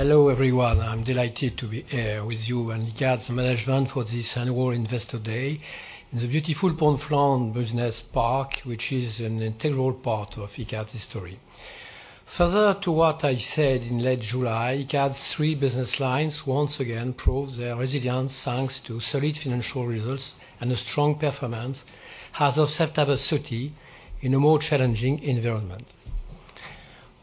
Hello, everyone. I'm delighted to be here with you and Icade's management for this annual Investor Day. In the beautiful Pont de Flandre Business Park, which is an integral part of Icade's history. Further to what I said in late July, Icade's three business lines once again prove their resilience, thanks to solid financial results and a strong performance as of September 30, in a more challenging environment.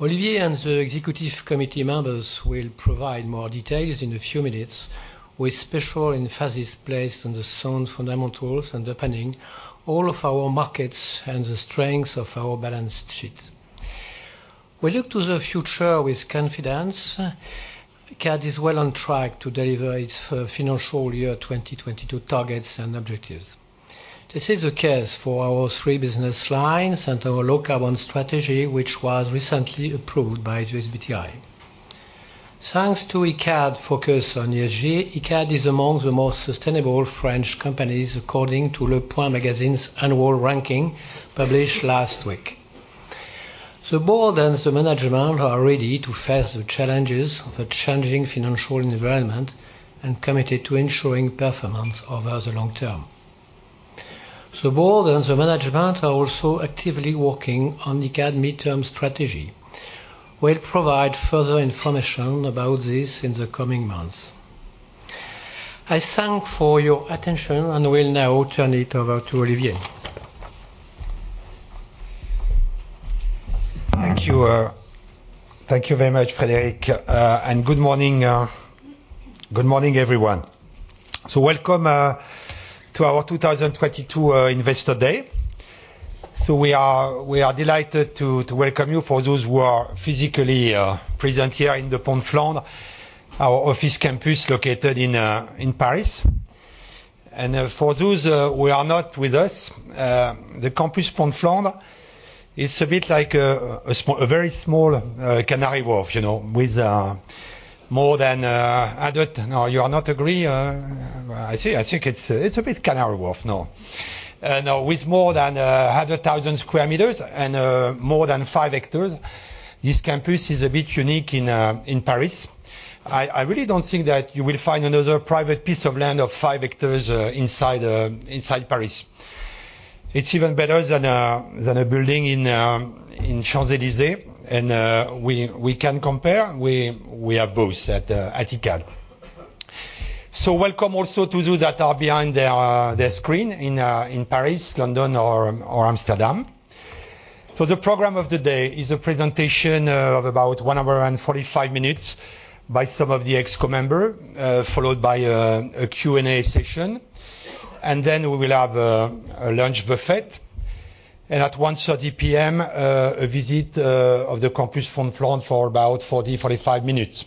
Olivier and the executive committee members will provide more details in a few minutes, with special emphasis placed on the sound fundamentals underpinning all of our markets and the strengths of our balance sheet. We look to the future with confidence. Icade is well on track to deliver its financial year 2022 targets and objectives. This is the case for our three business lines and our low-carbon strategy, which was recently approved by the SBTi. Thanks to Icade focus on ESG, Icade is among the most sustainable French companies, according to Le Point magazine's annual ranking published last week. The board and the management are ready to face the challenges of a changing financial environment, and committed to ensuring performance over the long term. The board and the management are also actively working on Icade midterm strategy. We'll provide further information about this in the coming months. I thank for your attention and will now turn it over to Olivier. Thank you. Thank you very much, Frédéric. Good morning, good morning, everyone. Welcome to our 2022 Investor Day. We are delighted to welcome you for those who are physically present here in the Pont de Flandre, our office campus located in Paris. For those who are not with us, the campus Pont de Flandre is a bit like a very small Canary Wharf, you know, with more than. No, you are not agree? I think, I think it's a bit Canary Wharf, no? No, with more than 100,000 square meters and more than five hectares, this campus is a bit unique in Paris. I really don't think that you will find another private piece of land of five hectares inside Paris. It's even better than a building in Champs-Élysées. We can compare. We have both at Icade. Welcome also to those that are behind their screen in Paris, London or Amsterdam. The program of the day is a presentation of about one hour and 45 minutes by some of the ExCo members, followed by a Q&A session. We will have a lunch buffet. At 1:30 P.M., a visit of the campus Pont de Flandre for about 40-45 minutes.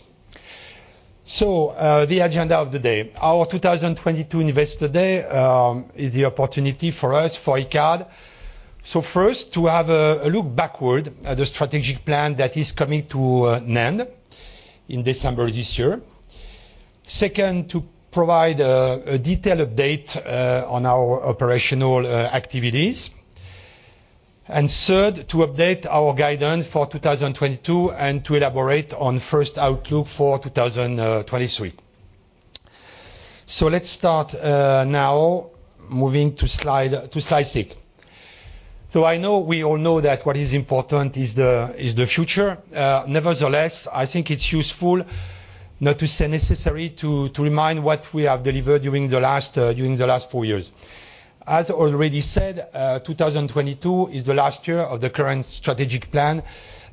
The agenda of the day. Our 2022 Investor Day is the opportunity for us, for Icade. First, to have a look backward at the strategic plan that is coming to an end in December this year. Second, to provide a detailed update on our operational activities. Third, to update our guidance for 2022 and to elaborate on first outlook for 2023. Let's start now, moving to slide six. I know we all know that what is important is the future. Nevertheless, I think it's useful, not to say necessary, to remind what we have delivered during the last four years. As already said, 2022 is the last year of the current strategic plan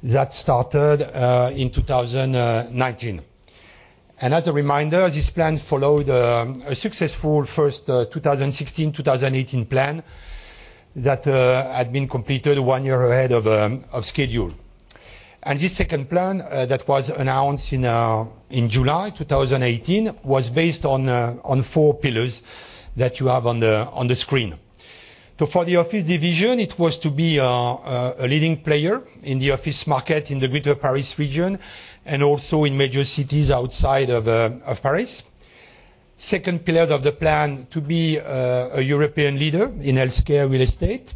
that started in 2019. As a reminder, this plan followed a successful first 2016, 2018 plan that had been completed one year ahead of schedule. This second plan that was announced in July 2018, was based on four pillars that you have on the screen. For the office division, it was to be a leading player in the office market in the Greater Paris region, and also in major cities outside of Paris. Second pillar of the plan, to be a European leader in healthcare real estate.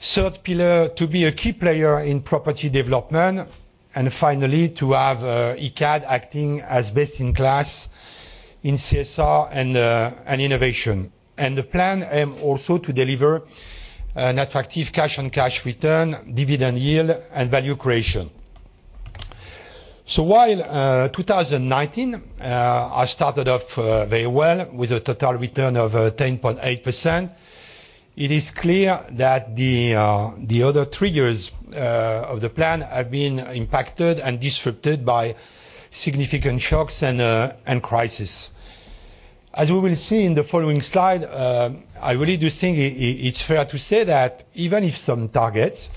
Third pillar, to be a key player in property development. Finally, to have Icade acting as best in class in CSR and innovation. The plan aim also to deliver an attractive cash on cash return, dividend yield and value creation. While 2019 I started off very well with a total return of 10.8%. It is clear that the other three years of the plan have been impacted and disrupted by significant shocks and crisis. We will see in the following slide, I really do think it's fair to say that even if some targets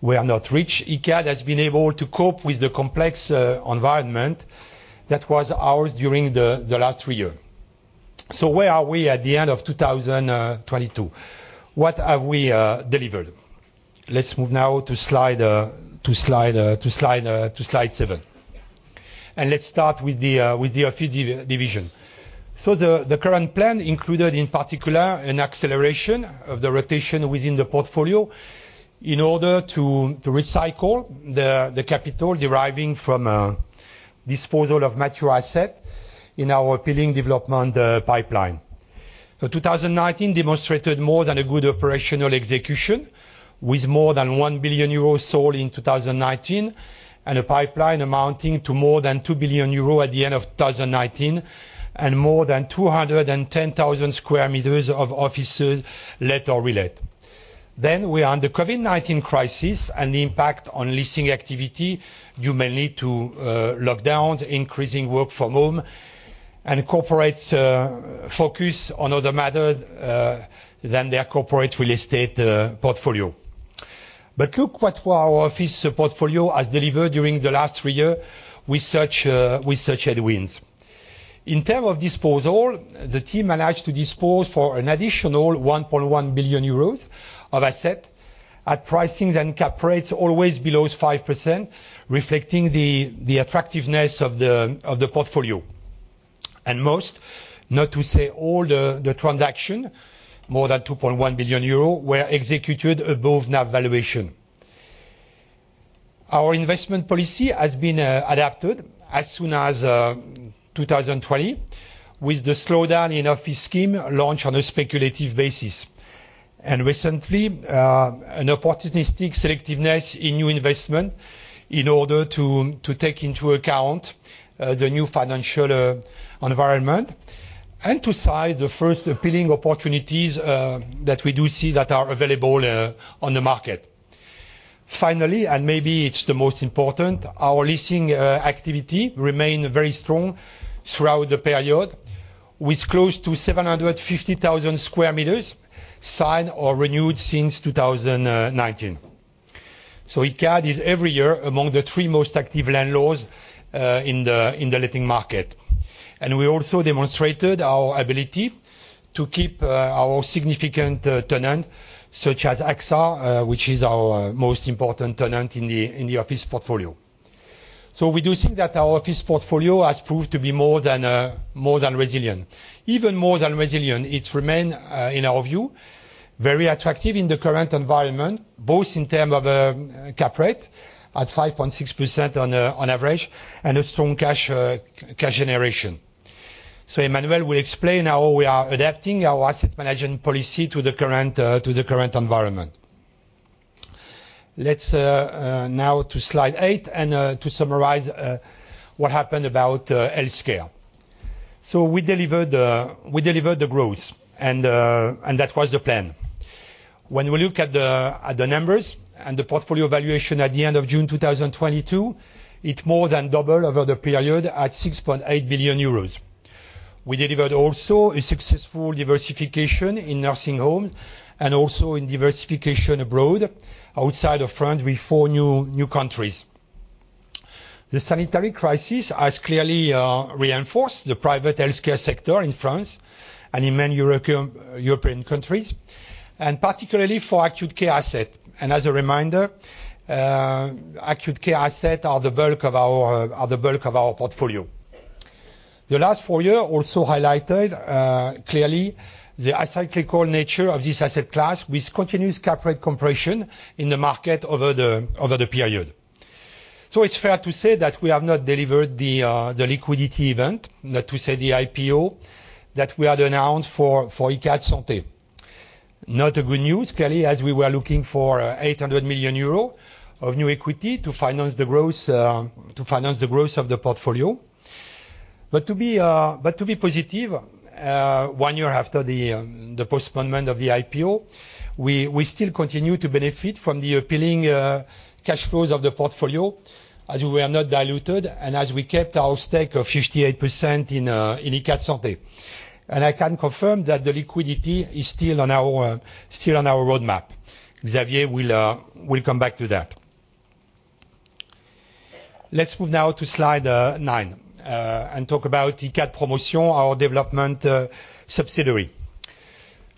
were not reached, Icade has been able to cope with the complex environment that was ours during the last three year. Where are we at the end of 2022? What have we delivered? Move now to slide seven. Let's start with the office division. The current plan included, in particular, an acceleration of the rotation within the portfolio in order to recycle the capital deriving from disposal of mature asset in our appealing development pipeline. The 2019 demonstrated more than a good operational execution with more than 1 billion euros sold in 2019, and a pipeline amounting to more than 2 billion euros at the end of 2019, and more than 210,000 sq m of offices let or relet. We are on the COVID-19 crisis and the impact on leasing activity, mainly to lockdowns, increasing work from home, and corporates focus on other matter than their corporate real estate portfolio. Look what our office portfolio has delivered during the last three year with such headwinds. In term of disposal, the team managed to dispose for an additional 1.1 billion euros of asset at pricing and cap rates always below 5%, reflecting the attractiveness of the portfolio. Most, not to say all the transaction, more than 2.1 billion euro were executed above NAV valuation. Our investment policy has been adapted as soon as 2020 with the slowdown in office scheme launched on a speculative basis. Recently, an opportunistic selectiveness in new investment in order to take into account the new financial environment, and to size the first appealing opportunities that we do see that are available on the market. Maybe it's the most important, our leasing activity remained very strong throughout the period, with close to 750,000 square meters signed or renewed since 2019. Icade is every year among the three most active landlords in the letting market. We also demonstrated our ability to keep our significant tenant, such as AXA, which is our most important tenant in the office portfolio. We do think that our office portfolio has proved to be more than more than resilient. Even more than resilient, it remain in our view, very attractive in the current environment, both in term of cap rate at 5.6% on average, and a strong cash generation. Emmanuelle will explain how we are adapting our asset management policy to the current, to the current environment. Let's now to slide eight and to summarize what happened about healthcare. We delivered the growth and that was the plan. When we look at the numbers and the portfolio valuation at the end of June 2022, it more than double over the period at 6.8 billion euros. We delivered also a successful diversification in nursing home and also in diversification abroad outside of France with four new countries. The sanitary crisis has clearly reinforced the private healthcare sector in France and in many Euro, European countries, and particularly for acute care asset. As a reminder, acute care asset are the bulk of our portfolio. The last four years also highlighted clearly the acyclical nature of this asset class with continuous cap rate compression in the market over the period. It's fair to say that we have not delivered the liquidity event, not to say the IPO, that we had announced for Icade Santé. Not a good news, clearly, as we were looking for 800 million euro of new equity to finance the growth of the portfolio. To be positive, one year after the postponement of the IPO, we still continue to benefit from the appealing cash flows of the portfolio as we are not diluted and as we kept our stake of 58% in Icade Santé. I can confirm that the liquidity is still on our roadmap. Xavier will come back to that. Let's move now to slide nine and talk about Icade Promotion, our development subsidiary.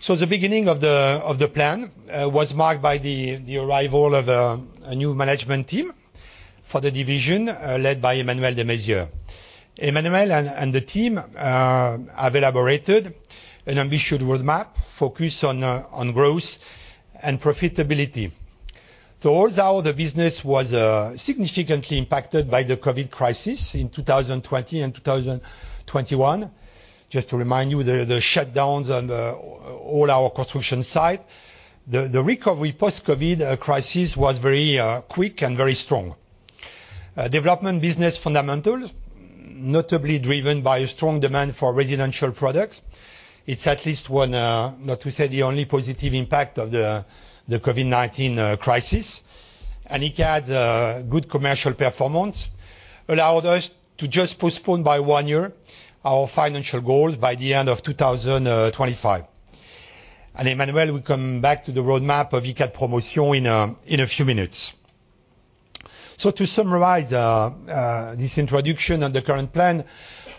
The beginning of the plan was marked by the arrival of a new management team for the division led by Emmanuel Desmaizières. Emmanuel and the team have elaborated an ambitious roadmap focused on growth and profitability. Towards how the business was significantly impacted by the COVID crisis in 2020 and 2021. Just to remind you, the shutdowns on all our construction site, the recovery post-COVID crisis was very quick and very strong. Development business fundamentals, notably driven by a strong demand for residential products. It's at least one, not to say the only positive impact of the COVID-19 crisis. Icade's good commercial performance allowed us to just postpone by one year our financial goals by the end of 2025. Emmanuel will come back to the roadmap of Icade Promotion in a few minutes. To summarize this introduction and the current plan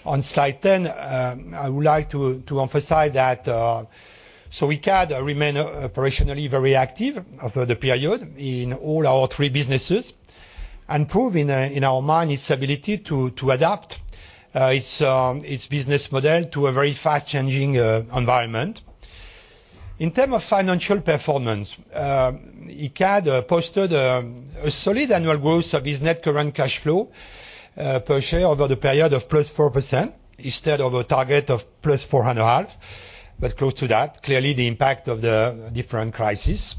on slide 10, I would like to emphasize that we can remain operationally very active over the period in all our three businesses, and proving in our mind its ability to adapt its business model to a very fast-changing environment. In term of financial performance, Icade posted a solid annual growth of its net current cash flow per share over the period of +4% instead of a target of +4.5%, but close to that. Clearly, the impact of the different crisis.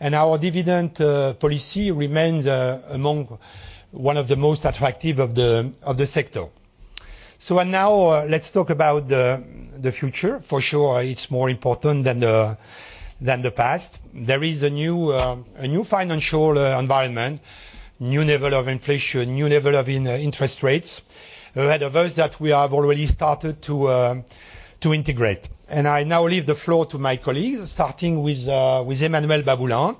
Our dividend policy remains among one of the most attractive of the sector. Now let's talk about the future. For sure, it's more important than the past. There is a new financial environment, new level of inflation, new level of interest rates ahead of those that we have already started to integrate. I now leave the floor to my colleagues, starting with Emmanuelle Baboulin,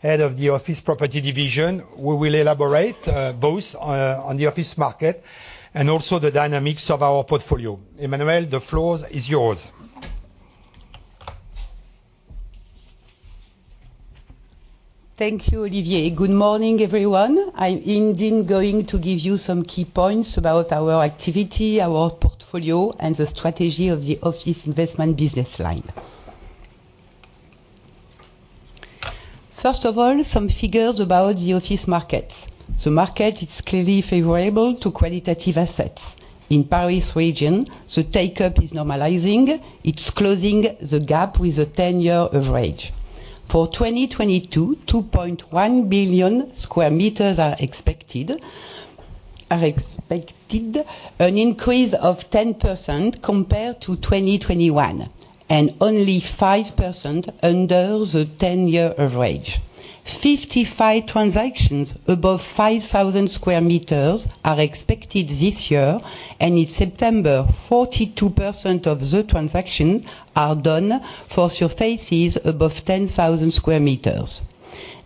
head of the office property division, who will elaborate, both, on the office market and also the dynamics of our portfolio. Emmanuelle, the floor is yours. Thank you, Olivier. Good morning, everyone. I'm indeed going to give you some key points about our activity, our portfolio, and the strategy of the office investment business line. First of all, some figures about the office market. The market is clearly favorable to qualitative assets. In Paris Region, the take-up is normalizing. It's closing the gap with a 10-year average. For 2022, 2.1 billion sq m are expected. Are expected an increase of 10% compared to 2021, and only 5% under the 10-year average. 55 transactions above 5,000 sq m are expected this year. In September, 42% of the transaction are done for surfaces above 10,000 sq m.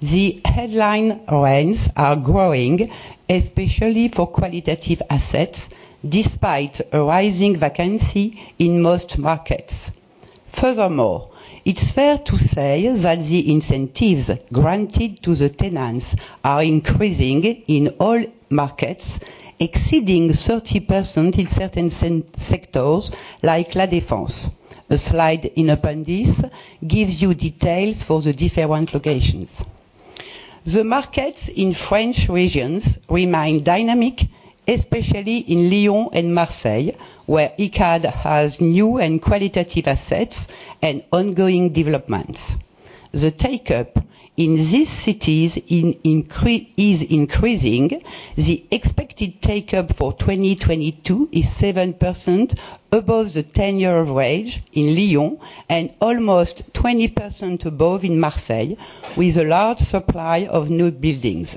The headline rents are growing, especially for qualitative assets, despite a rising vacancy in most markets. Furthermore, it's fair to say that the incentives granted to the tenants are increasing in all markets, exceeding 30% in certain sectors like La Défense. A slide in appendix gives you details for the different locations. The markets in French regions remain dynamic, especially in Lyon and Marseille, where Icade has new and qualitative assets and ongoing developments. The take-up in these cities is increasing. The expected take-up for 2022 is 7% above the 10-year average in Lyon, and almost 20% above in Marseille, with a large supply of new buildings.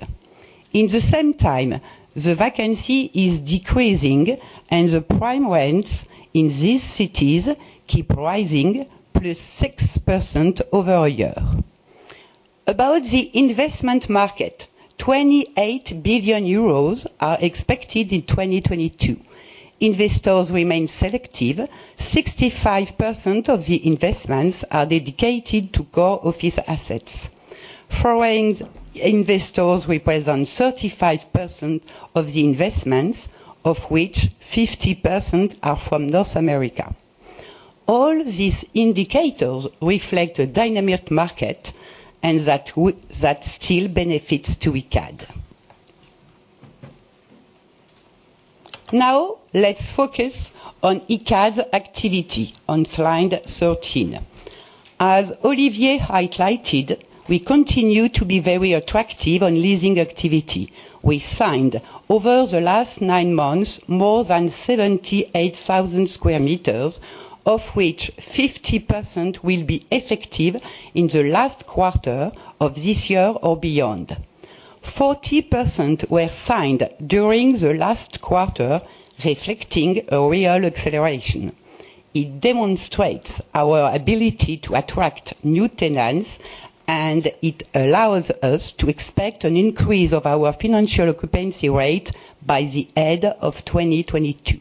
In the same time, the vacancy is decreasing and the prime rents in these cities keep rising plus 6% over a year. About the investment market, 28 billion euros are expected in 2022. Investors remain selective. 65% of the investments are dedicated to core office assets. Foreign investors represent 35% of the investments, of which 50% are from North America. All these indicators reflect a dynamic market and that still benefits to Icade. Let's focus on Icade's activity on slide 13. As Olivier highlighted, we continue to be very attractive on leasing activity. We signed over the last nine months, more than 78,000 square meters, of which 50% will be effective in the last quarter of this year or beyond. 40% were signed during the last quarter, reflecting a real acceleration. It demonstrates our ability to attract new tenants, it allows us to expect an increase of our financial occupancy rate by the end of 2022.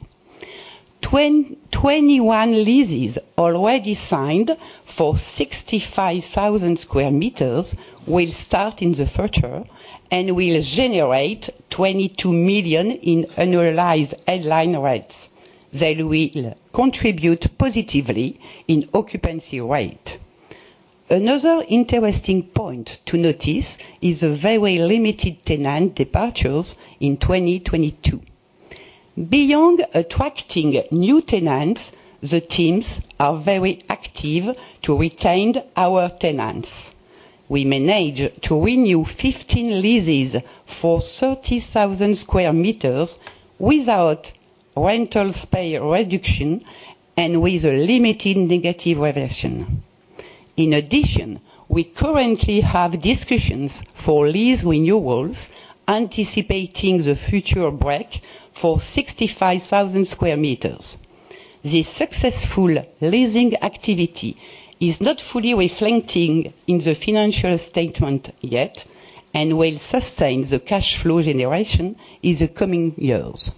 21 leases already signed for 65,000 square meters will start in the future and will generate 22 million in annualized headline rates. They will contribute positively in occupancy rate. Another interesting point to notice is a very limited tenant departures in 2022. Beyond attracting new tenants, the teams are very active to retain our tenants. We managed to renew 15 leases for 30,000 square meters without rental space reduction and with a limited negative reversion. In addition, we currently have discussions for lease renewals, anticipating the future break for 65,000 square meters. The successful leasing activity is not fully reflecting in the financial statement yet and will sustain the cash flow generation in the coming years.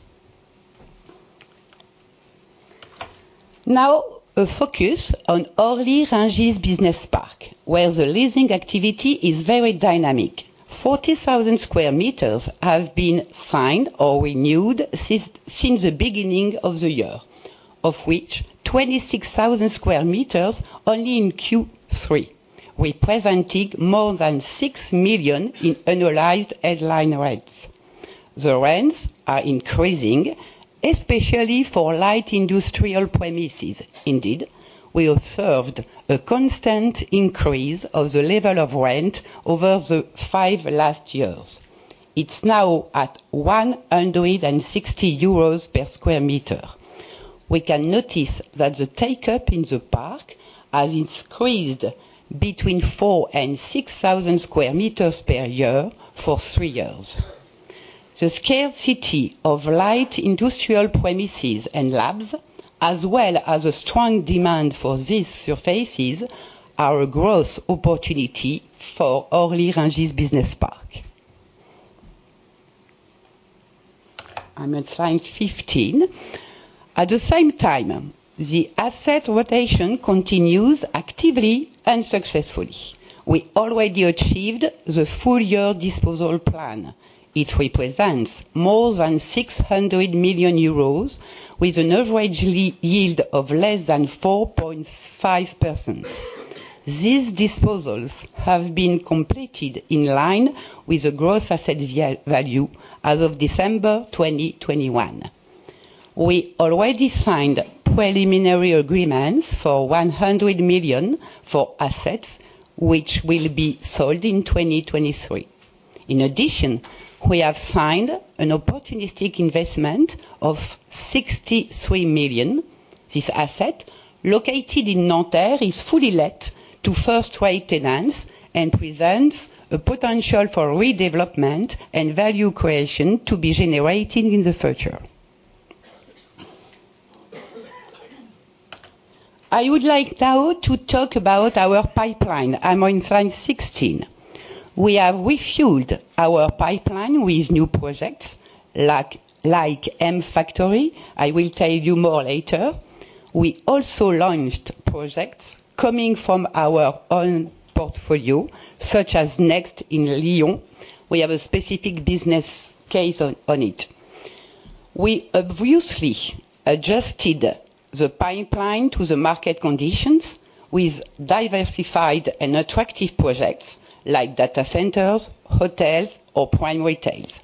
A focus on Orly-Rungis Business Park, where the leasing activity is very dynamic. 40,000 square meters have been signed or renewed since the beginning of the year, of which 26,000 square meters only in Q3, representing more than 6 million in annualized headline rates. The rents are increasing, especially for light industrial premises. Indeed, we observed a constant increase of the level of rent over the five last years. It's now at 160 euros per sq m. We can notice that the take-up in the park has increased between 4,000-6,000 sq m per year for three years. The scarcity of light industrial premises and labs, as well as a strong demand for these surfaces, are a growth opportunity for Orly-Rungis Business Park. I'm on slide 15. At the same time, the asset rotation continues actively and successfully. We already achieved the full year disposal plan. It represents more than 600 million euros with an average yield of less than 4.5%. These disposals have been completed in line with the gross asset value as of December 2021. We already signed preliminary agreements for 100 million for assets which will be sold in 2023. In addition, we have signed an opportunistic investment of 63 million. This asset, located in Nanterre, is fully let to first rate tenants and presents a potential for redevelopment and value creation to be generated in the future. I would like now to talk about our pipeline. I'm on slide 16. We have refueled our pipeline with new projects like M Factory. I will tell you more later. We also launched projects coming from our own portfolio, such as Next in Lyon. We have a specific business case on it. We obviously adjusted the pipeline to the market conditions with diversified and attractive projects like data centers, hotels or prime retails.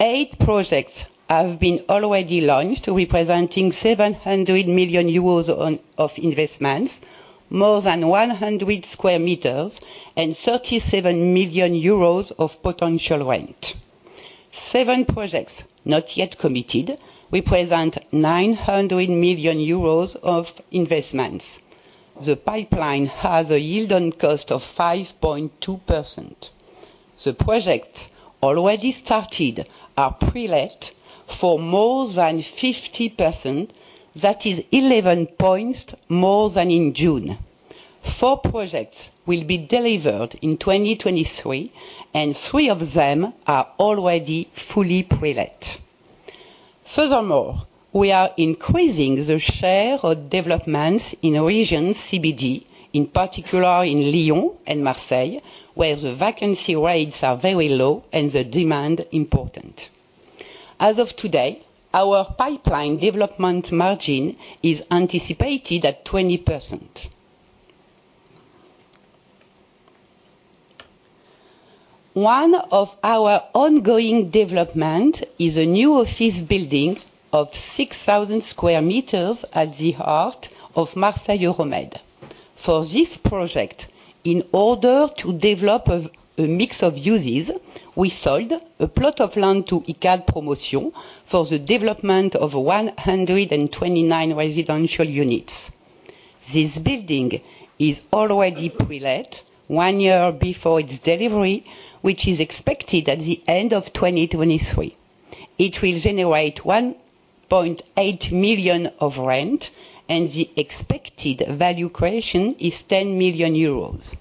Eight projects have been already launched, representing 700 million euros of investments, more than 100 square meters, and 37 million euros of potential rent. seven projects not yet committed represent 900 million euros of investments. The pipeline has a yield on cost of 5.2%. The projects already started are pre-let for more than 50%. That is 11 points more than in June. Four projects will be delivered in 2023, and three of them are already fully pre-let. We are increasing the share of developments in region CBD, in particular in Lyon and Marseille, where the vacancy rates are very low and the demand important. As of today, our pipeline development margin is anticipated at 20%. One of our ongoing development is a new office building of 6,000 square meters at the heart of Marseille Euromed. For this project, in order to develop a mix of uses, we sold a plot of land to Icade Promotion for the development of 129 residential units. This building is already pre-let one year before its delivery, which is expected at the end of 2023. It will generate 1.8 million of rent, and the expected value creation is 10 million euros.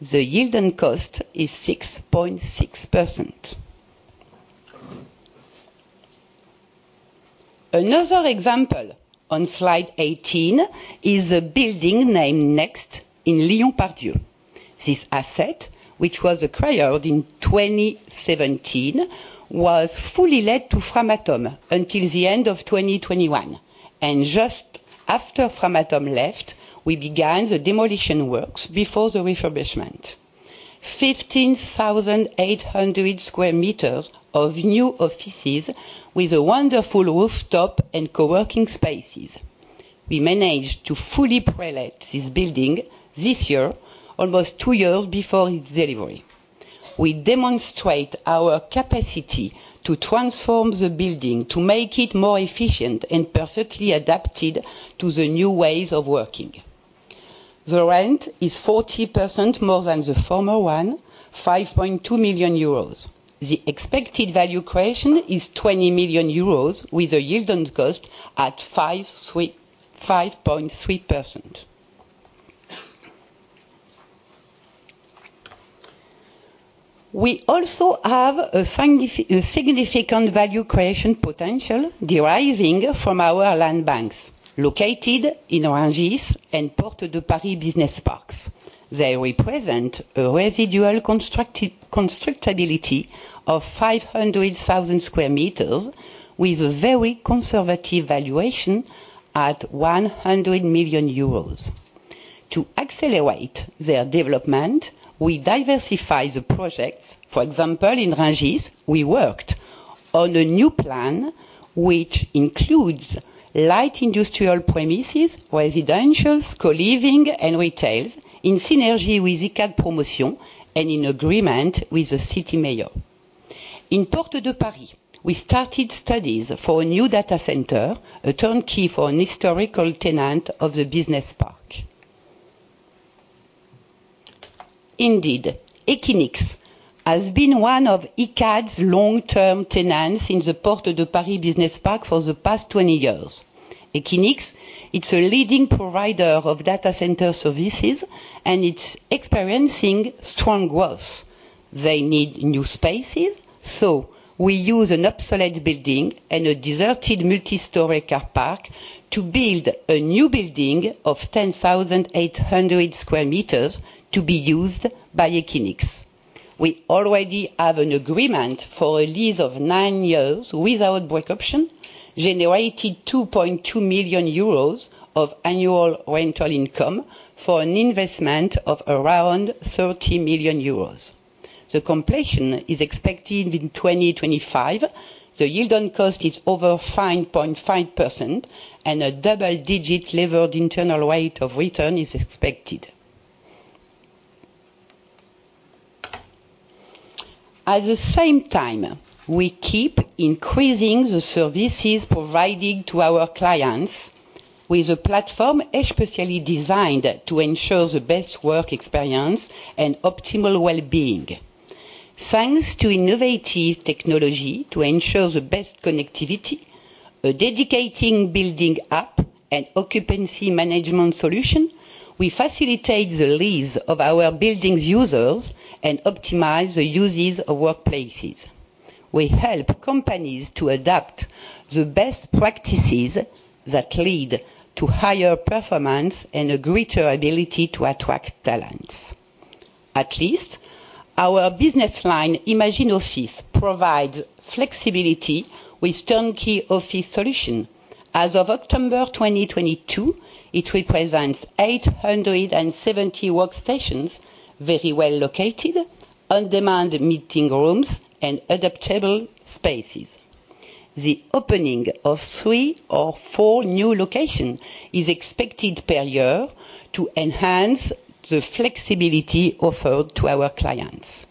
The yield and cost is 6.6%. Another example, on slide 18, is a building named Next in Lyon Part-Dieu. This asset, which was acquired in 2017, was fully let to Framatome until the end of 2021. Just after Framatome left, we began the demolition works before the refurbishment. 15,800 sq m of new offices with a wonderful rooftop and co-working spaces. We managed to fully pre-let this building this year, almost two years before its delivery. We demonstrate our capacity to transform the building to make it more efficient and perfectly adapted to the new ways of working. The rent is 40% more than the former one, 5.2 million euros. The expected value creation is 20 million euros, with a yield on cost at 5.3%. We also have a significant value creation potential deriving from our land banks located in Rungis and Porte de Paris business parks. They represent a residual constructability of 500,000 square meters with a very conservative valuation at 100 million euros. To accelerate their development, we diversify the projects. For example, in Rungis, we worked on a new plan which includes light industrial premises, residentials, co-living, and retails in synergy with Icade Promotion and in agreement with the city mayor. In Porte de Paris, we started studies for a new data center, a turnkey for an historical tenant of the business park. Equinix has been one of Icade's long-term tenants in the Porte de Paris business park for the past 20 years. Equinix, it's a leading provider of data center services, and it's experiencing strong growth. They need new spaces, so we use an obsolete building and a deserted multi-story car park to build a new building of 10,800 sq.m. to be used by Equinix. We already have an agreement for a lease of nine years without break option, generating 2.2 million euros of annual rental income for an investment of around 30 million euros. The completion is expected in 2025. The yield on cost is over 5.5%, and a double-digit levered IRR is expected. At the same time, we keep increasing the services provided to our clients with a platform especially designed to ensure the best work experience and optimal well-being. Thanks to innovative technology to ensure the best connectivity, by dedicating building app and occupancy management solution, we facilitate the lease of our buildings' users and optimize the uses of workplaces. We help companies to adapt the best practices that lead to higher performance and a greater ability to attract talents. At least, our business line, Imagin'Office, provides flexibility with turnkey office solution. As of October 2022, it represents 870 workstations very well located on-demand meeting rooms and adaptable spaces. The opening of three or four new location is expected per year to enhance the flexibility offered to our clients.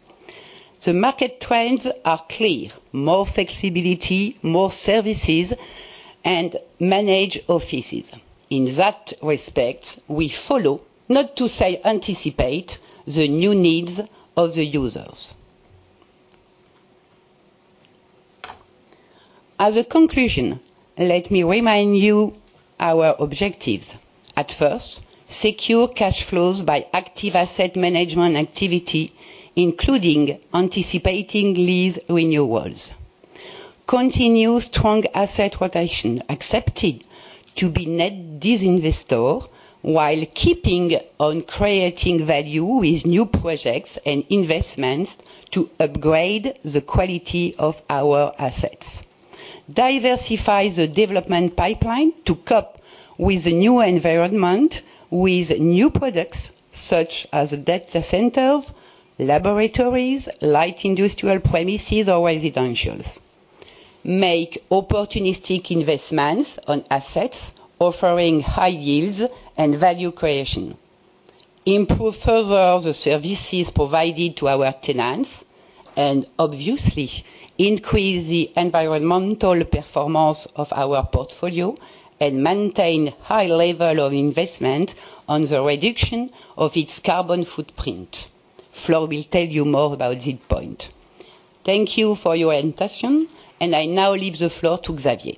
The market trends are clear. More flexibility, more services, and managed offices. In that respect, we follow, not to say, anticipate, the new needs of the users. As a conclusion, let me remind you our objectives. At first, secure cash flows by active asset management activity, including anticipating lease renewals. Continue strong asset rotation, accepting to be net disinvestor while keeping on creating value with new projects and investments to upgrade the quality of our assets. Diversify the development pipeline to cope with the new environment, with new products such as data centers, laboratories, light industrial premises or residentials. Make opportunistic investments on assets offering high yields and value creation. Improve further the services provided to our tenants, and obviously, increase the environmental performance of our portfolio and maintain high level of investment on the reduction of its carbon footprint. Flore will tell you more about this point. Thank you for your attention, and I now leave the floor to Xavier.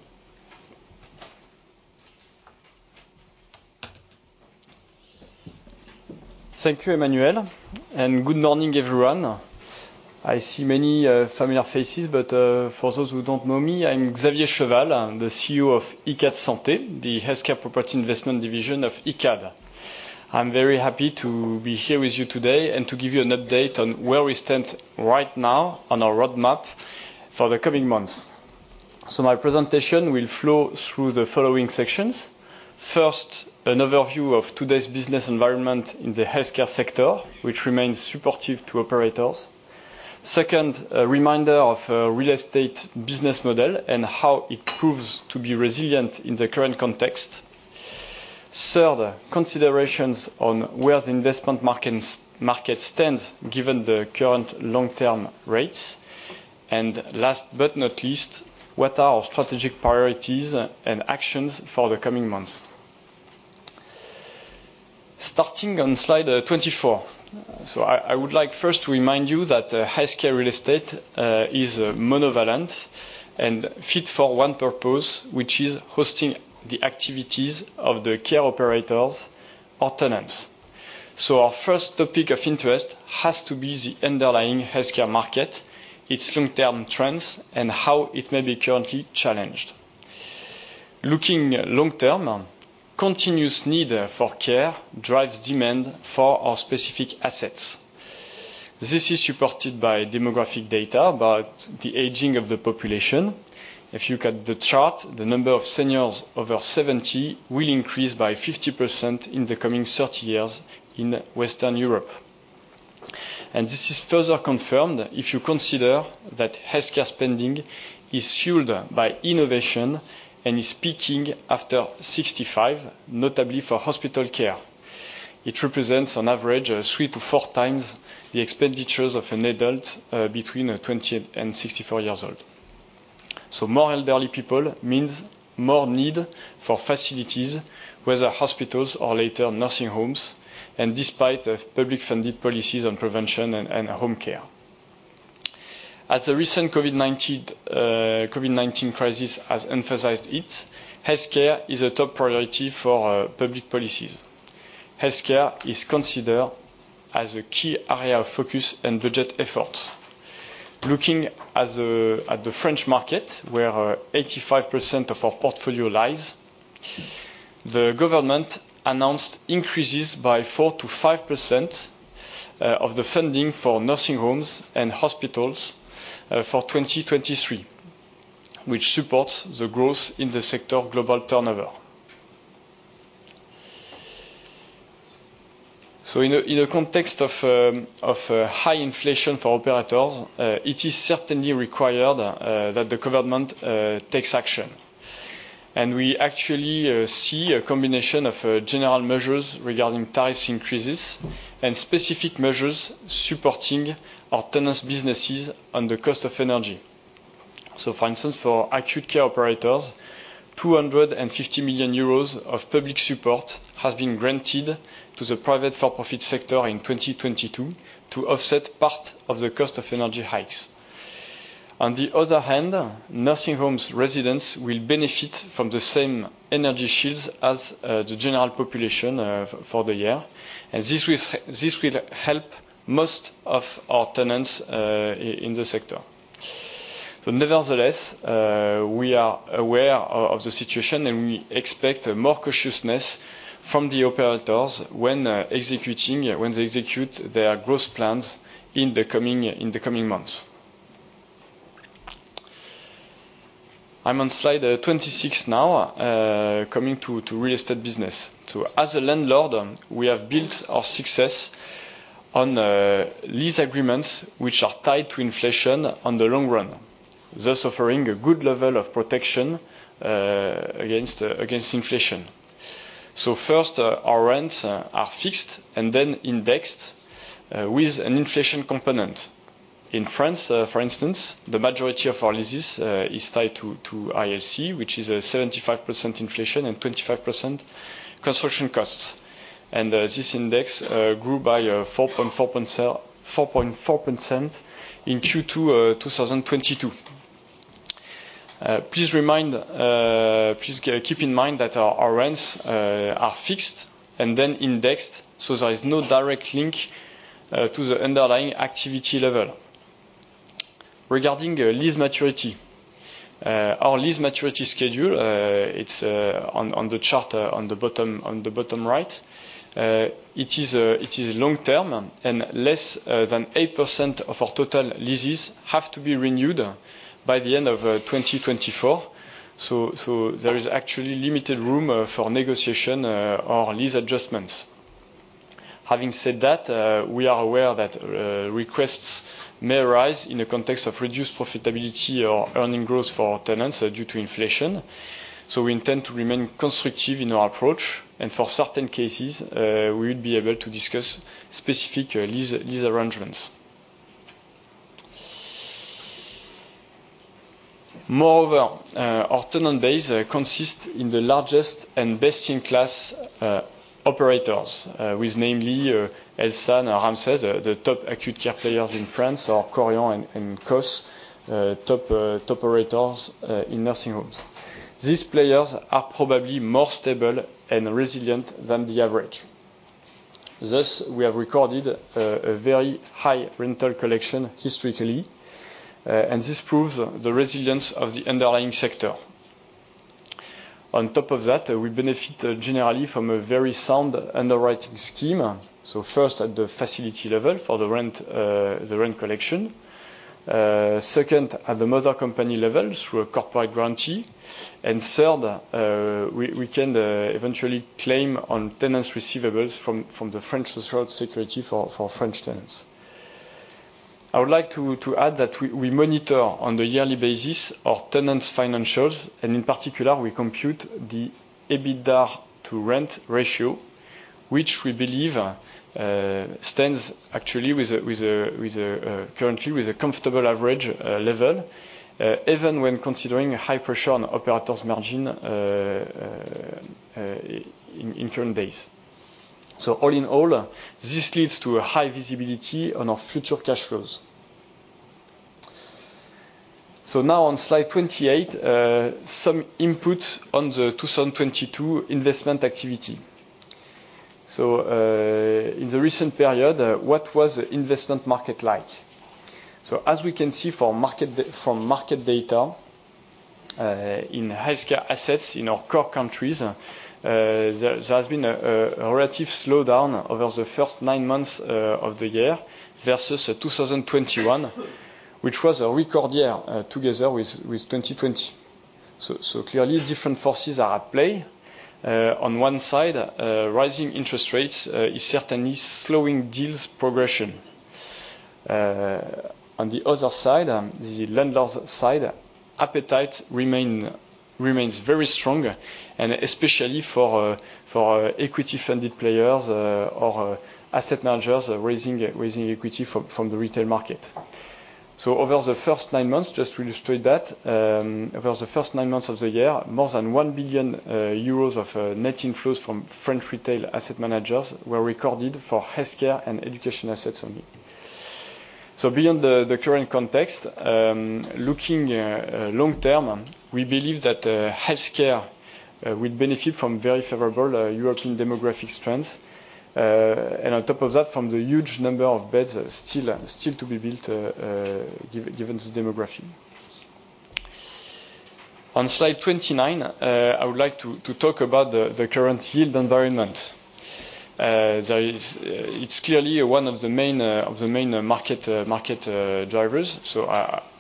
Thank you, Emmanuelle, and good morning, everyone. I see many familiar faces, for those who don't know me, I'm Xavier Cheval, the CEO of Icade Santé, the healthcare property investment division of Icade. I'm very happy to be here with you today and to give you an update on where we stand right now on our roadmap for the coming months. My presentation will flow through the following sections. First, an overview of today's business environment in the healthcare sector, which remains supportive to operators. Second, a reminder of our real estate business model and how it proves to be resilient in the current context. Third, considerations on where the investment market stands given the current long-term rates. Last but not least, what are our strategic priorities and actions for the coming months. Starting on slide 24. I would like first to remind you that healthcare real estate is monovalent and fit for one purpose, which is hosting the activities of the care operators or tenants. Our first topic of interest has to be the underlying healthcare market, its long-term trends, and how it may be currently challenged. Looking long-term, continuous need for care drives demand for our specific assets. This is supported by demographic data about the aging of the population. If you look at the chart, the number of seniors over 70 will increase by 50% in the coming 30 years in Western Europe. This is further confirmed if you consider that healthcare spending is fueled by innovation and is peaking after 65, notably for hospital care. It represents on average, three-four times the expenditures of an adult, between 20 and 64 years old. More elderly people means more need for facilities, whether hospitals or later nursing homes, and despite the public funded policies on prevention and home care. As the recent COVID-19 crisis has emphasized it, healthcare is a top priority for public policies. Healthcare is considered as a key area of focus and budget efforts. Looking as at the French market, where 85% of our portfolio lies, the government announced increases by 4%-5% of the funding for nursing homes and hospitals for 2023, which supports the growth in the sector global turnover. In a context of high inflation for operators, it is certainly required that the government takes action. We actually see a combination of general measures regarding tariff increases and specific measures supporting our tenants' businesses on the cost of energy. For instance, for acute care operators, 250 million euros of public support has been granted to the private for-profit sector in 2022 to offset part of the cost of energy hikes. On the other hand, nursing home residents will benefit from the same energy shields as the general population for the year. This will help most of our tenants in the sector. Nevertheless, we are aware of the situation and we expect more cautiousness from the operators when they execute their growth plans in the coming months. I'm on slide 26 now, coming to real estate business. As a landlord, we have built our success on lease agreements which are tied to inflation on the long run, thus offering a good level of protection against inflation. First, our rents are fixed and then indexed with an inflation component. In France, for instance, the majority of our leases is tied to ILC, which is a 75% inflation and 25% construction costs. This index grew by 4.4% in Q2 2022. Please keep in mind that our rents are fixed and then indexed, so there is no direct link to the underlying activity level. Regarding lease maturity. Our lease maturity schedule, it's on the chart on the bottom right. It is long-term and less than 8% of our total leases have to be renewed by the end of 2024. There is actually limited room for negotiation or lease adjustments. Having said that, we are aware that requests may arise in the context of reduced profitability or earning growth for our tenants due to inflation. We intend to remain constructive in our approach, and for certain cases, we would be able to discuss specific lease arrangements. Our tenant base consists in the largest and best-in-class operators, with namely ELSAN or Ramsay Santé, the top acute care players in France or Korian and COS, top operators in nursing homes. These players are probably more stable and resilient than the average. We have recorded a very high rental collection historically, and this proves the resilience of the underlying sector. We benefit generally from a very sound underwriting scheme. First, at the facility level for the rent, the rent collection. Second, at the mother company level through a corporate grantee. Third, we can eventually claim on tenants' receivables from the French Social Security for French tenants. I would like to add that we monitor on the yearly basis our tenants' financials, and in particular, we compute the EBITDA to rent ratio, which we believe stands actually with a comfortable average level even when considering high pressure on operators' margin in current days. All in all, this leads to a high visibility on our future cash flows. Now on slide 28, some input on the 2022 investment activity. In the recent period, what was investment market like? As we can see from market data, in healthcare assets, in our core countries, there has been a relative slowdown over the first nine months of the year versus 2021, which was a record year, together with 2020. Clearly different forces are at play. On one side, rising interest rates is certainly slowing deals progression. On the other side, the landlord's side, appetite remains very strong, and especially for equity-funded players, or asset managers raising equity from the retail market. Over the first nine months, just to illustrate that, over the first nine months of the year, more than 1 billion euros of net inflows from French retail asset managers were recorded for healthcare and education assets only. Beyond the current context, looking long term, we believe that healthcare will benefit from very favorable European demographic trends. And on top of that, from the huge number of beds still to be built, given the demography. On slide 29, I would like to talk about the current yield environment. It's clearly one of the main of the main market market drivers.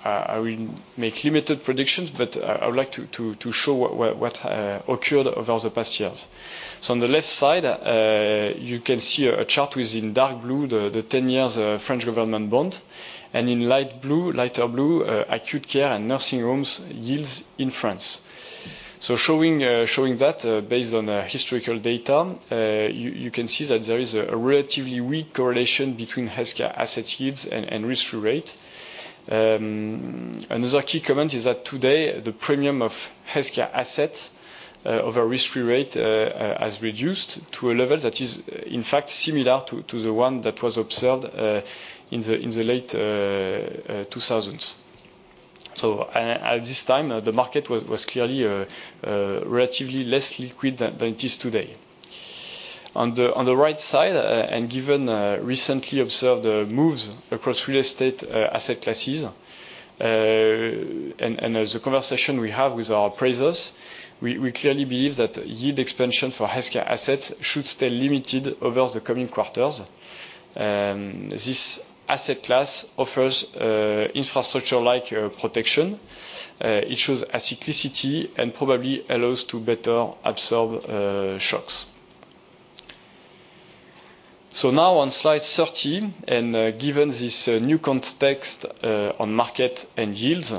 I will make limited predictions, but I would like to show what occurred over the past years. On the left side, you can see a chart with in dark blue the 10 years French government bond, and in light blue, lighter blue, acute care and nursing homes yields in France. Showing that, based on historical data, you can see that there is a relatively weak correlation between healthcare asset yields and risk-free rate. Another key comment is that today, the premium of healthcare assets over risk-free rate has reduced to a level that is, in fact, similar to the one that was observed in the late 2000s. At this time, the market was clearly relatively less liquid than it is today. On the right side, and given recently observed moves across real estate asset classes, and the conversation we have with our appraisers, we clearly believe that yield expansion for healthcare assets should stay limited over the coming quarters. This asset class offers infrastructure-like protection. It shows a cyclicity and probably allows to better absorb shocks. Now on slide 30, given this new context on market and yields,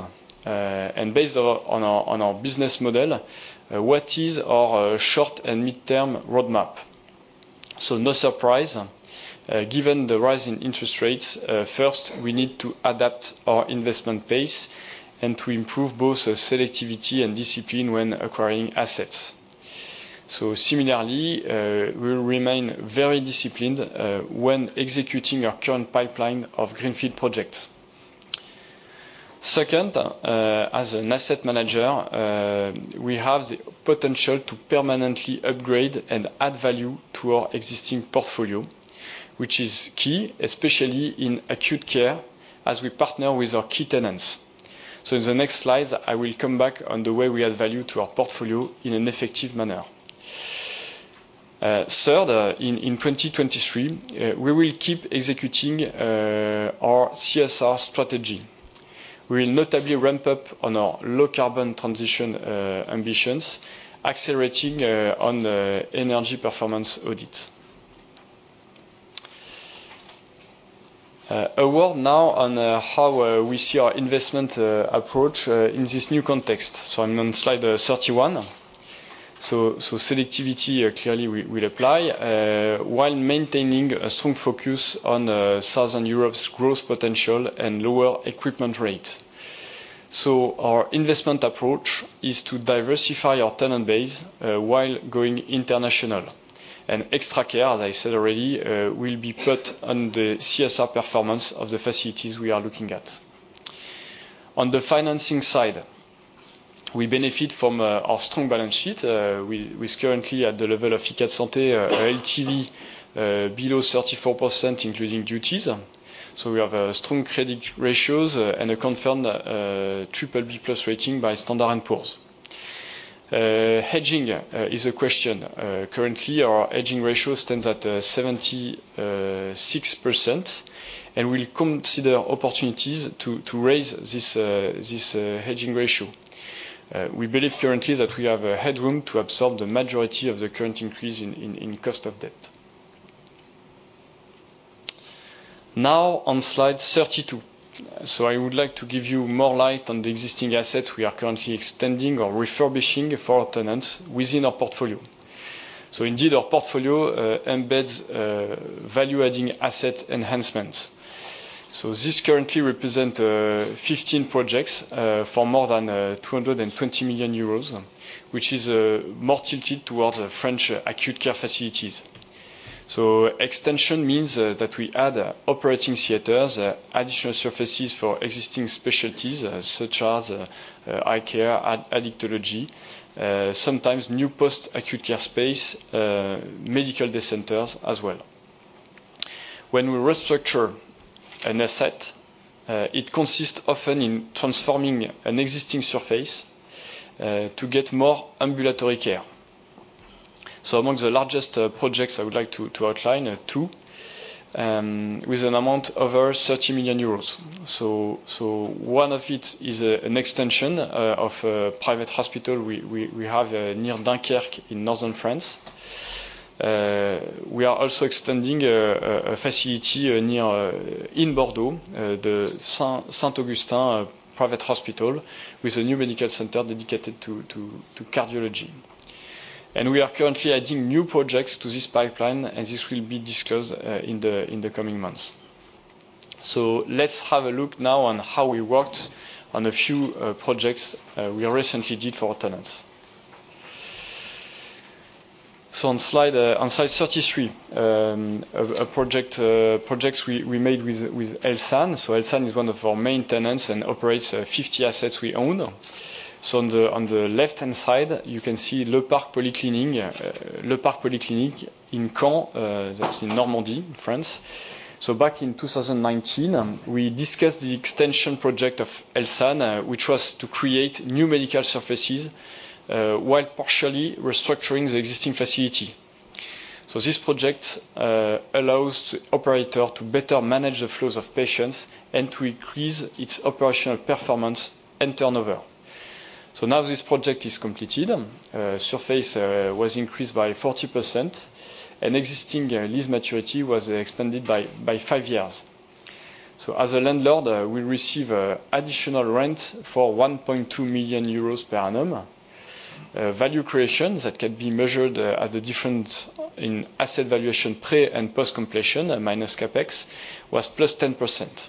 and based on our business model, what is our short- and mid-term roadmap? No surprise, given the rise in interest rates, first we need to adapt our investment pace and to improve both the selectivity and discipline when acquiring assets. Similarly, we'll remain very disciplined when executing our current pipeline of greenfield projects. Second, as an asset manager, we have the potential to permanently upgrade and add value to our existing portfolio, which is key, especially in acute care as we partner with our key tenants. In the next slides, I will come back on the way we add value to our portfolio in an effective manner. Third, in 2023, we will keep executing our CSR strategy. We will notably ramp up on our low carbon transition ambitions, accelerating on energy performance audits. A word now on how we see our investment approach in this new context. I'm on slide 31. Selectivity clearly we apply while maintaining a strong focus on Southern Europe's growth potential and lower equipment rates. Our investment approach is to diversify our tenant base while going international. Extra care, as I said already, will be put on the CSR performance of the facilities we are looking at. On the financing side, we benefit from our strong balance sheet. We's currently at the level of Icade Santé LTV below 34%, including duties. We have strong credit ratios and a confirmed BBB+ rating by Standard & Poor's. Hedging is a question. Currently, our hedging ratio stands at 76%, and we'll consider opportunities to raise this hedging ratio. We believe currently that we have headroom to absorb the majority of the current increase in cost of debt. Now on slide 32. I would like to give you more light on the existing assets we are currently extending or refurbishing for our tenants within our portfolio. Indeed, our portfolio embeds value-adding asset enhancements. This currently represent 15 projects for more than 220 million euros, which is more tilted towards French acute care facilities. Extension means that we add operating theaters, additional surfaces for existing specialties, such as eye care, addictology, sometimes new post-acute care space, medical day centers as well. When we restructure an asset, it consists often in transforming an existing surface to get more ambulatory care. Among the largest projects, I would like to outline two with an amount over 30 million euros. One of it is an extension of a private hospital we have near Dunkerque in northern France. We are also extending a facility near, in Bordeaux, the Saint-Augustin private hospital with a new medical center dedicated to cardiology. We are currently adding new projects to this pipeline, and this will be discussed in the coming months. Let's have a look now on how we worked on a few projects we recently did for our tenants. On slide 33, a project we made with ELSAN. ELSAN is one of our main tenants and operates 50 assets we own. On the left-hand side, you can see Le Parc Polyclinique in Caen. That's in Normandy, France. Back in 2019, we discussed the extension project of ELSAN, which was to create new medical surfaces, while partially restructuring the existing facility. This project allows the operator to better manage the flows of patients and to increase its operational performance and turnover. Now this project is completed. Surface was increased by 40%, and existing lease maturity was expanded by five years. As a landlord, we receive additional rent for 1.2 million euros per annum. Value creation that can be measured at the difference in asset valuation pre- and post-completion, minus CapEx, was +10%.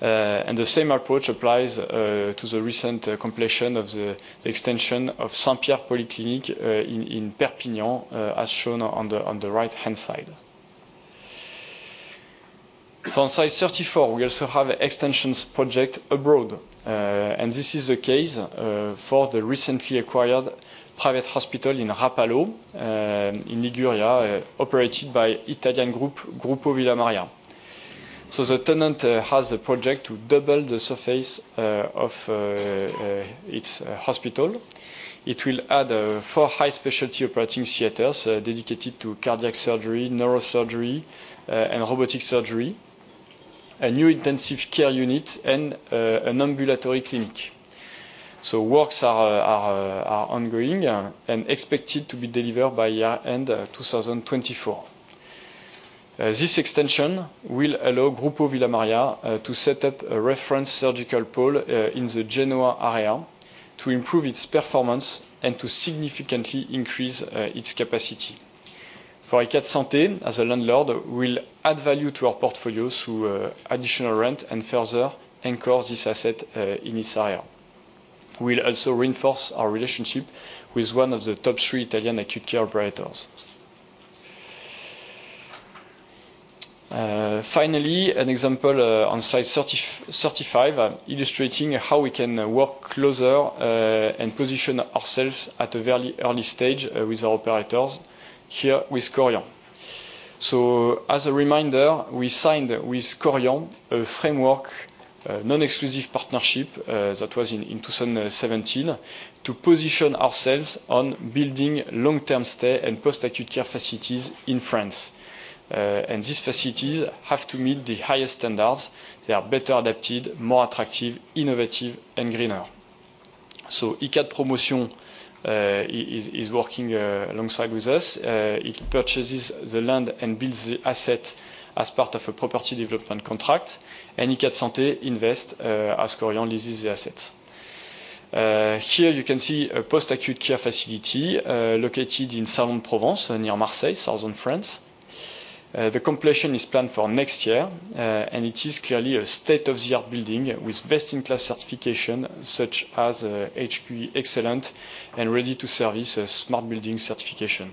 The same approach applies to the recent completion of the extension of Saint-Pierre Polyclinique in Perpignan, as shown on the right-hand side. On slide 34, we also have extensions project abroad. This is the case for the recently acquired private hospital in Rapallo, in Liguria, operated by Italian group Gruppo Villa Maria. The tenant has a project to double the surface of its hospital. It will add four high-specialty operating theaters dedicated to cardiac surgery, neurosurgery, and robotic surgery, a new intensive care unit, and an ambulatory clinic. Works are ongoing and expected to be delivered by year-end 2024. This extension will allow Gruppo Villa Maria to set up a reference surgical pole in the Genoa area to improve its performance and to significantly increase its capacity. For Icade Santé, as a landlord, we'll add value to our portfolio through additional rent and further anchor this asset in this area. We'll also reinforce our relationship with one of the top three Italian acute care operators. Finally, an example on slide 35, illustrating how we can work closer and position ourselves at a very early stage with our operators, here with Korian. As a reminder, we signed with Korian a framework, a non-exclusive partnership that was in 2017, to position ourselves on building long-term stay and post-acute care facilities in France. These facilities have to meet the highest standards. They are better adapted, more attractive, innovative, and greener. Icade Promotion is working alongside with us. It purchases the land and builds the asset as part of a property development contract. Icade Santé invest as Korian leases the assets. Here you can see a post-acute care facility located in Salon-de-Provence, near Marseille, southern France. The completion is planned for next year, it is clearly a state-of-the-art building with best-in-class certification, such as HQE Excellent and Ready to Service smart building certification.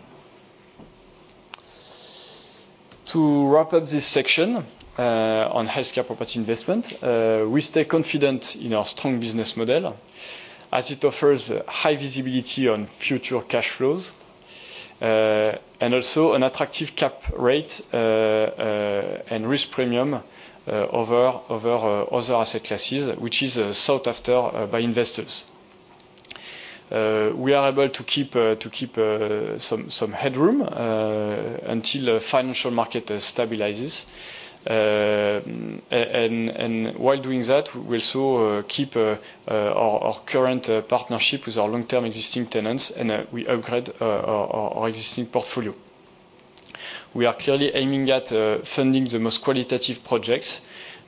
To wrap up this section on healthcare property investment, we stay confident in our strong business model as it offers high visibility on future cash flows, also an attractive cap rate and risk premium over other asset classes, which is sought after by investors. We are able to keep some headroom until the financial market stabilizes. While doing that, we also keep our current partnership with our long-term existing tenants, and we upgrade our existing portfolio. We are clearly aiming at funding the most qualitative projects,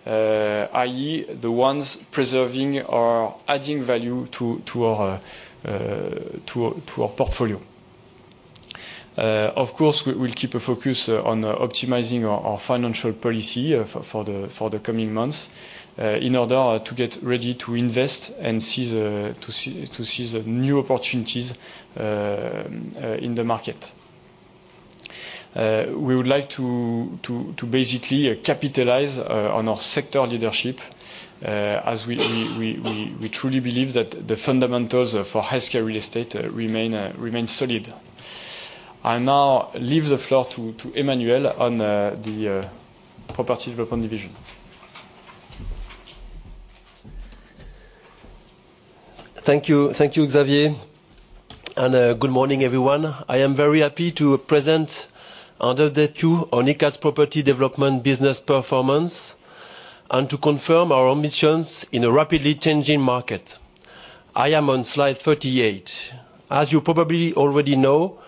i.e., the ones preserving or adding value to our portfolio. Of course, we'll keep a focus on optimizing our financial policy for the coming months in order to get ready to invest and seize the new opportunities in the market. We would like to basically capitalize on our sector leadership, as we truly believe that the fundamentals for healthcare real estate remain solid. I now leave the floor to Emmanuel on the property development division. Thank you. Thank you, Xavier. Good morning, everyone. I am very happy to present under the two on Icade's property development business performance and to confirm our ambitions in a rapidly changing market. I am on slide 38. As you probably already know,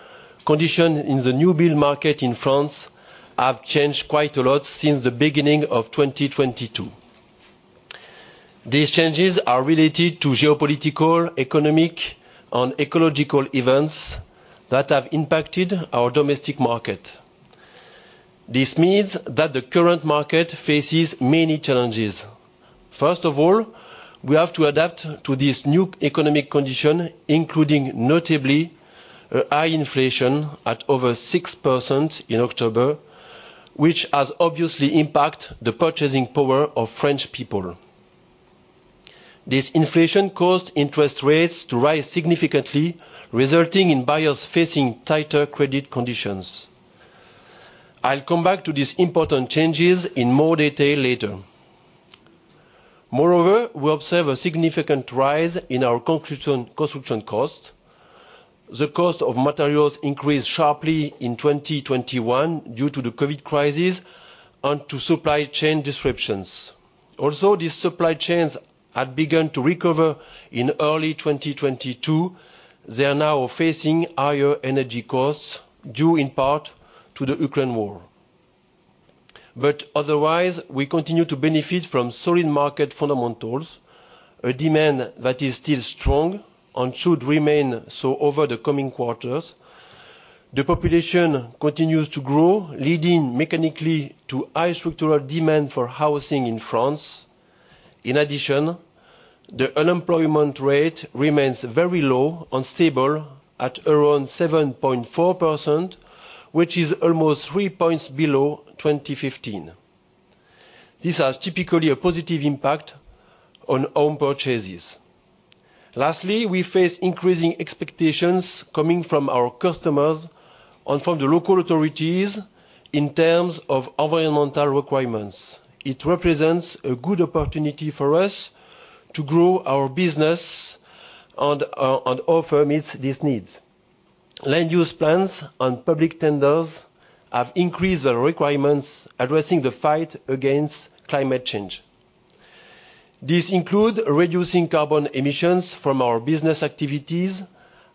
conditions in the new build market in France have changed quite a lot since the beginning of 2022. These changes are related to geopolitical, economic and ecological events that have impacted our domestic market. This means that the current market faces many challenges. First of all, we have to adapt to this new economic condition, including notably a high inflation at over 6% in October, which has obviously impacted the purchasing power of French people. This inflation caused interest rates to rise significantly, resulting in buyers facing tighter credit conditions. I'll come back to these important changes in more detail later. Moreover, we observe a significant rise in our construction costs. The cost of materials increased sharply in 2021 due to the COVID crisis and to supply chain disruptions. Also, these supply chains had begun to recover in early 2022. They are now facing higher energy costs, due in part to the Ukraine war. Otherwise, we continue to benefit from solid market fundamentals, a demand that is still strong and should remain so over the coming quarters. The population continues to grow, leading mechanically to high structural demand for housing in France. In addition, the unemployment rate remains very low and stable at around 7.4%, which is almost three points below 2015. This has typically a positive impact on home purchases. Lastly, we face increasing expectations coming from our customers and from the local authorities in terms of environmental requirements. It represents a good opportunity for us to grow our business and offer meets these needs. Land use plans and public tenders have increased the requirements addressing the fight against climate change. These include reducing carbon emissions from our business activities,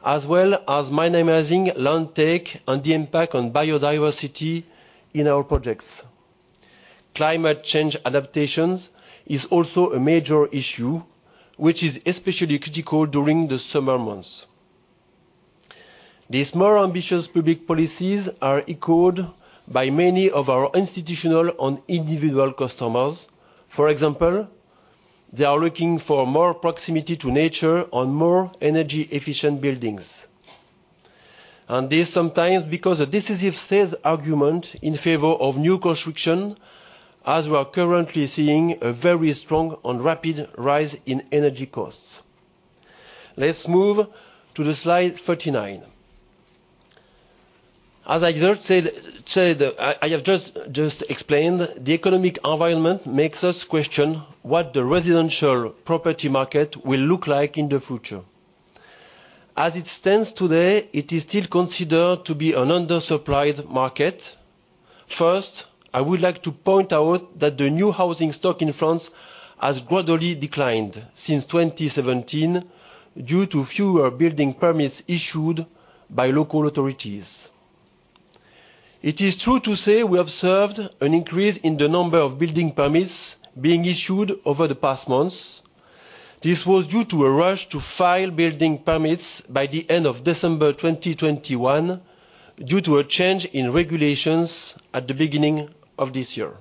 as well as minimizing land take and the impact on biodiversity in our projects. Climate change adaptations is also a major issue, which is especially critical during the summer months. These more ambitious public policies are echoed by many of our institutional and individual customers. For example, they are looking for more proximity to nature and more energy-efficient buildings. This sometimes because a decisive sales argument in favor of new construction, as we are currently seeing a very strong and rapid rise in energy costs. Let's move to the slide 39. As I just said, I have just explained, the economic environment makes us question what the residential property market will look like in the future. As it stands today, it is still considered to be an undersupplied market. First, I would like to point out that the new housing stock in France has gradually declined since 2017 due to fewer building permits issued by local authorities. It is true to say we observed an increase in the number of building permits being issued over the past months. This was due to a rush to file building permits by the end of December 2021 due to a change in regulations at the beginning of this year.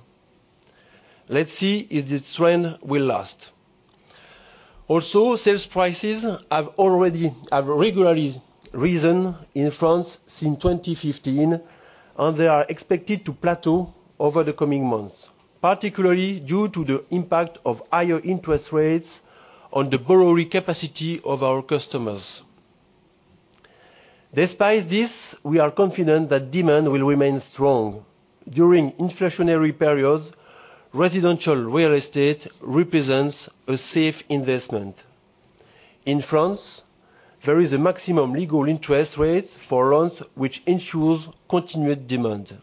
Let's see if this trend will last. Sales prices have regularly risen in France since 2015. They are expected to plateau over the coming months, particularly due to the impact of higher interest rates on the borrowing capacity of our customers. Despite this, we are confident that demand will remain strong. During inflationary periods, residential real estate represents a safe investment. In France, there is a maximum legal interest rate for loans which ensures continued demand.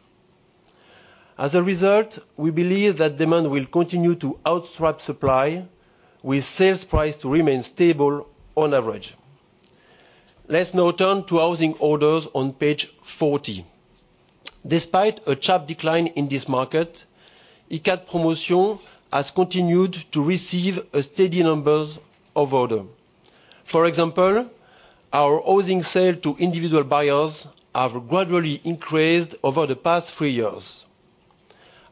As a result, we believe that demand will continue to outstrip supply, with sales price to remain stable on average. Let's now turn to housing orders on page 40. Despite a sharp decline in this market, Icade Promotion has continued to receive a steady numbers of order. Our housing sale to individual buyers have gradually increased over the past three years.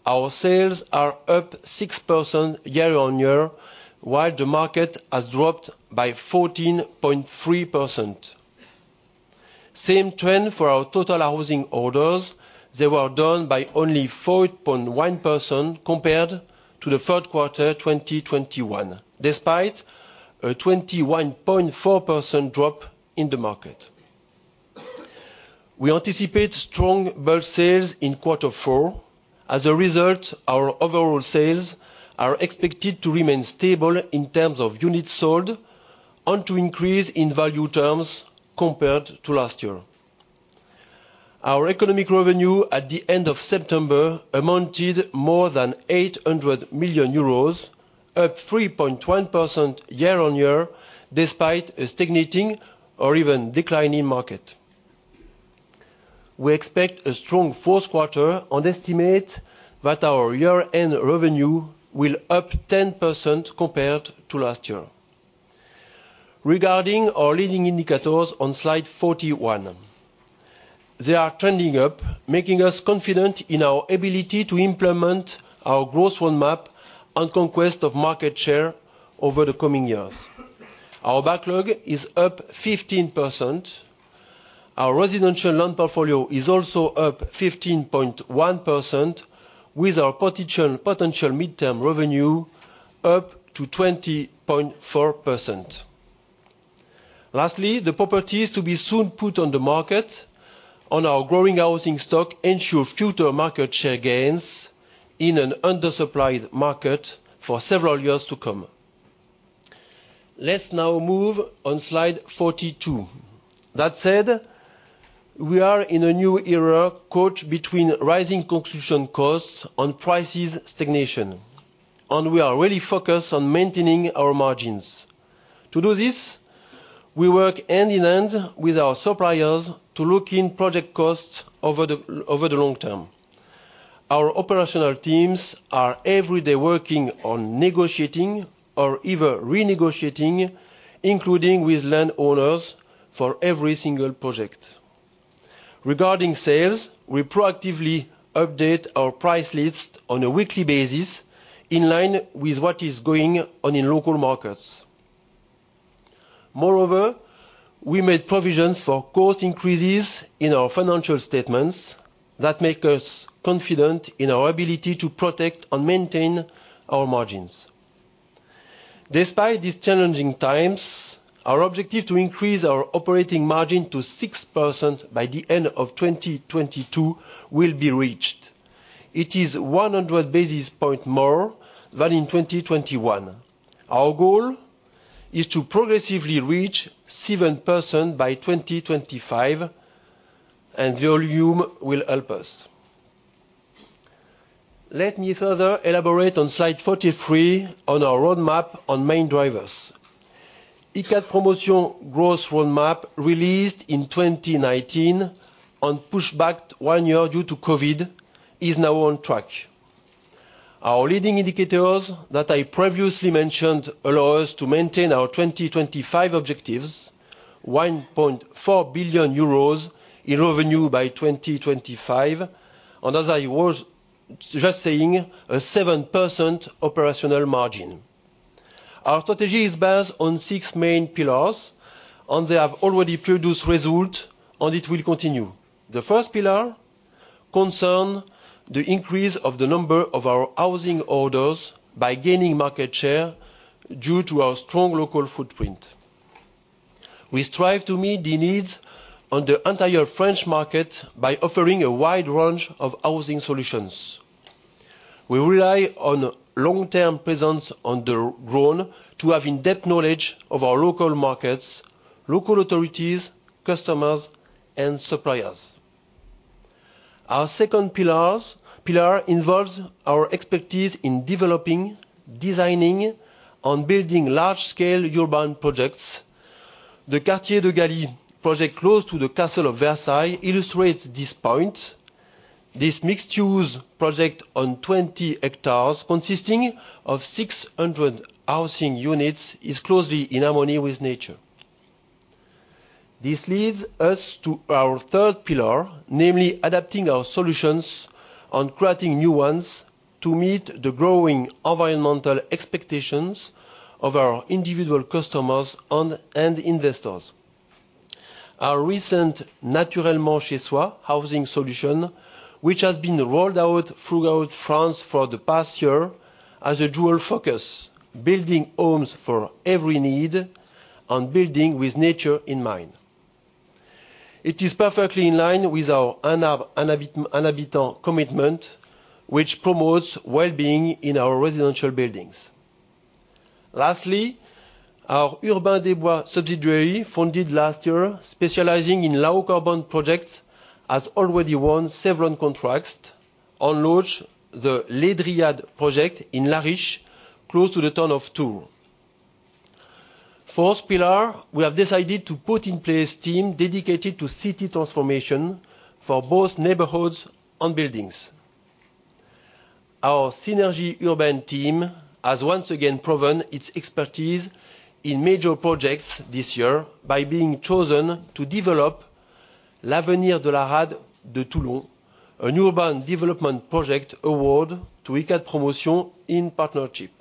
Our sales are up 6% YoY, while the market has dropped by 14.3%. Same trend for our total housing orders. They were down by only 4.1% compared to the third quarter 2021, despite a 21.4% drop in the market. We anticipate strong bulk sales in quarter four. Our overall sales are expected to remain stable in terms of units sold and to increase in value terms compared to last year. Our economic revenue at the end of September amounted more than 800 million euros, up 3.1% YoY, despite a stagnating or even declining market. We expect a strong fourth quarter and estimate that our year-end revenue will up 10% compared to last year. Regarding our leading indicators on slide 41, they are trending up, making us confident in our ability to implement our growth roadmap and conquest of market share over the coming years. Our backlog is up 15%. Our residential land portfolio is also up 15.1%, with our potential midterm revenue up to 20.4%. Lastly, the properties to be soon put on the market on our growing housing stock ensure future market share gains in an undersupplied market for several years to come. Let's now move on slide 42. That said, we are in a new era caught between rising construction costs and prices stagnation, and we are really focused on maintaining our margins. To do this, we work hand in hand with our suppliers to look in project costs over the long term. Our operational teams are every day working on negotiating or even renegotiating, including with landowners, for every single project. Regarding sales, we proactively update our price list on a weekly basis in line with what is going on in local markets. We made provisions for cost increases in our financial statements that make us confident in our ability to protect and maintain our margins. Despite these challenging times, our objective to increase our operating margin to 6% by the end of 2022 will be reached. It is 100 basis point more than in 2021. Our goal is to progressively reach 7% by 2025, volume will help us. Let me further elaborate on slide 43 on our roadmap on main drivers. Icade Promotion growth roadmap, released in 2019 and pushed back one year due to COVID, is now on track. Our leading indicators that I previously mentioned allow us to maintain our 2025 objectives, 1.4 billion euros in revenue by 2025, and as I was just saying, a 7% operational margin. Our strategy is based on six main pillars, and they have already produced result, and it will continue. The first pillar concern the increase of the number of our housing orders by gaining market share due to our strong local footprint. We strive to meet the needs on the entire French market by offering a wide range of housing solutions. We rely on long-term presence on the ground to have in-depth knowledge of our local markets, local authorities, customers, and suppliers. Our second pillar involves our expertise in developing, designing, and building large-scale urban projects. The Quartier de Gally project, close to the Castle of Versailles, illustrates this point. This mixed-use project on 20 hectares consisting of 600 housing units is closely in harmony with nature. This leads us to our third pillar, namely adapting our solutions and creating new ones to meet the growing environmental expectations of our individual customers and investors. Our recent Naturellement chez soi housing solution, which has been rolled out throughout France for the past year, has a dual focus, building homes for every need and building with nature in mind. It is perfectly in line with our Habitant commitment, which promotes well-being in our residential buildings. Lastly, our Urbain des Bois subsidiary, founded last year, specializing in low-carbon projects, has already won several contracts and launched the Les Dryades project in La Riche, close to the town of Tours. Fourth pillar, we have decided to put in place team dedicated to city transformation for both neighborhoods and buildings. Our Synergies Urbaines team has once again proven its expertise in major projects this year by being chosen to developL'Avenir de la rade de Toulon, a new urban development project award to Icade Promotion in partnership.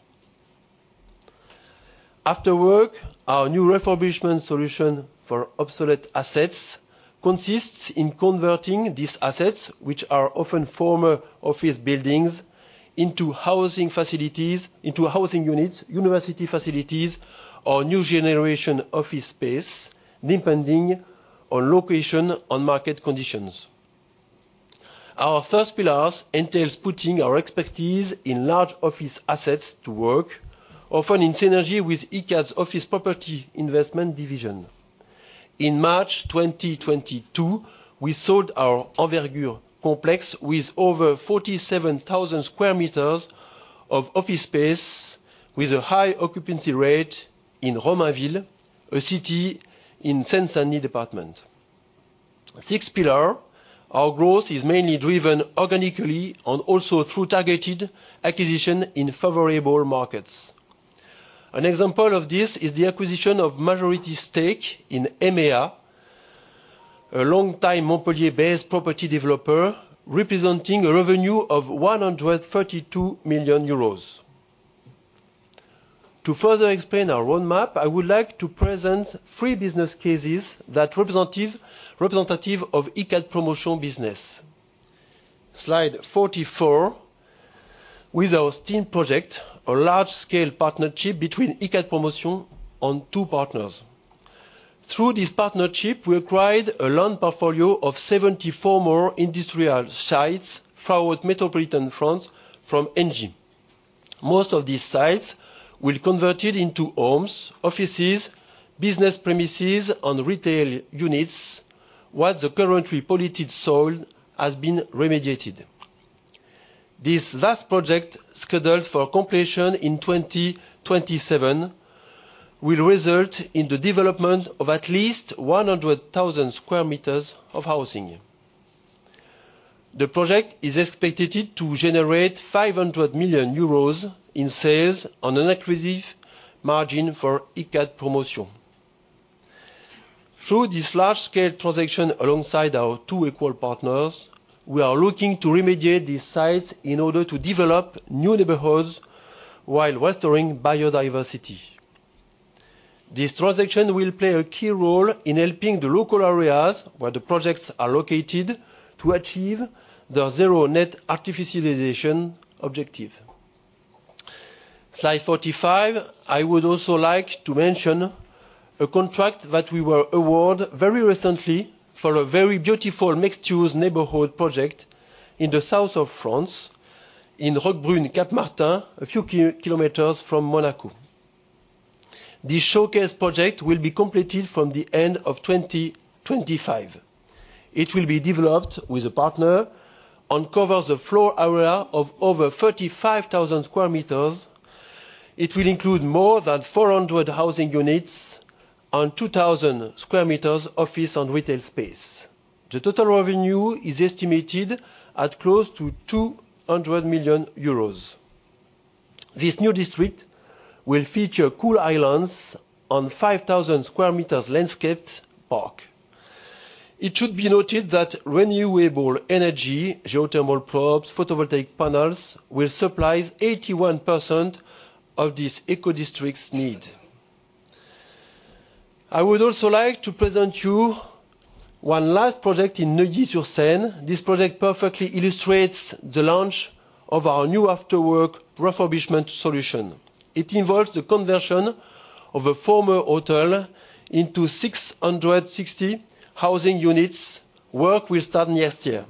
After Work, our new refurbishment solution for obsolete assets consists in converting these assets, which are often former office buildings, into housing facilities, into housing units, university facilities, or new generation office space, depending on location and market conditions. Our first pillars entails putting our expertise in large office assets to work, often in synergy with Icade's office property investment division. In March 2022, we sold our Envergure complex with over 47,000 square meters of office space with a high occupancy rate in Romainville, a city in Seine-Saint-Denis department. 6th pillar, our growth is mainly driven organically and also through targeted acquisition in favorable markets. An example of this is the acquisition of majority stake in M&A Group, a long-time Montpellier-based property developer, representing a revenue of 132 million euros. To further explain our roadmap, I would like to present three business cases that representative of Icade Promotion business. Slide 44, with our Steam project, a large-scale partnership between Icade Promotion and two partners. Through this partnership, we acquired a land portfolio of 74 more industrial sites throughout Metropolitan France from ENGIE. Most of these sites will convert it into homes, offices, business premises, and retail units, while the currently polluted soil has been remediated. This last project, scheduled for completion in 2027, will result in the development of at least 100,000 square meters of housing. The project is expected to generate 500 million euros in sales on an accretive margin for Icade Promotion. Through this large-scale transaction alongside our two equal partners, we are looking to remediate these sites in order to develop new neighborhoods while restoring biodiversity. This transaction will play a key role in helping the local areas where the projects are located to achieve their Zéro Artificialisation Nette objective. Slide 45, I would also like to mention a contract that we were award very recently for a very beautiful mixed-use neighborhood project in the south of France, in Roquebrune-Cap-Martin, a few kilometers from Monaco. This showcase project will be completed from the end of 2025. It will be developed with a partner and covers a floor area of over 35,000 sq m. It will include more than 400 housing units and 2,000 sq m office and retail space. The total revenue is estimated at close to 200 million euros. This new district will feature cool islands and 5,000 sq m landscaped park. It should be noted that renewable energy, geothermal probes, photovoltaic panels, will supplies 81% of this eco-district's need. I would also like to present you one last project in Neuilly-sur-Seine. This project perfectly illustrates the launch of our new After Work refurbishment solution. It involves the conversion of a former hotel into 660 housing units. Work will start next year,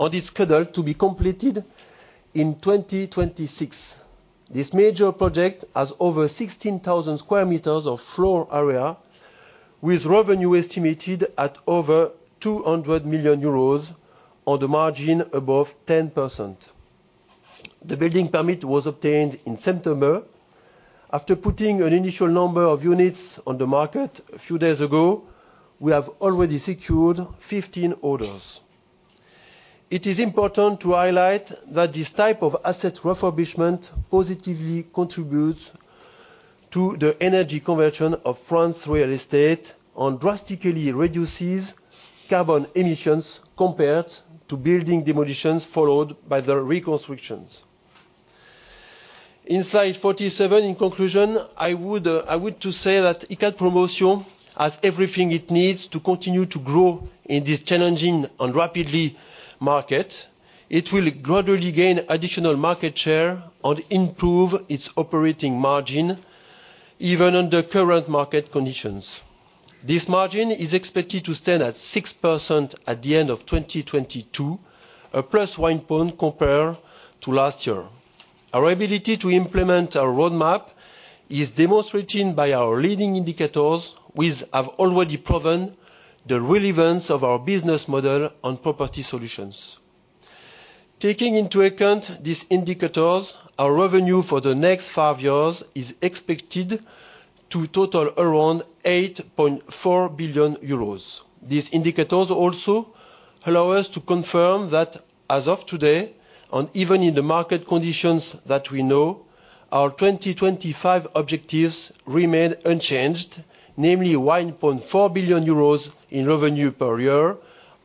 and it's scheduled to be completed in 2026. This major project has over 16,000 square meters of floor area, with revenue estimated at over 200 million euros on the margin above 10%. The building permit was obtained in September. After putting an initial number of units on the market a few days ago, we have already secured 15 orders. It is important to highlight that this type of asset refurbishment positively contributes to the energy conversion of France real estate and drastically reduces carbon emissions compared to building demolitions followed by the reconstructions. In slide 47, in conclusion, I would to say that Icade Promotion has everything it needs to continue to grow in this challenging and rapidly market. It will gradually gain additional market share and improve its operating margin even under current market conditions. This margin is expected to stand at 6% at the end of 2022, a +1 point compared to last year. Our ability to implement our roadmap is demonstrated by our leading indicators, which have already proven the relevance of our business model on property solutions. Taking into account these indicators, our revenue for the next five years is expected to total around 8.4 billion euros. Allow us to confirm that as of today, and even in the market conditions that we know, our 2025 objectives remain unchanged, namely 1.4 billion euros in revenue per year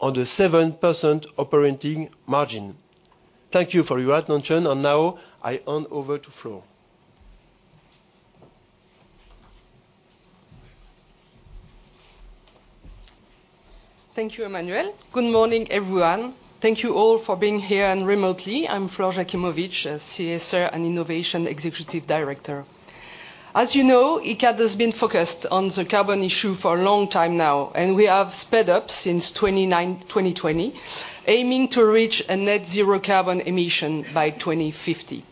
on the 7% operating margin. Thank you for your attention. Now I hand over to Flore. Thank you, Emmanuel. Good morning, everyone. Thank you all for being here and remotely. I'm Flore Jachimowicz, CSR and Innovation Executive Director. As you know, Icade has been focused on the carbon issue for a long time now, and we have sped up since 2020, aiming to reach a net zero carbon emission by 2050.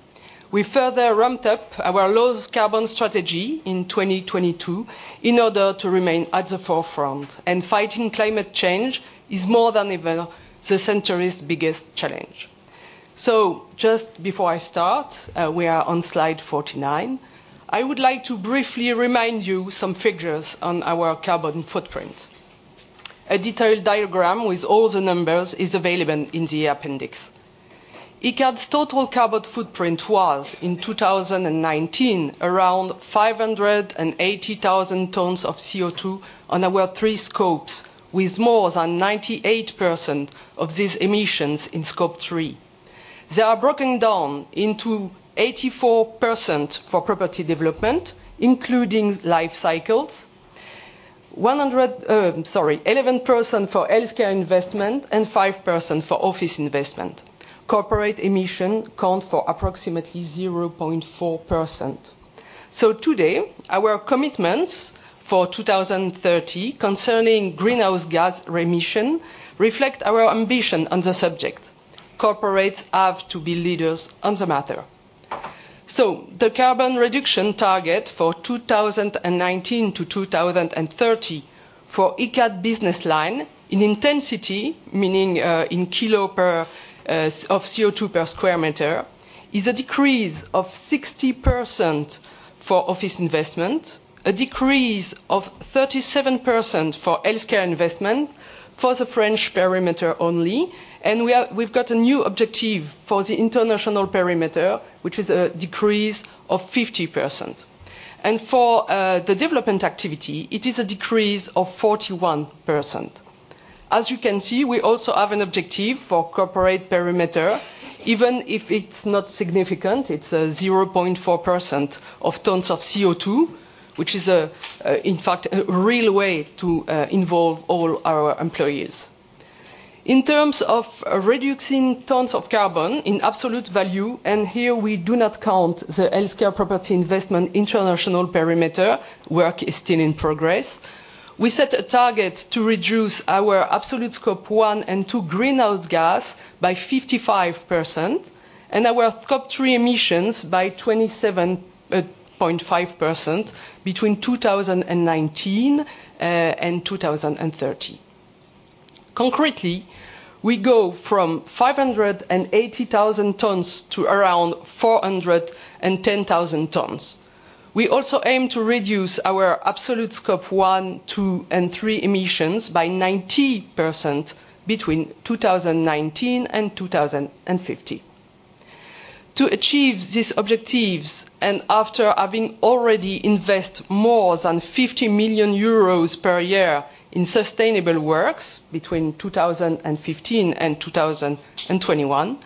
We further ramped up our low carbon strategy in 2022 in order to remain at the forefront. Fighting climate change is more than ever the century's biggest challenge. Just before I start, we are on slide 49. I would like to briefly remind you some figures on our carbon footprint. A detailed diagram with all the numbers is available in the appendix. Icade's total carbon footprint was, in 2019, around 580,000 tons of CO2 on our three scopes, with more than 98% of these emissions in Scope three. They are broken down into 84% for property development, including life cycles. 11% for healthcare investment and 5% for office investment. Corporate emission account for approximately 0.4%. Today, our commitments for 2030 concerning greenhouse gas remission reflect our ambition on the subject. Corporates have to be leaders on the matter. The carbon reduction target for 2019 to 2030 for Icade business line in intensity, meaning in kilo per of CO2 per square meter, is a decrease of 60% for office investment, a decrease of 37% for healthcare investment for the French perimeter only, and we've got a new objective for the international perimeter, which is a decrease of 50%. For the development activity, it is a decrease of 41%. As you can see, we also have an objective for corporate perimeter, even if it's not significant. It's 0.4% of tons of CO2, which is in fact, a real way to involve all our employees. In terms of reducing tons of carbon in absolute value, and here we do not count the healthcare property investment international perimeter, work is still in progress. We set a target to reduce our absolute Scope one and two greenhouse gas by 55%, and our Scope three emissions by 27.5% between 2019 and 2030. Concretely, we go from 580,000 tons to around 410,000 tons. We also aim to reduce our absolute Scope one, two, and three emissions by 90% between 2019 and 2050. To achieve these objectives and after having already invest more than 50 million euros per year in sustainable works between 2015 and 2021,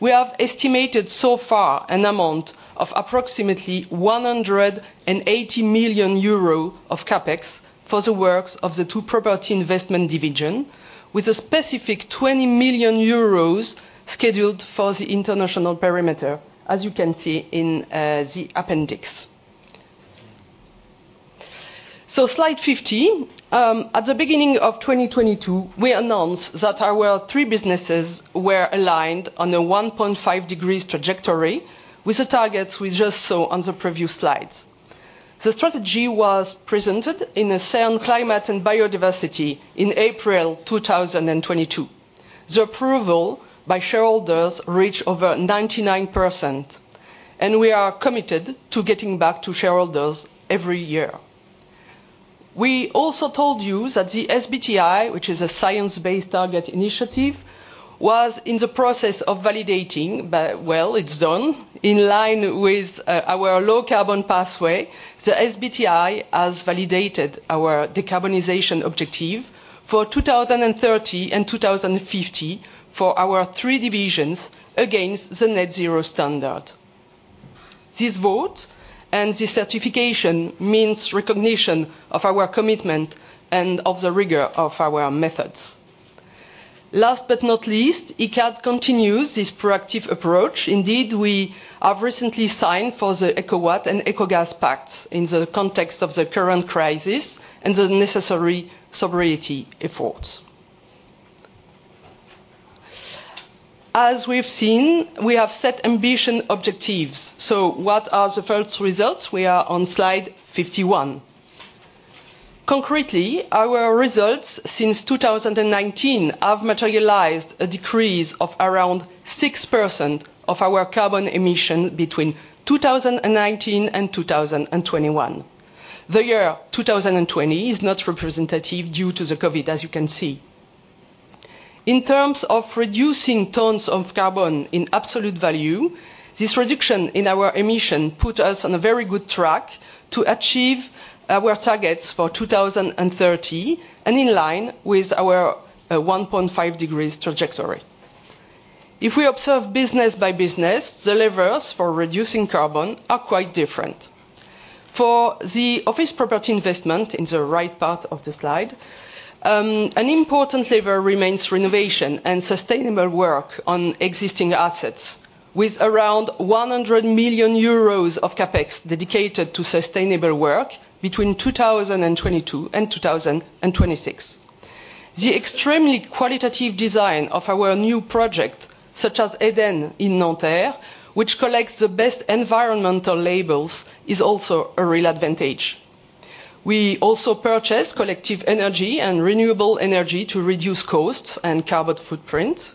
we have estimated so far an amount of approximately 180 million euros of CapEx for the works of the two property investment division, with a specific 20 million euros scheduled for the international perimeter, as you can see in the appendix. Slide 50. At the beginning of 2022, we announced that our world three businesses were aligned on a 1.5 degrees trajectory with the targets we just saw on the previous slides. The strategy was presented in the same climate and biodiversity in April 2022. The approval by shareholders reached over 99%, and we are committed to getting back to shareholders every year. We also told you that the SBTi, which is a Science Based Targets initiative, was in the process of validating, but well, it's done. In line with our low carbon pathway, the SBTi has validated our decarbonization objective for 2030 and 2050 for our three divisions against the net zero standard. This vote and this certification means recognition of our commitment and of the rigor of our methods. Last but not least, Icade continues this proactive approach. Indeed, we have recently signed for the Ecowatt and EcoGaz pacts in the context of the current crisis and the necessary sobriety efforts. As we've seen, we have set ambition objectives. What are the first results? We are on slide 51. Concretely, our results since 2019 have materialized a decrease of around 6% of our carbon emission between 2019 and 2021. The year 2020 is not representative due to the COVID-19, as you can see. In terms of reducing tons of carbon in absolute value, this reduction in our emission put us on a very good track to achieve our targets for 2030, and in line with our 1.5 degrees trajectory. If we observe business by business, the levers for reducing carbon are quite different. For the office property investment in the right part of the slide, an important lever remains renovation and sustainable work on existing assets with around 100 million euros of CapEx dedicated to sustainable work between 2022 and 2026. The extremely qualitative design of our new project, such as Eden in Nanterre, which collects the best environmental labels, is also a real advantage. We also purchase collective energy and renewable energy to reduce costs and carbon footprint,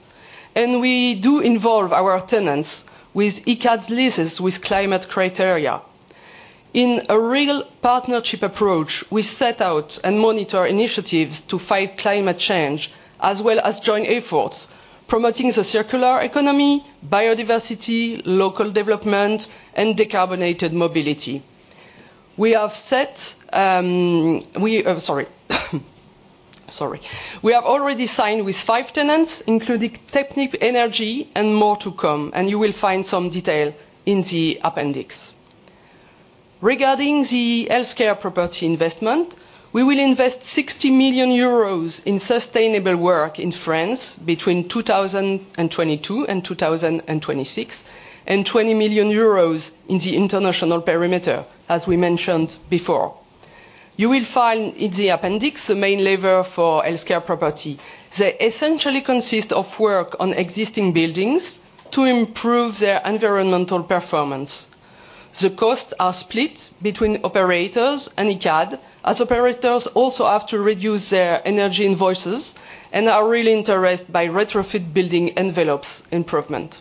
and we do involve our tenants with Icade's leases with climate criteria. In a real partnership approach, we set out and monitor initiatives to fight climate change, as well as joint efforts promoting the circular economy, biodiversity, local development, and decarbonated mobility. We have already signed with five tenants, including Technip Energies and more to come, and you will find some detail in the appendix. Regarding the healthcare property investment, we will invest 60 million euros in sustainable work in France between 2022 and 2026, and 20 million euros in the international perimeter, as we mentioned before. You will find in the appendix the main lever for healthcare property. They essentially consist of work on existing buildings to improve their environmental performance. The costs are split between operators and Icade, as operators also have to reduce their energy invoices and are really interested by retrofit building envelopes improvement.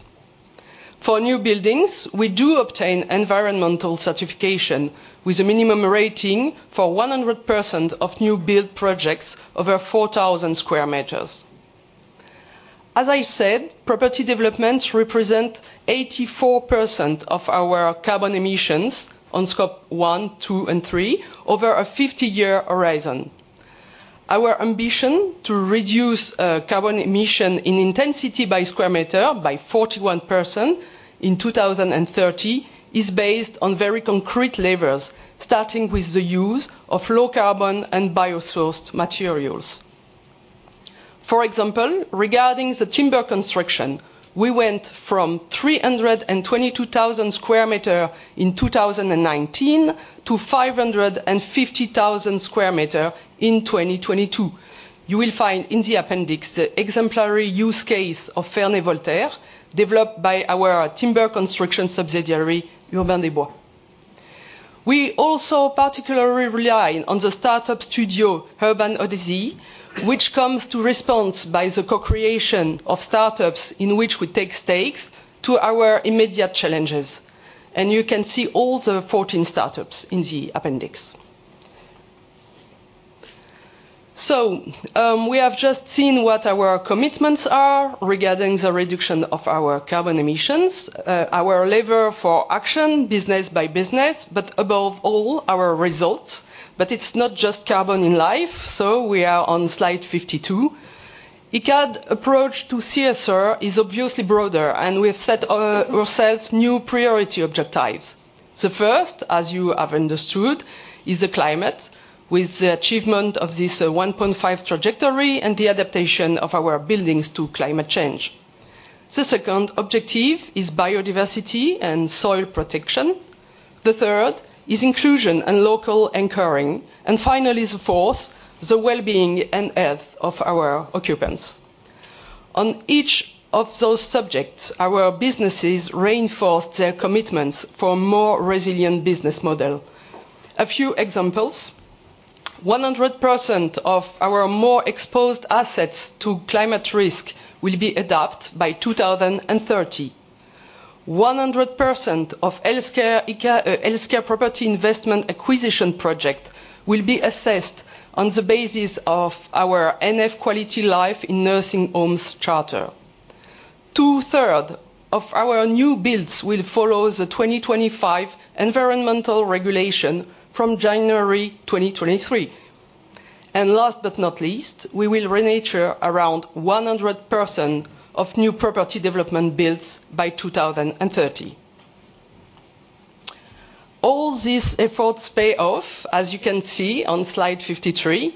For new buildings, we do obtain environmental certification with a minimum rating for 100% of new build projects over 4,000 sq m. As I said, property developments represent 84% of our carbon emissions on Scope one, two, and three over a 50-year horizon. Our ambition to reduce carbon emission in intensity by square meter by 41% in 2030, is based on very concrete levers, starting with the use of low carbon and bio-sourced materials. For example, regarding the timber construction, we went from 322,000 square meter in 2019 to 550,000 square meter in 2022. You will find in the appendix the exemplary use case of Ferney Voltaire, developed by our timber construction subsidiary, Urbain des Bois. We also particularly rely on the startup studio, Urban Odyssey, which comes to response by the co-creation of startups in which we take stakes to our immediate challenges. You can see all the 14 startups in the appendix. We have just seen what our commitments are regarding the reduction of our carbon emissions, our lever for action, business by business, but above all, our results. It's not just carbon in life. We are on slide 52. Icade approach to CSR is obviously broader, and we've set ourselves new priority objectives. The first, as you have understood, is the climate with the achievement of this 1.5 trajectory and the adaptation of our buildings to climate change. The second objective is biodiversity and soil protection. The third is inclusion and local anchoring. Finally, the fourth, the well-being and health of our occupants. On each of those subjects, our businesses reinforced their commitments for more resilient business model. A few examples, 100% of our more exposed assets to climate risk will be adapt by 2030. 100% of healthcare property investment acquisition project will be assessed on the basis of our NF Quality life in nursing homes charter. Two third of our new builds will follow the 2025 environmental regulation from January 2023. Last but not least, we will renature around 100% of new property development builds by 2030. All these efforts pay off, as you can see on slide 53.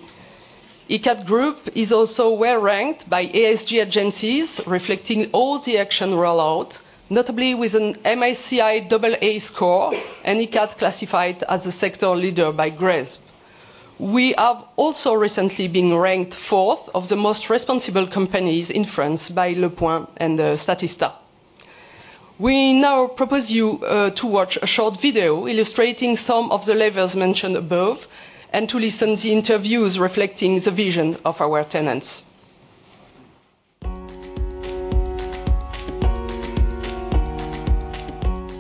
Icade group is also well-ranked by ESG agencies, reflecting all the action rollout, notably with an MSCI AA score and Icade classified as a sector leader by GRESB. We have also recently been ranked fourth of the most responsible companies in France by Le Point and Statista. We now propose you to watch a short video illustrating some of the levers mentioned above, and to listen the interviews reflecting the vision of our tenants.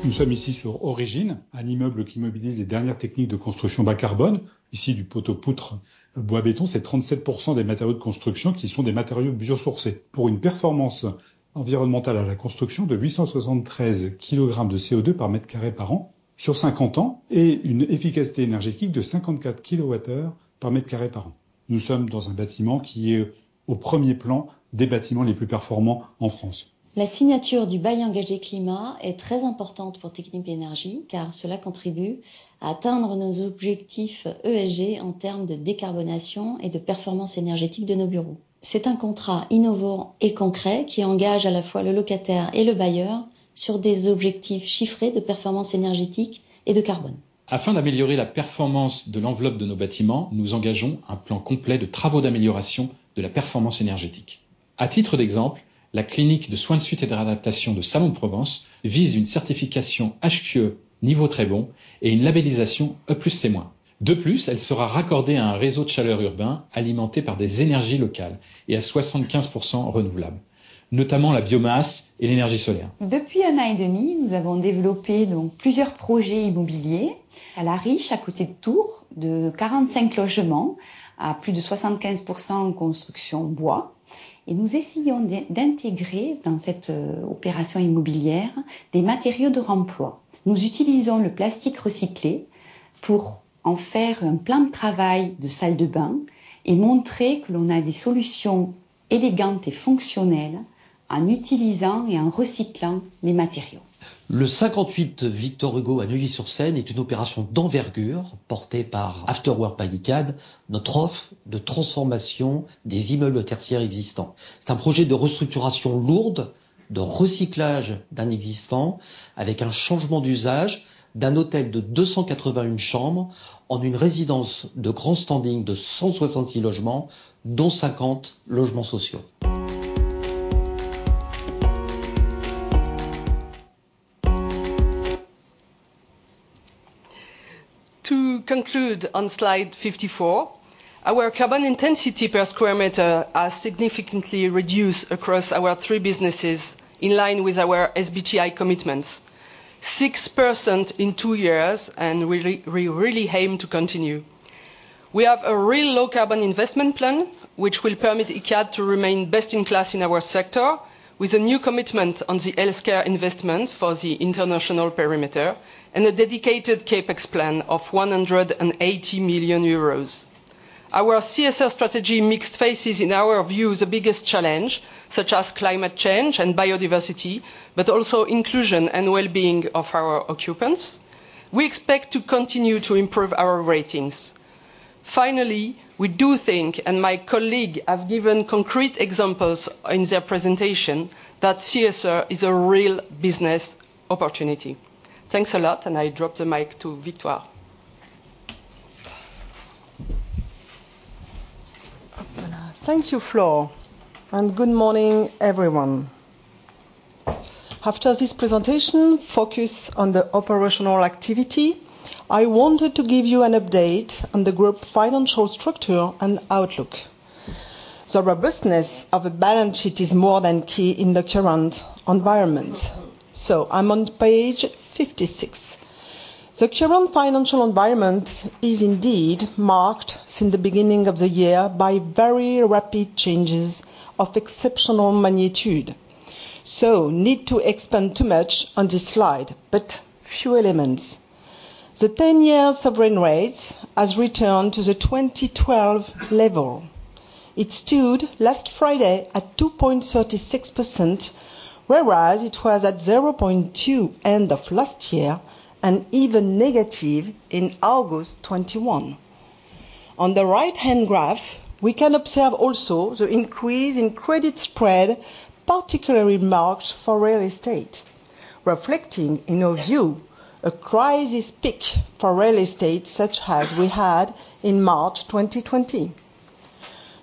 Nous sommes ici sur Origine, un immeuble qui mobilise les dernières techniques de construction bas carbone. Ici, du poteau-poutre bois béton, c'est 37% des matériaux de construction qui sont des matériaux biosourcés pour une performance environnementale à la construction de 873 kg de CO₂ par mètre carré par an sur 50 ans et une efficacité énergétique de 54 kWh par mètre carré par an. Nous sommes dans un bâtiment qui est au premier plan des bâtiments les plus performants en France. La signature du bail engagé climat est très importante pour Technip Energies, car cela contribue à atteindre nos objectifs ESG en termes de décarbonation et de performance énergétique de nos bureaux. C'est un contrat innovant et concret qui engage à la fois le locataire et le bailleur sur des objectifs chiffrés de performance énergétique et de carbone. Afin d'améliorer la performance de l'enveloppe de nos bâtiments, nous engageons un plan complet de travaux d'amélioration de la performance énergétique. À titre d'exemple, la clinique de soins de suite et de réadaptation de Salon-de-Provence vise une certification HQE niveau très bon et une labellisation E+C-. De plus, elle sera raccordée à un réseau de chaleur urbain alimenté par des énergies locales et à 75% renouvelables, notamment la biomasse et l'énergie solaire. Depuis one an et demi, nous avons développé donc plusieurs projets immobiliers à La Riche, à côté de Tours, de 45 logements à plus de 75% en construction bois. Nous essayons d'intégrer dans cette opération immobilière des matériaux de remploi. Nous utilisons le plastique recyclé pour en faire un plan de travail de salle de bain et montrer que l'on a des solutions élégantes et fonctionnelles en utilisant et en recyclant les matériaux. Le 58 Victor Hugo à Neuilly-sur-Seine est une opération d'envergure portée par After Work by Icade, notre offre de transformation des immeubles tertiaires existants. C'est un projet de restructuration lourde, de recyclage d'un existant avec un changement d'usage d'un hôtel de 281 chambres en une résidence de grand standing de 166 logements, dont 50 logements sociaux. To conclude on slide 54, our carbon intensity per square meter has significantly reduced across our three businesses in line with our SBTi commitments. 6% in two years and we really aim to continue. We have a real low carbon investment plan which will permit Icade to remain best in class in our sector with a new commitment on the healthcare investment for the international perimeter and a dedicated CapEx plan of 180 million euros. Our CSR strategy mixed faces, in our view, the biggest challenge, such as climate change and biodiversity, but also inclusion and well-being of our occupants. We expect to continue to improve our ratings. Finally, we do think, and my colleague have given concrete examples in their presentation, that CSR is a real business opportunity. Thanks a lot, and I drop the mic to Victoire. Thank you, Flore, good morning, everyone. After this presentation, focus on the operational activity. I wanted to give you an update on the group financial structure and outlook. The robustness of a balance sheet is more than key in the current environment. I'm on page 56. The current financial environment is indeed marked since the beginning of the year by very rapid changes of exceptional magnitude. Need to expand too much on this slide, few elements. The 10-year sovereign rates has returned to the 2012 level. It stood last Friday at 2.36%, whereas it was at 0.2% end of last year and even negative in August 2021. On the right-hand graph, we can observe also the increase in credit spread, particularly marked for real estate, reflecting, in our view, a crisis peak for real estate such as we had in March 2020.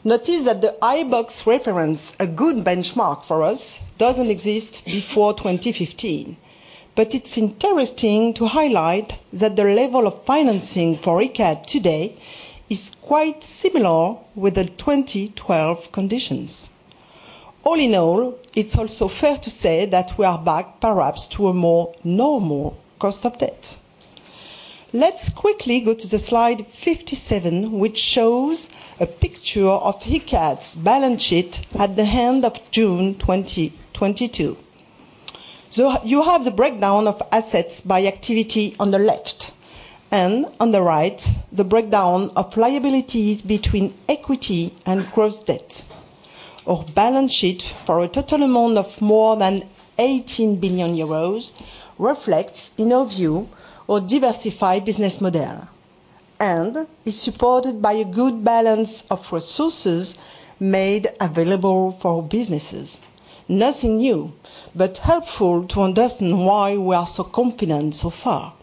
Notice that the iBoxx reference, a good benchmark for us, doesn't exist before 2015. It's interesting to highlight that the level of financing for Icade today is quite similar with the 2012 conditions. All in all, it's also fair to say that we are back perhaps to a more normal cost of debt. Let's quickly go to the slide 57, which shows a picture of Icade's balance sheet at the end of June 2022. You have the breakdown of assets by activity on the left and on the right, the breakdown of liabilities between equity and gross debt. Our balance sheet for a total amount of more than 18 billion euros reflects, in our view, our diversified business model and is supported by a good balance of resources made available for our businesses. Helpful to understand why we are so confident so far.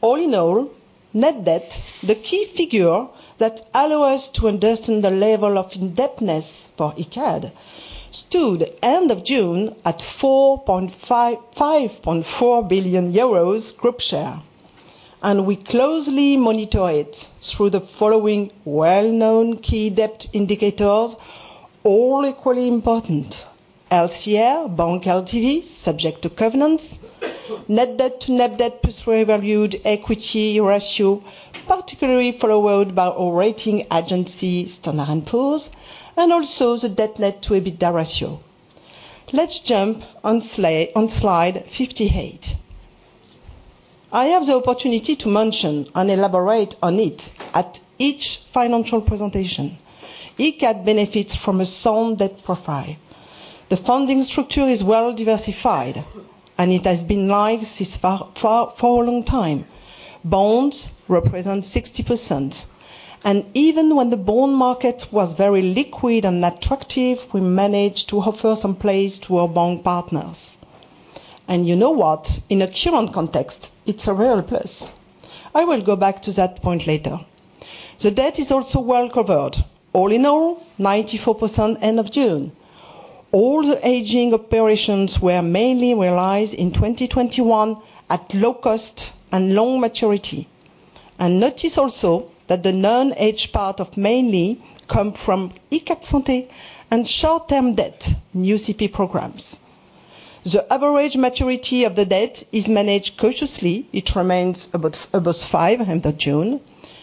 All in all, net debt, the key figure that allow us to understand the level of indebtedness for Icade, stood end of June at 5.4 billion euros group share. We closely monitor it through the following well-known key debt indicators, all equally important. LCR, bank LTV, subject to covenants. Net debt to net debt plus revalued equity ratio, particularly followed by our rating agency Standard & Poor's. Also the debt net to EBITDA ratio. Let's jump on slide 58. I have the opportunity to mention and elaborate on it at each financial presentation. Icade benefits from a sound debt profile. The funding structure is well-diversified, and it has been live for a long time. Bonds represent 60%, and even when the bond market was very liquid and attractive, we managed to offer some place to our bank partners. You know what? In a current context, it's a real plus. I will go back to that point later. The debt is also well-covered. All in all, 94% end of June. All the aging operations were mainly realized in 2021 at low cost and long maturity. Notice also that the non-aged part of mainly come from Icade Santé and short-term debt UCP programs. The average maturity of the debt is managed cautiously. It remains about five end of June,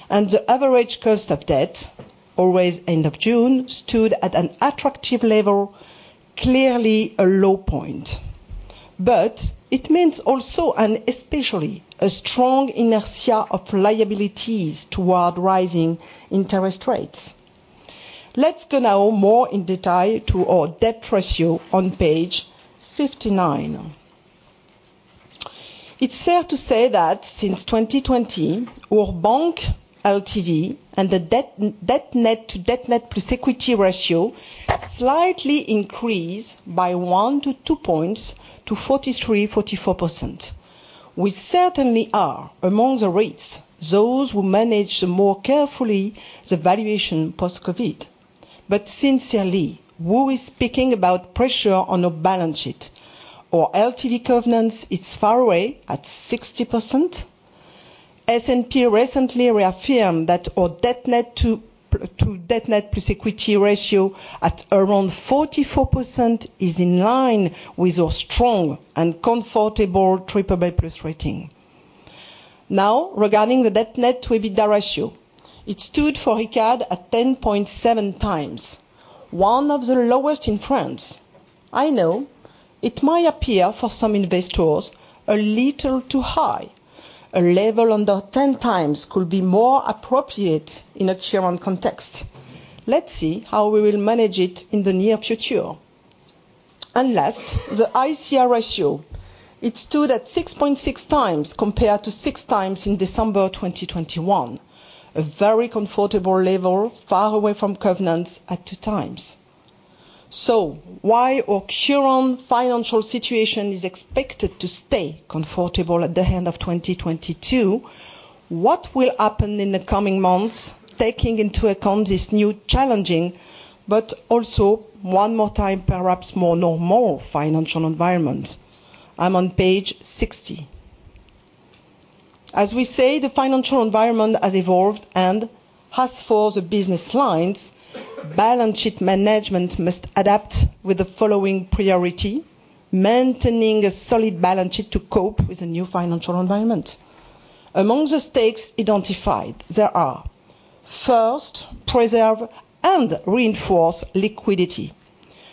and the average cost of debt, always end of June, stood at an attractive level, clearly a low point. It means also and especially a strong inertia of liabilities toward rising interest rates. Let's go now more in detail to our debt ratio on page 59. It's fair to say that since 2020 our bank LTV and the debt net to debt net plus equity ratio slightly increased by one to two points to 43%-44%. We certainly are among the rates, those who manage more carefully the valuation post-COVID. Sincerely, who is speaking about pressure on our balance sheet? Our LTV covenants is far away at 60%. S&P recently reaffirmed that our debt net to debt net plus equity ratio at around 44% is in line with our strong and comfortable BBB+ rating. Regarding the debt net to EBITDA ratio, it stood for Icade at 10.7x, one of the lowest in France. I know it might appear for some investors a little too high. A level under 10 times could be more appropriate in a current context. Let's see how we will manage it in the near future. Last, the ICR ratio. It stood at 6.6 times compared to six times in December 2021. A very comfortable level, far away from covenants at two times. While our current financial situation is expected to stay comfortable at the end of 2022, what will happen in the coming months, taking into account this new challenging, but also one more time, perhaps more normal financial environment? I'm on page 60. As we say, the financial environment has evolved and, as for the business lines, balance sheet management must adapt with the following priority: maintaining a solid balance sheet to cope with the new financial environment. Among the stakes identified, there are, first, preserve and reinforce liquidity.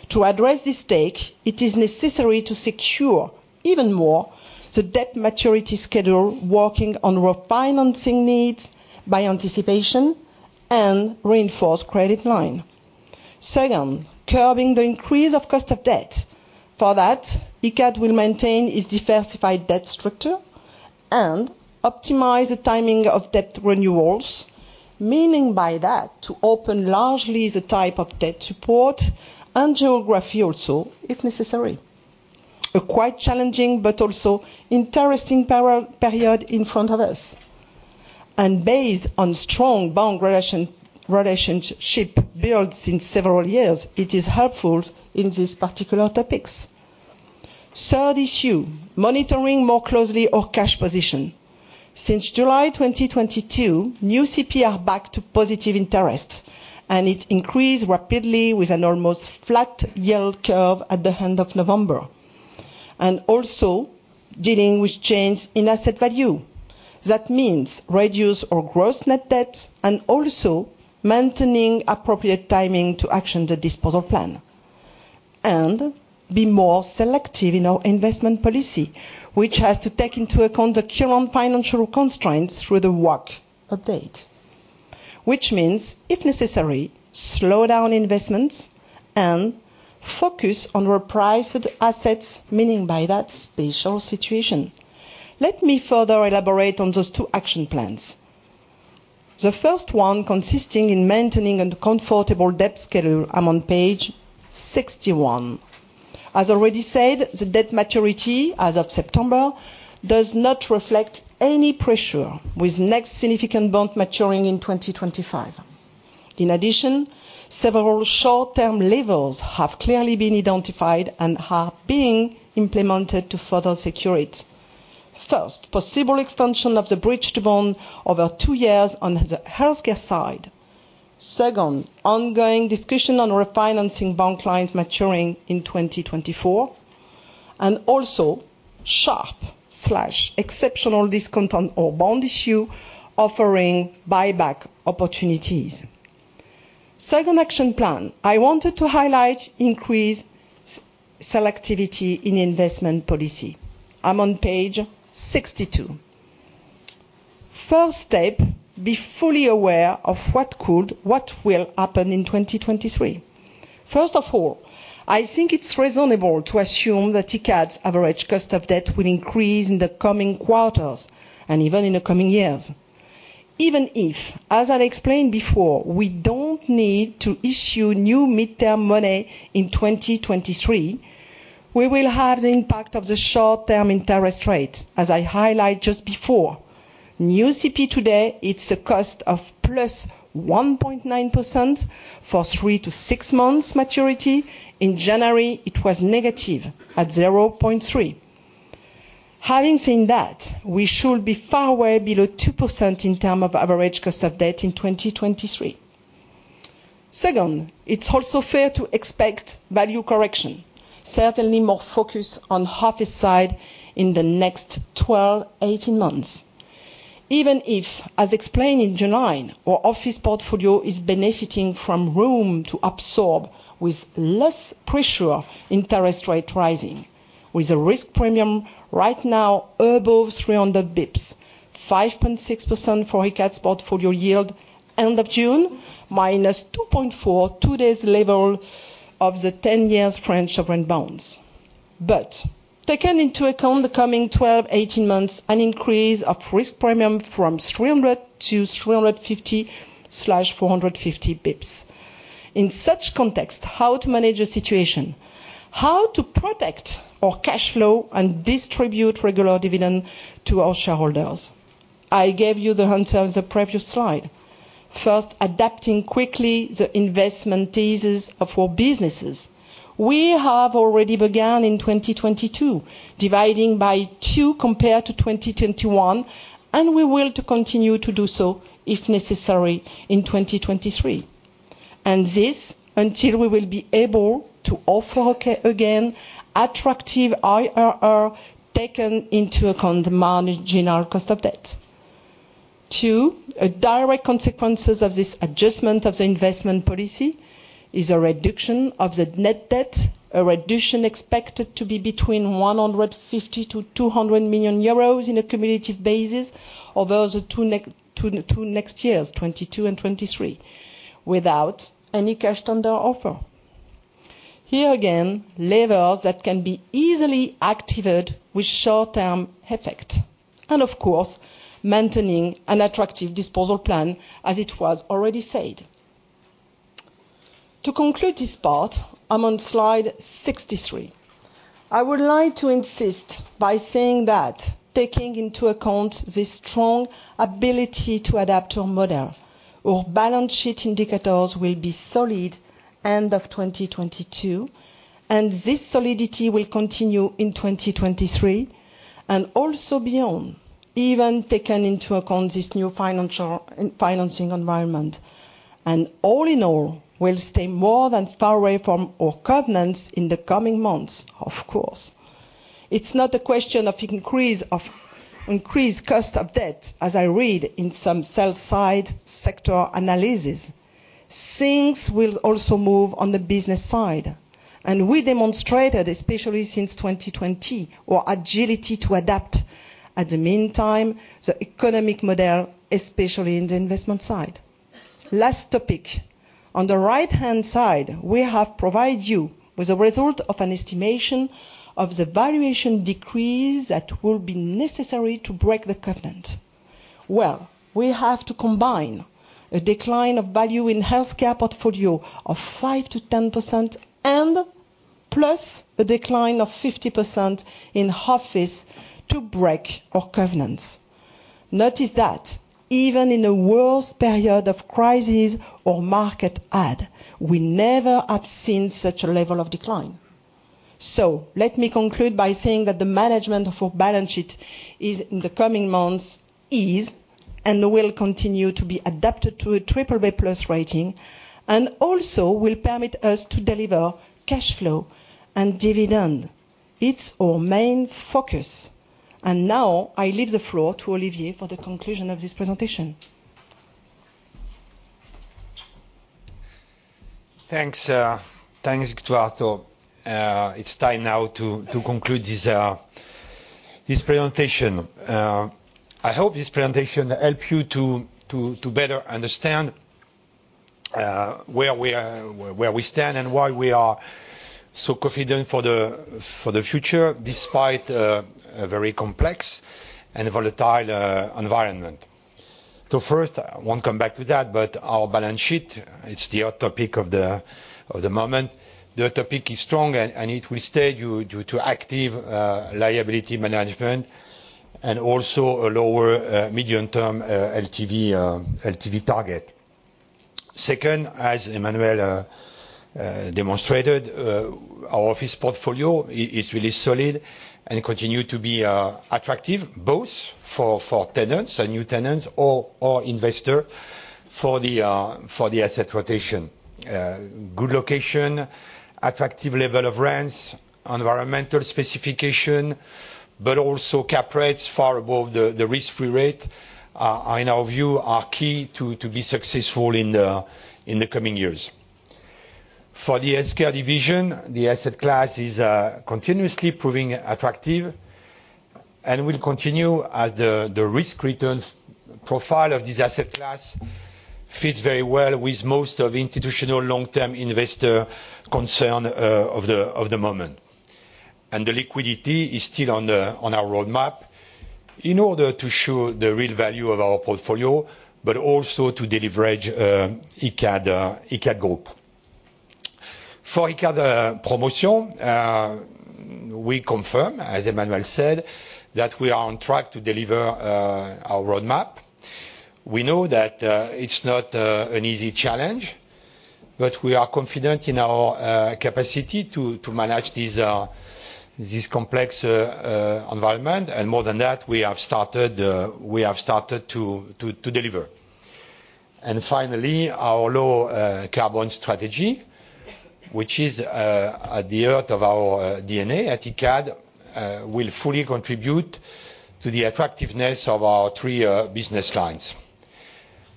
To address this stake, it is necessary to secure even more the debt maturity schedule working on refinancing needs by anticipation and reinforce credit line. Second, curbing the increase of cost of debt. For that, Icade will maintain its diversified debt structure and optimize the timing of debt renewals, meaning by that to open largely the type of debt support and geography also if necessary. A quite challenging but also interesting period in front of us. Based on strong bank relationship built since several years, it is helpful in these particular topics. Third issue, monitoring more closely our cash position. Since July 2022, new CPR back to positive interest, and it increased rapidly with an almost flat yield curve at the end of November. Also dealing with change in asset value. That means reduce our gross net debts and also maintaining appropriate timing to action the disposal plan and be more selective in our investment policy, which has to take into account the current financial constraints through the work update. If necessary, slow down investments and focus on repriced assets, meaning by that special situation. Let me further elaborate on those two action plans. The first one consisting in maintaining a comfortable debt schedule. I'm on page 61. As already said, the debt maturity as of September does not reflect any pressure, with next significant bond maturing in 2025. Several short-term levers have clearly been identified and are being implemented to further secure it. First, possible extension of the bridged bond over two years on the healthcare side. Second, ongoing discussion on refinancing bank clients maturing in 2024, and also sharp slash exceptional discount on all bond issue offering buyback opportunities. Second action plan. I wanted to highlight increased selectivity in investment policy. I'm on page 62. First step, be fully aware of what could, what will happen in 2023. First of all, I think it's reasonable to assume that Icade's average cost of debt will increase in the coming quarters, and even in the coming years. Even if, as I explained before, we don't need to issue new midterm money in 2023, we will have the impact of the short-term interest rates, as I highlight just before. New CP today, it's a cost of plus 1.9% for three-six months maturity. In January, it was negative at 0.3%. Having seen that, we should be far way below 2% in term of average cost of debt in 2023. Second, it's also fair to expect value correction, certainly more focus on office side in the next 12-18 months. Even if, as explained in July, our office portfolio is benefiting from room to absorb with less pressure interest rate rising. With a risk premium right now above 300 basis points, 5.6% for Icade's portfolio yield end of June, minus 2.4, today's level of the 10 years French sovereign bonds. Taken into account the coming 12-18 months, an increase of risk premium from 300 to 350/450 basis points. In such context, how to manage the situation, how to protect our cash flow and distribute regular dividend to our shareholders? I gave you the answer on the previous slide. First, adapting quickly the investment thesis of our businesses. We have already begun in 2022, dividing by two compared to 2021, and we will to continue to do so, if necessary, in 2023. This until we will be able to offer again attractive IRR, taken into account the marginal cost of debt. Two, a direct consequences of this adjustment of the investment policy is a reduction of the net debt, a reduction expected to be between 150 million-200 million euros in a cumulative basis over the two next years, 2022 and 2023, without any cash tender offer. Here again, levers that can be easily activated with short-term effect. Of course, maintaining an attractive disposal plan as it was already said. To conclude this part, I'm on slide 63. I would like to insist by saying that taking into account the strong ability to adapt our model, our balance sheet indicators will be solid end of 2022. This solidity will continue in 2023 and also beyond, even taking into account this new financial and financing environment. All in all, we'll stay more than far away from our covenants in the coming months, of course. It's not a question of increase, of increased cost of debt, as I read in some sell-side sector analysis. Things will also move on the business side. We demonstrated, especially since 2020, our agility to adapt at the meantime, the economic model, especially in the investment side. Last topic. On the right-hand side, we have provide you with a result of an estimation of the valuation decrease that will be necessary to break the covenant. Well, we have to combine a decline of value in healthcare portfolio of 5%-10%, plus a decline of 50% in office to break our covenants. Notice that even in the worst period of crisis or market ad, we never have seen such a level of decline. Let me conclude by saying that the management of our balance sheet, in the coming months, is and will continue to be adapted to a BBB+ rating, and also will permit us to deliver cash flow and dividend. It's our main focus. Now I leave the floor to Olivier for the conclusion of this presentation. Thanks, thanks, Victoire. It's time now to conclude this presentation. I hope this presentation help you to better understand where we are, where we stand, and why we are so confident for the future, despite a very complex and volatile environment. First, I won't come back to that, but our balance sheet, it's the hot topic of the moment. The hot topic is strong and it will stay due to active liability management and also a lower medium-term LTV target. Second, as Emmanuel demonstrated, our office portfolio is really solid and continue to be attractive both for tenants and new tenants or investor for the asset rotation. Good location, attractive level of rents, environmental specification, but also cap rates far above the risk-free rate are in our view, are key to be successful in the coming years. For the healthcare division, the asset class is continuously proving attractive and will continue as the risk-return profile of this asset class fits very well with most of institutional long-term investor concern of the moment. The liquidity is still on our roadmap in order to show the real value of our portfolio, but also to deleverage Icade group. For Icade Promotion, we confirm, as Emmanuel said, that we are on track to deliver our roadmap. We know that it's not an easy challenge, but we are confident in our capacity to manage this complex environment. More than that, we have started to deliver. Finally, our low carbon strategy, which is at the heart of our DNA at Icade, will fully contribute to the attractiveness of our three business lines.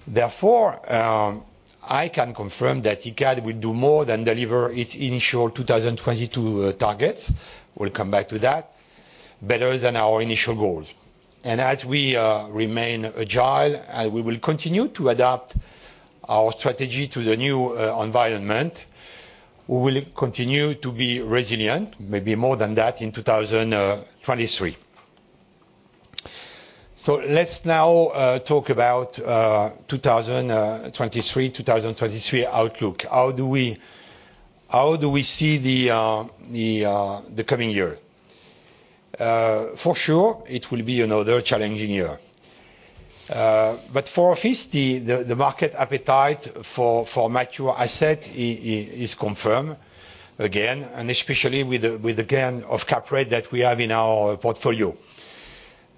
Therefore, I can confirm that Icade will do more than deliver its initial 2022 targets. We'll come back to that, better than our initial goals. As we remain agile, we will continue to adapt our strategy to the new environment. We will continue to be resilient, maybe more than that in 2023. Let's now talk about 2023 outlook. How do we see the coming year? For sure it will be another challenging year. But for office, the market appetite for mature asset is confirmed again, and especially with the gain of cap rate that we have in our portfolio.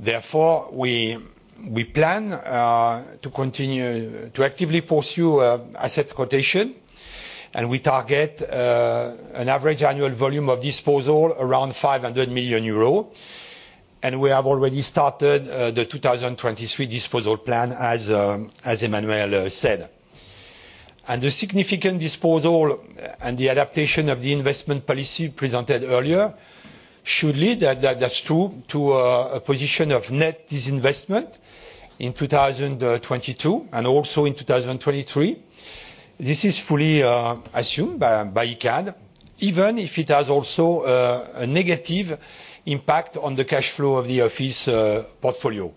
Therefore, we plan to continue to actively pursue asset quotation, and we target an average annual volume of disposal around 500 million euros. We have already started the 2023 disposal plan as Emmanuel said. The significant disposal and the adaptation of the investment policy presented earlier should lead that's true to a position of net disinvestment in 2022 and also in 2023. This is fully assumed by Icade, even if it has also a negative impact on the cash flow of the office portfolio.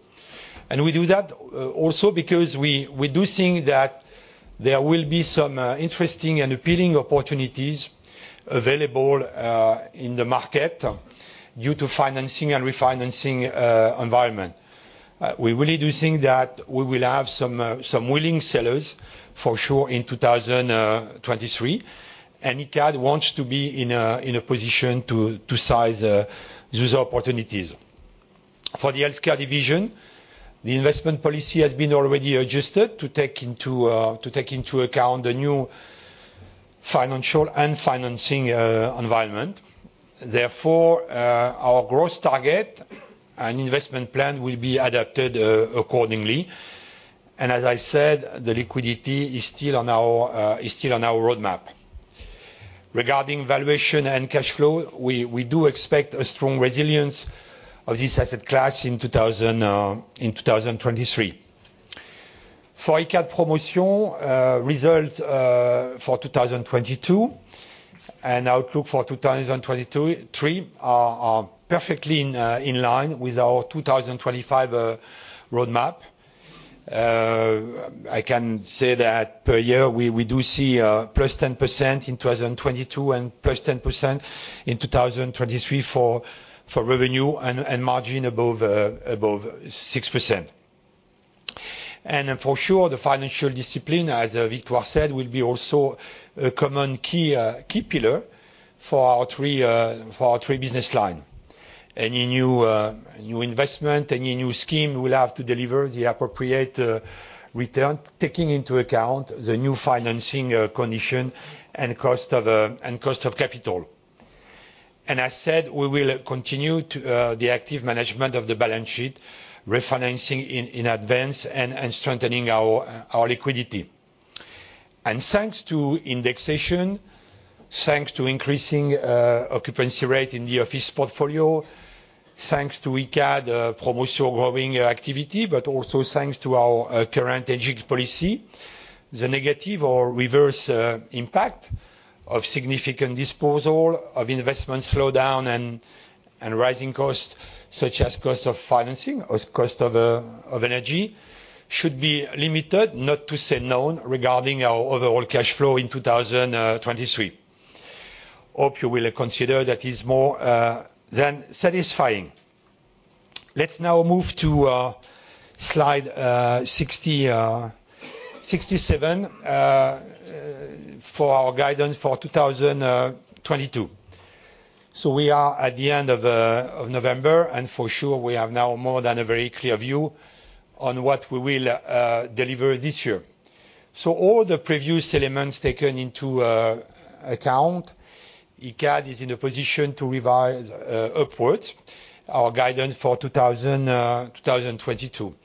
We do that also because we do think that there will be some interesting and appealing opportunities available in the market due to financing and refinancing environment. We really do think that we will have some willing sellers for sure in 2023, and Icade wants to be in a position to seize those opportunities. For the healthcare division, the investment policy has been already adjusted to take into account the new financial and financing environment. Our growth target and investment plan will be adapted accordingly. As I said, the liquidity is still on our roadmap. Regarding valuation and cash flow, we do expect a strong resilience of this asset class in 2023. For Icade Promotion, results for 2022 and outlook for 2022-23 are perfectly in line with our 2025 roadmap. I can say that per year, we do see +10% in 2022 and +10% in 2023 for revenue and margin above 6%. For sure, the financial discipline, as Victor said, will be also a common key pillar for our three business line. Any new investment, any new scheme will have to deliver the appropriate return, taking into account the new financing condition and cost of capital. As said, we will continue to the active management of the balance sheet, refinancing in advance and strengthening our liquidity. Thanks to indexation, thanks to increasing occupancy rate in the office portfolio, thanks to Icade Promotion growing activity, but also thanks to our current capex policy. The negative or reverse impact of significant disposal of investment slowdown and rising costs such as cost of financing or cost of energy should be limited, not to say none, regarding our overall cash flow in 2023. Hope you will consider that is more than satisfying. Let's now move to slide 67 for our guidance for 2022. We are at the end of November, and for sure we have now more than a very clear view on what we will deliver this year. All the previous elements taken into account, Icade is in a position to revise upwards our guidance for 2022.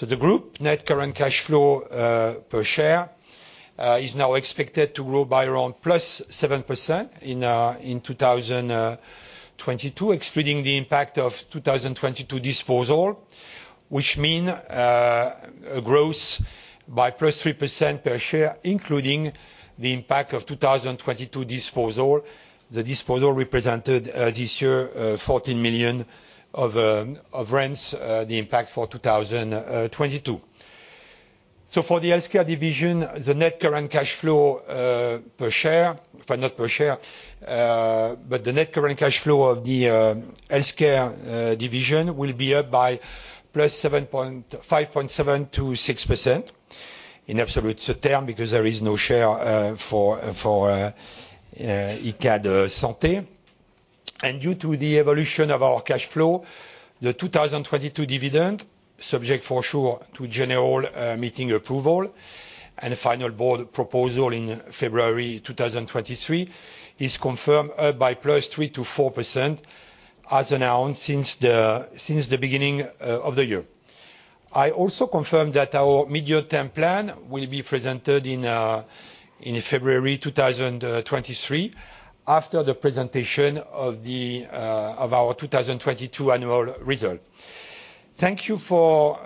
The group net current cash flow per share is now expected to grow by around +7% in 2022, excluding the impact of 2022 disposal, which mean a growth by +3% per share, including the impact of 2022 disposal. The disposal represented this year 14 million of rents, the impact for 2022. For the healthcare division, the net current cash flow per share, if not per share, but the net current cash flow of the healthcare division will be up by 5.7%-6% in absolute term because there is no share for Icade Santé. Due to the evolution of our cash flow, the 2022 dividend, subject for sure to general meeting approval and final board proposal in February 2023, is confirmed up by +3%-4% as announced since the beginning of the year. I also confirm that our midterm plan will be presented in February 2023 after the presentation of our 2022 annual result. Thank you for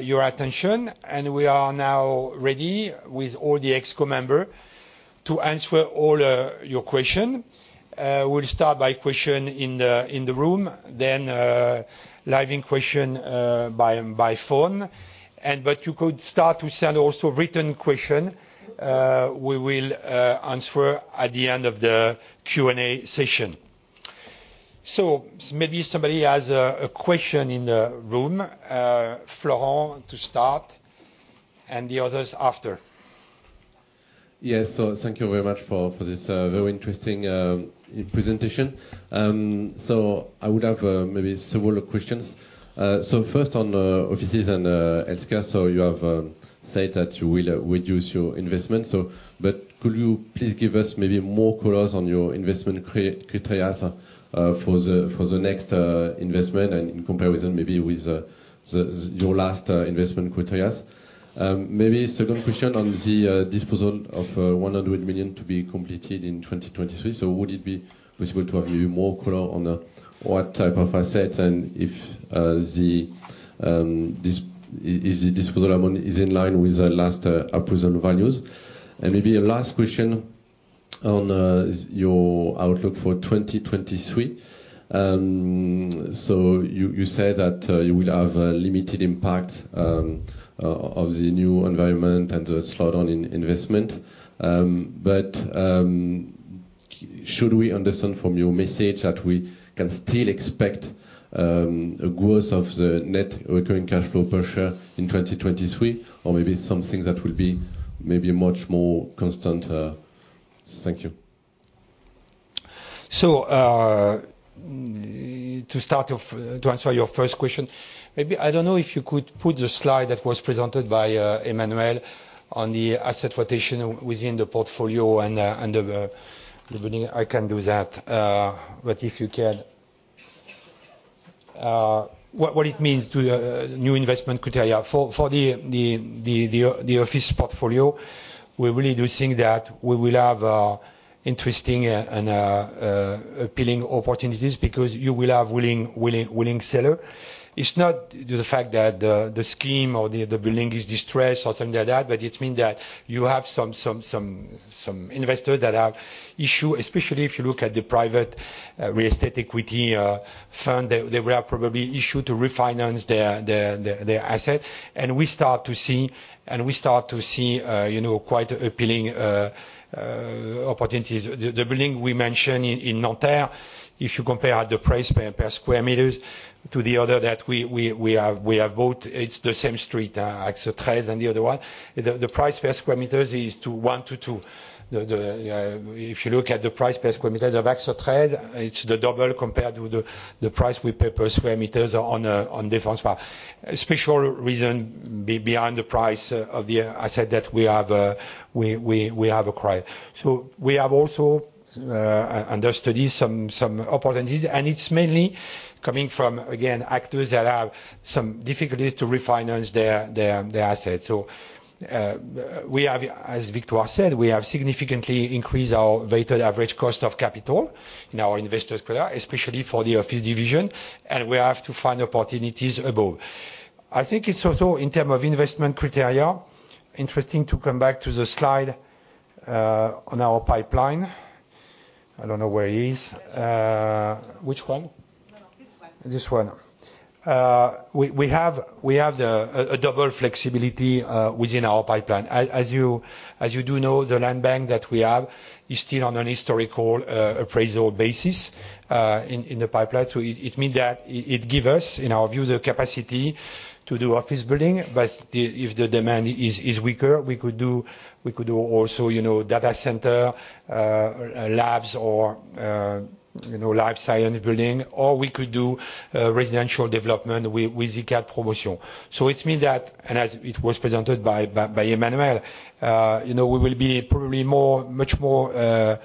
your attention. We are now ready with all the ExCo member to answer all your question. We'll start by question in the room, then live in question by phone. You could start to send also written question, we will answer at the end of the Q&A session. Maybe somebody has a question in the room, Florent to start and the others after. Yes. Thank you very much for this very interesting presentation. I would have maybe several questions. First on offices and healthcare, so you have said that you will reduce your investment, so but could you please give us maybe more colors on your investment criteria for the next investment and in comparison maybe with your last investment criteria? Maybe second question on the disposal of 100 million to be completed in 2023. Would it be possible to have maybe more color on what type of assets and if the disposal amount is in line with the last appraisal values? Maybe a last question on is your outlook for 2023. You said that you will have a limited impact of the new environment and the slowdown in investment. Should we understand from your message that we can still expect a growth of the net recurring cash flow per share in 2023? Maybe something that will be much more constant? Thank you. To start off, to answer your first question, maybe I don't know if you could put the slide that was presented by Emmanuel on the asset rotation within the portfolio and the building. I can do that. If you can. What it means to new investment criteria. For the office portfolio, we really do think that we will have interesting and appealing opportunities because you will have willing seller. It's not the fact that the scheme or the building is distressed or something like that, but it's mean that you have some investors that have issue, especially if you look at the private real estate equity fund, they will have probably issue to refinance their asset. We start to see, you know, quite appealing opportunities. The building we mentioned in Nanterre, if you compare the price per square meters to the other that we have bought, it's the same street, Axe 13 and the other one. The price per square meters is one to two. If you look at the price per square meters of Axe 13, it's the double compared with the price we pay per square meters on La Défense. A special reason behind the price of the asset that we have acquired. We have also under study some opportunities. It's mainly coming from, again, actors that have some difficulty to refinance their assets. We have, as Victoire said, we have significantly increased our weighted average cost of capital in our investors criteria, especially for the office division, and we have to find opportunities above. I think it's also, in term of investment criteria, interesting to come back to the slide on our pipeline. I don't know where it is. Which one? This one. We have the, a double flexibility within our pipeline. As you do know, the land bank that we have is still on an historical appraisal basis in the pipeline. It mean that it give us, in our view, the capacity to do office building. If the demand is weaker, we could do also, you know, data center, labs or, you know, life science building, or we could do residential development with Icade Promotion. It means that as it was presented by Emmanuel, you know, we will be probably more, much more,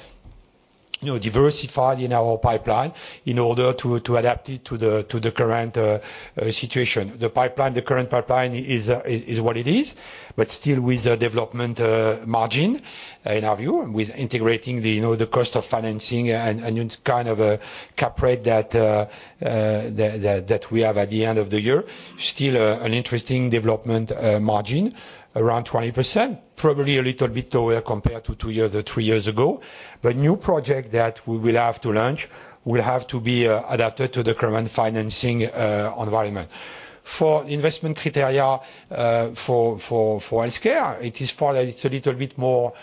you know, diversified in our pipeline in order to adapt it to the current situation. The current pipeline is what it is, still with the development margin in our view, with integrating the, you know, the cost of financing and kind of cap rate that we have at the end of the year. Still, an interesting development margin, around 20%. Probably a little bit lower compared to two years or three years ago. New project that we will have to launch will have to be adapted to the current financing environment. For investment criteria, for healthcare, it is far that it's a little bit more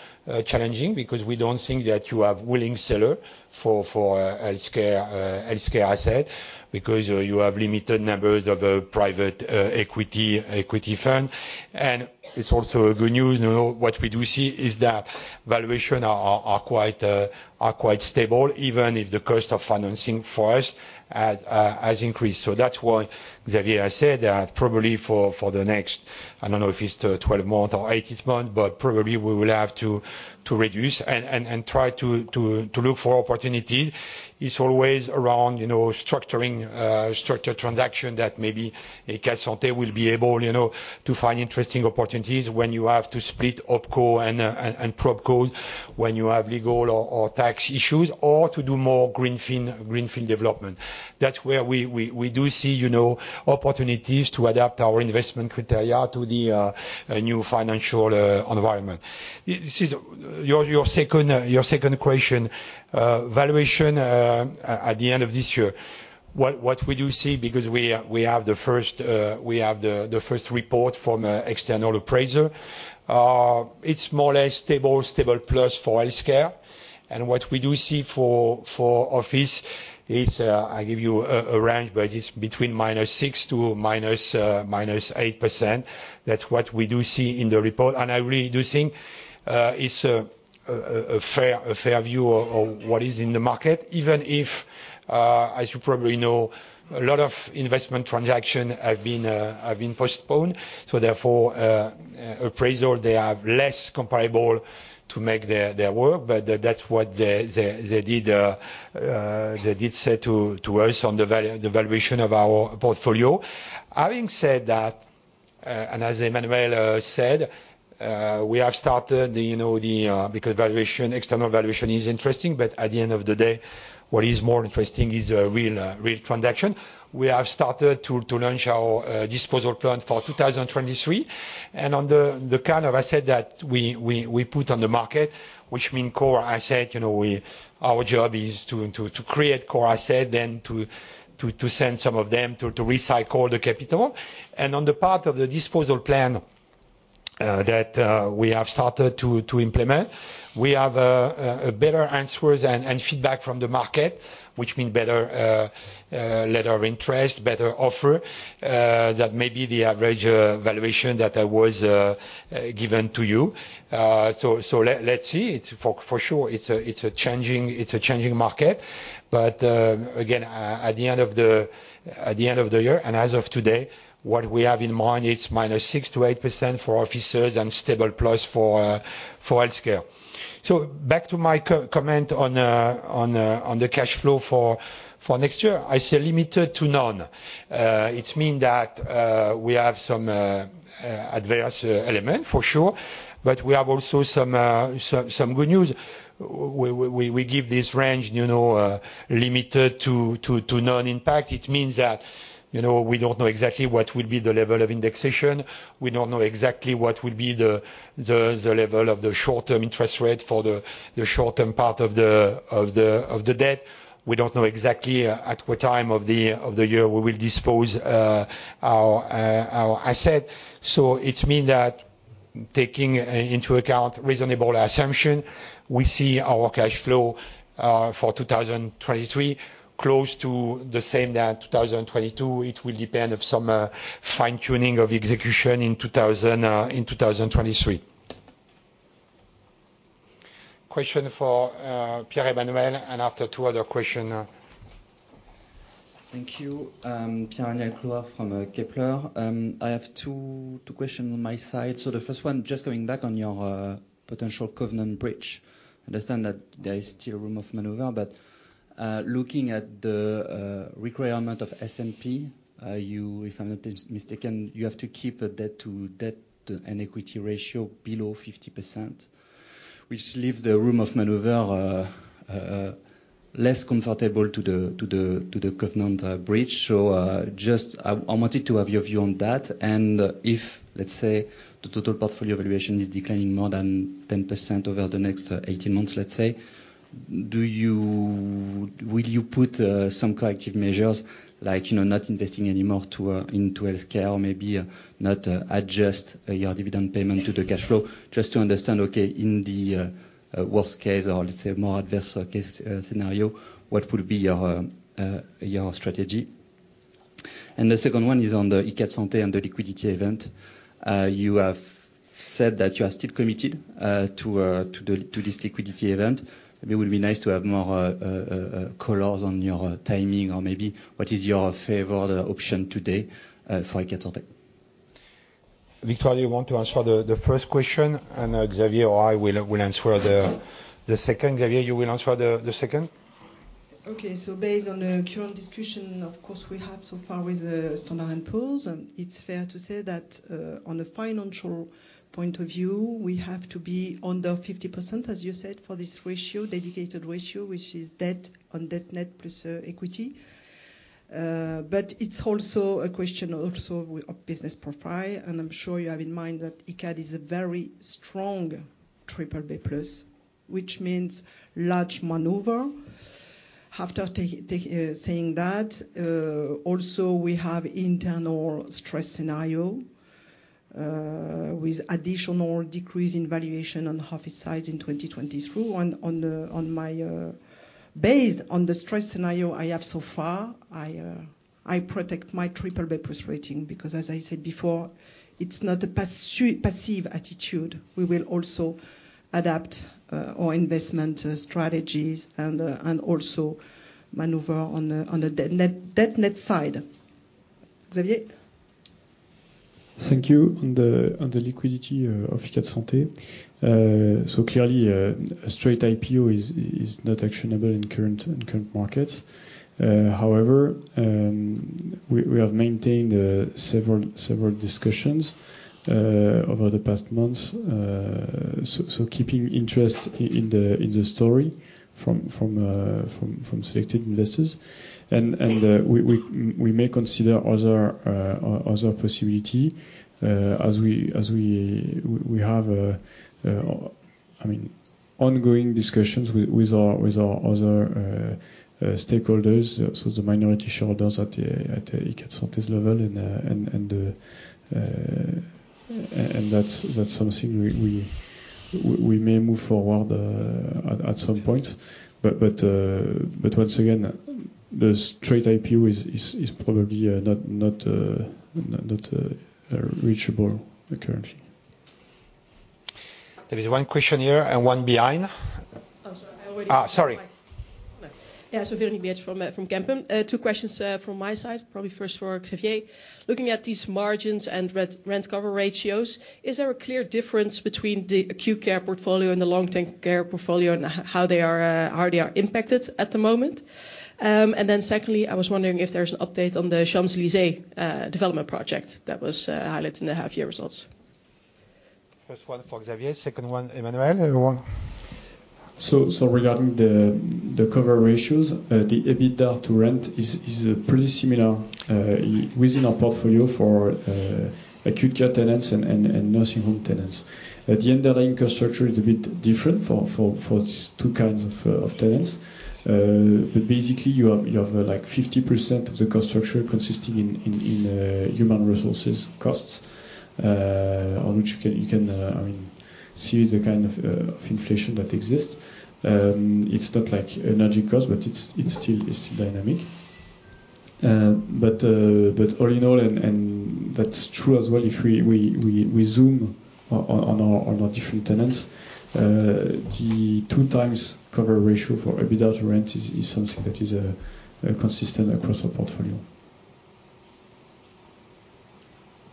challenging because we don't think that you have willing seller for healthcare asset, because you have limited numbers of private equity firm. It's also good news, you know, what we do see is that valuation are quite stable, even if the cost of financing for us has increased. That's why Xavier said that probably for the next, I don't know if it's 12 months or 18 months, but probably we will have to reduce and try to look for opportunities. It's always around, you know, structuring structure transaction that maybe Icade Santé will be able, you know, to find interesting opportunities when you have to split OpCo and PropCo when you have legal or tax issues, or to do more greenfield development. That's where we do see, you know, opportunities to adapt our investment criteria to the new financial environment. This is your second question. Valuation at the end of this year, what we do see because we have the first, we have the first report from external appraiser. It's more or less stable plus for healthcare. What we do see for office is, I give you a range, but it's between -6%--8%. That's what we do see in the report. I really do think it's a fair view of what is in the market, even if as you probably know, a lot of investment transaction have been postponed, so therefore, appraisal, they have less comparable to make their work. That's what they did say to us on the valuation of our portfolio. Having said that, and as Emmanuel said, we have started the, you know, the, because valuation, external valuation is interesting, but at the end of the day, what is more interesting is a real transaction. We have started to launch our disposal plan for 2023. On the kind of asset that we put on the market, which mean core asset, you know, our job is to create core asset then to send some of them to recycle the capital. On the part of the disposal plan, that we have started to implement, we have a better answers and feedback from the market, which mean better letter of interest, better offer, that may be the average valuation that I was given to you. So let's see. It's for sure, it's a changing, it's a changing market. Again, at the end of the year, and as of today, what we have in mind is -6%--8% for offices and stable plus for healthcare. Back to my co-comment on the cash flow for next year. I say limited to none. It means that we have some adverse element for sure, but we have also some good news. We give this range, you know, limited to non-impact. It means that, you know, we don't know exactly what will be the level of indexation. We don't know exactly what will be the level of the short-term interest rate for the short-term part of the debt. We don't know exactly at what time of the year we will dispose our asset. It means that taking into account reasonable assumption, we see our cash flow for 2023, close to the same than 2022. It will depend of some fine-tuning of execution in 2023. Question for, Pierre-Emmanuel, and after two other question. Thank you. Pierre-Emmanuel Clouard from Kepler. I have two questions on my side. The first one, just going back on your potential covenant breach. I understand that there is still room of maneuver, but looking at the requirement of S&P, you, if I'm not mistaken, you have to keep a debt and equity ratio below 50%, which leaves the room of maneuver less comfortable to the covenant breach. Just I wanted to have your view on that. If, let's say, the total portfolio valuation is declining more than 10% over the next 18 months, let's say, do you Will you put some corrective measures like, you know, not investing anymore into healthcare or maybe not adjust your dividend payment to the cash flow? Just to understand, okay, in the worst case or let's say more adverse case scenario, what will be your strategy? The second one is on the Icade Santé and the liquidity event. You have said that you are still committed to this liquidity event. It will be nice to have more colors on your timing or maybe what is your favorite option today for Icade Santé. Victoire, you want to answer the first question and Xavier or I will answer the second. Xavier, you will answer the second. Based on the current discussion of course we have so far with Standard & Poor's, it's fair to say that on a financial point of view, we have to be under 50%, as you said, for this ratio, dedicated ratio, which is debt on debt net plus equity. But it's also a question also of business profile, and I'm sure you have in mind that Icade is a very strong BBB+, which means large maneuver. After saying that, also we have internal stress scenario with additional decrease in valuation on office side in 2022. Based on the stress scenario I have so far, I protect my BBB+ rating because as I said before, it's not a passu, passive attitude. We will also adapt, our investment strategies and, also maneuver on the debt net side. Xavier? Thank you. On the liquidity of Icade Santé. Clearly a straight IPO is not actionable in current markets. However, we have maintained several discussions over the past months. Keeping interest in the story from selected investors. We may consider other possibility as we have, I mean, ongoing discussions with our other stakeholders, so the minority shareholders at Icade Santé's level and that's something we may move forward at some point. Once again, the straight IPO is probably not reachable currently. There is one question here and one behind. Oh, sorry. I. Sorry. Véronique Meertens from Kempen. Two questions from my side, probably first for Xavier. Looking at these margins and re-rent cover ratios, is there a clear difference between the acute care portfolio and the long-term care portfolio and how they are impacted at the moment? Secondly, I was wondering if there's an update on the Champs-Élysées development project that was highlighted in the half year results. First one for Xavier, second one Emmanuelle. Everyone. Regarding the cover ratios, the EBITDA to rent is pretty similar within our portfolio for acute care tenants and nursing home tenants. The underlying cost structure is a bit different for these two kinds of tenants. Basically you have like 50% of the cost structure consisting in human resources costs, on which you can I mean, see the kind of inflation that exists. It's not like energy costs, but it's still dynamic. All in all, and that's true as well, if we zoom on our, on our different tenants, the two times cover ratio for EBITDA to rent is something that is consistent across our portfolio.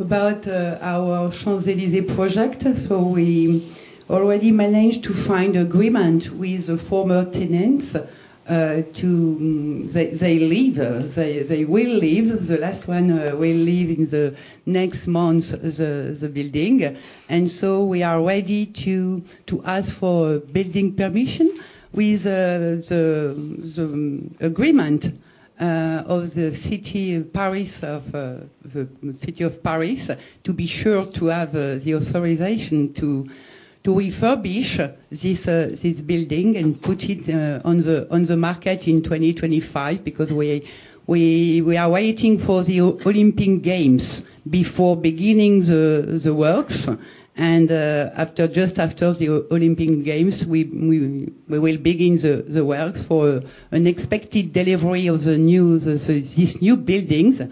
About our Champs-Élysées project. We already managed to find agreement with the former tenants to they leave. They will leave. The last one will leave in the next month, the building. We are ready to ask for building permission with the agreement of the City of Paris to be sure to have the authorization to refurbish this building and put it on the market in 2025 because we are waiting for the Olympic Games before beginning the works. After, just after the Olympic Games, we will begin the works for an expected delivery of this new buildings,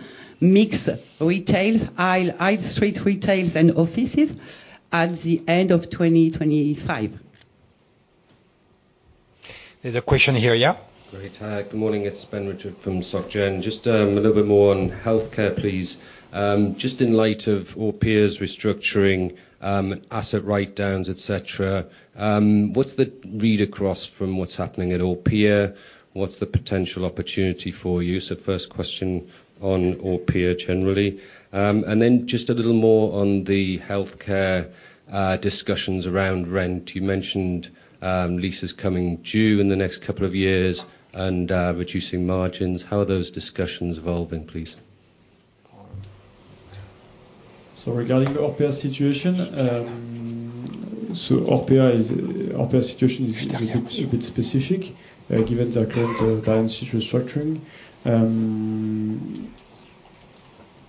mix retails, high street retails and offices at the end of 2025. There's a question here. Yeah. Great. Good morning. It's Ben Richards from Société Générale. Just a little bit more on healthcare, please. Just in light of Orpea's restructuring, asset write downs, et cetera, what's the read across from what's happening at Orpea? What's the potential opportunity for you? First question on Orpea generally. Just a little more on the healthcare discussions around rent. You mentioned leases coming due in the next two years and reducing margins. How are those discussions evolving, please? Regarding Orpea situation, Orpea situation is a bit specific given their current balance sheet restructuring.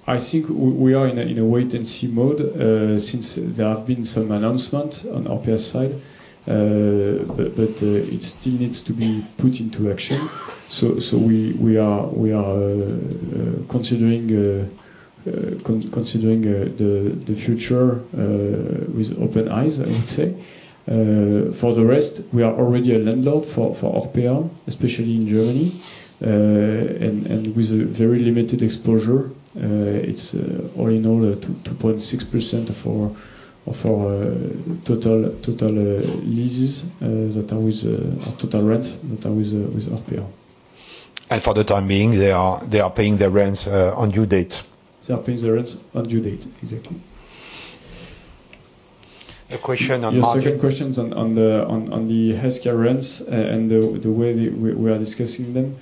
I think we are in a wait and see mode since there have been some announcements on Orpea's side. It still needs to be put into action. We are considering the future with open eyes, I would say. For the rest, we are already a landlord for Orpea, especially in Germany. With a very limited exposure, it's all in all 2.6% of our total leases that are with or total rent that are with Orpea. For the time being, they are paying their rents, on due date. They are paying their rents on due date. Exactly. A question on margin. Your second question on the healthcare rents and the way that we are discussing them.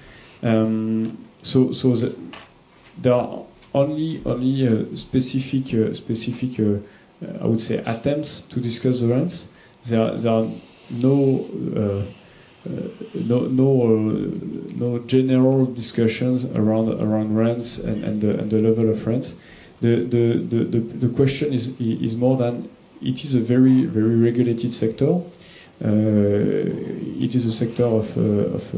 There are only specific, I would say, attempts to discuss the rents. There are no general discussions around rents and the level of rents. The question is more than it is a very regulated sector. It is a sector of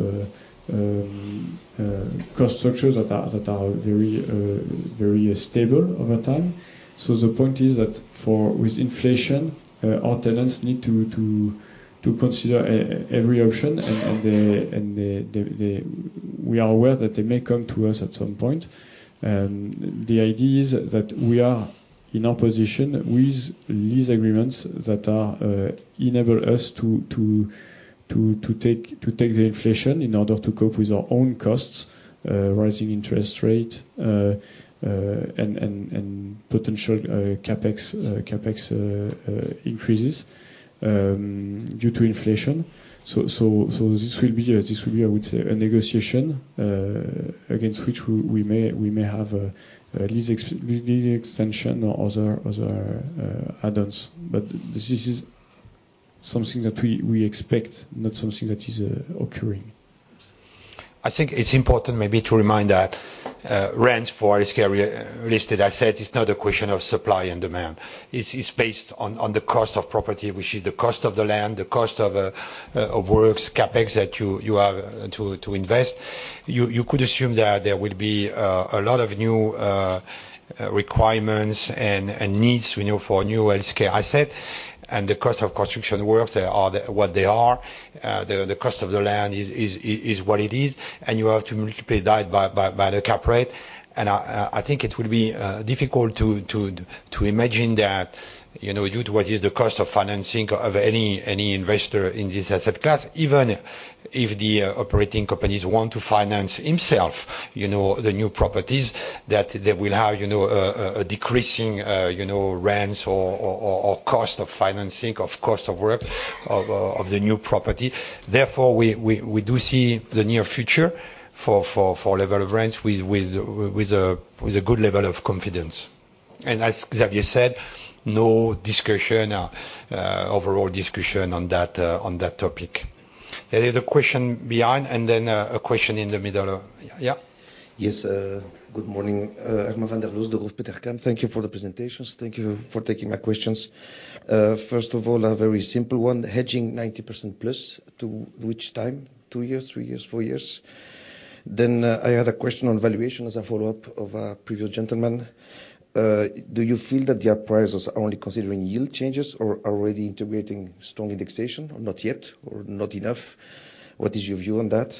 cost structures that are very stable over time. The point is that for with inflation, our tenants need to consider every option. We are aware that they may come to us at some point. The idea is that we are in a position with lease agreements that enable us to take the inflation in order to cope with our own costs, rising interest rate, and potential CapEx increases due to inflation. This will be a, I would say, a negotiation against which we may have a lease extension or other add-ons. This is something that we expect, not something that is occurring. I think it's important maybe to remind that rents for healthcare re-listed asset is not a question of supply and demand. It's based on the cost of property, which is the cost of the land, the cost of works, CapEx that you have to invest. You could assume that there will be a lot of new requirements and needs, you know, for new healthcare asset. The cost of construction works are what they are. The cost of the land is what it is. You have to multiply that by the cap rate. I think it will be difficult to imagine that, you know, due to what is the cost of financing of any investor in this asset class, even if the operating companies want to finance himself, you know, the new properties that they will have, you know, a decreasing, you know, rents or cost of financing, of course, of work of the new property. We do see the near future for level of rents with a good level of confidence. As Xavier said, no discussion, overall discussion on that topic. There is a question behind and then a question in the middle. Yeah. Yes. Good morning. Herman van der Loos, Degroof Petercam. Thank you for the presentations. Thank you for taking my questions. First of all, a very simple one. Hedging 90% plus to which time? two years, three years, four years? I had a question on valuation as a follow-up of a previous gentleman. Do you feel that the appraisers are only considering yield changes or already integrating strong indexation, or not yet, or not enough? What is your view on that?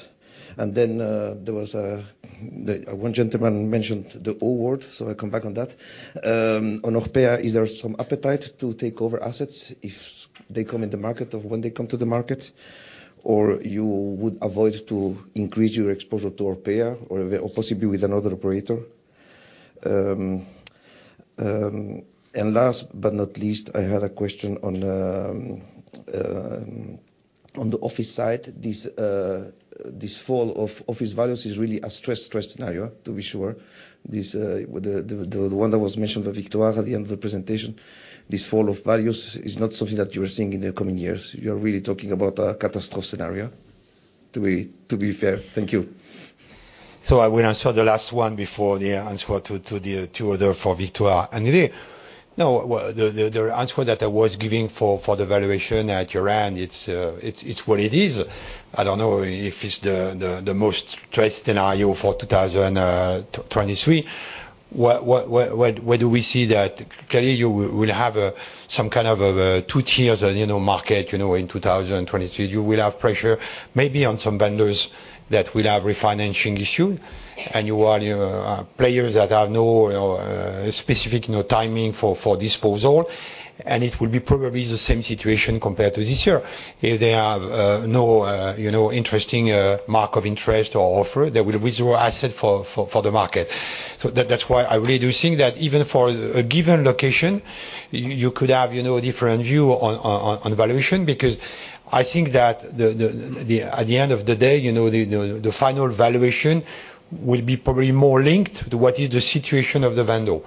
There was one gentleman mentioned the O word, I come back on that. On Orpea, is there some appetite to take over assets if they come in the market or when they come to the market, or you would avoid to increase your exposure to Orpea or possibly with another operator? Last but not least, I had a question on the office side. This fall of office values is really a stress scenario, to be sure. The one that was mentioned by Victoire at the end of the presentation, this fall of values is not something that you are seeing in the coming years. You're really talking about a catastrophe scenario, to be fair. Thank you. I will answer the last one before the answer to the two other for Victoire. Really, no, well the answer that I was giving for the valuation at year-end, it's what it is. I don't know if it's the most stressed scenario for 2023. What, where do we see that? Clearly you will have some kind of two tiers, you know, market, you know, in 2023. You will have pressure maybe on some vendors that will have refinancing issue. You are players that have no specific, you know, timing for disposal. It will be probably the same situation compared to this year. If they have no, you know, interesting mark of interest or offer, they will withdraw asset for the market. That's why I really do think that even for a given location, you could have, you know, a different view on valuation because I think that, at the end of the day, you know, the final valuation will be probably more linked to what is the situation of the vendor.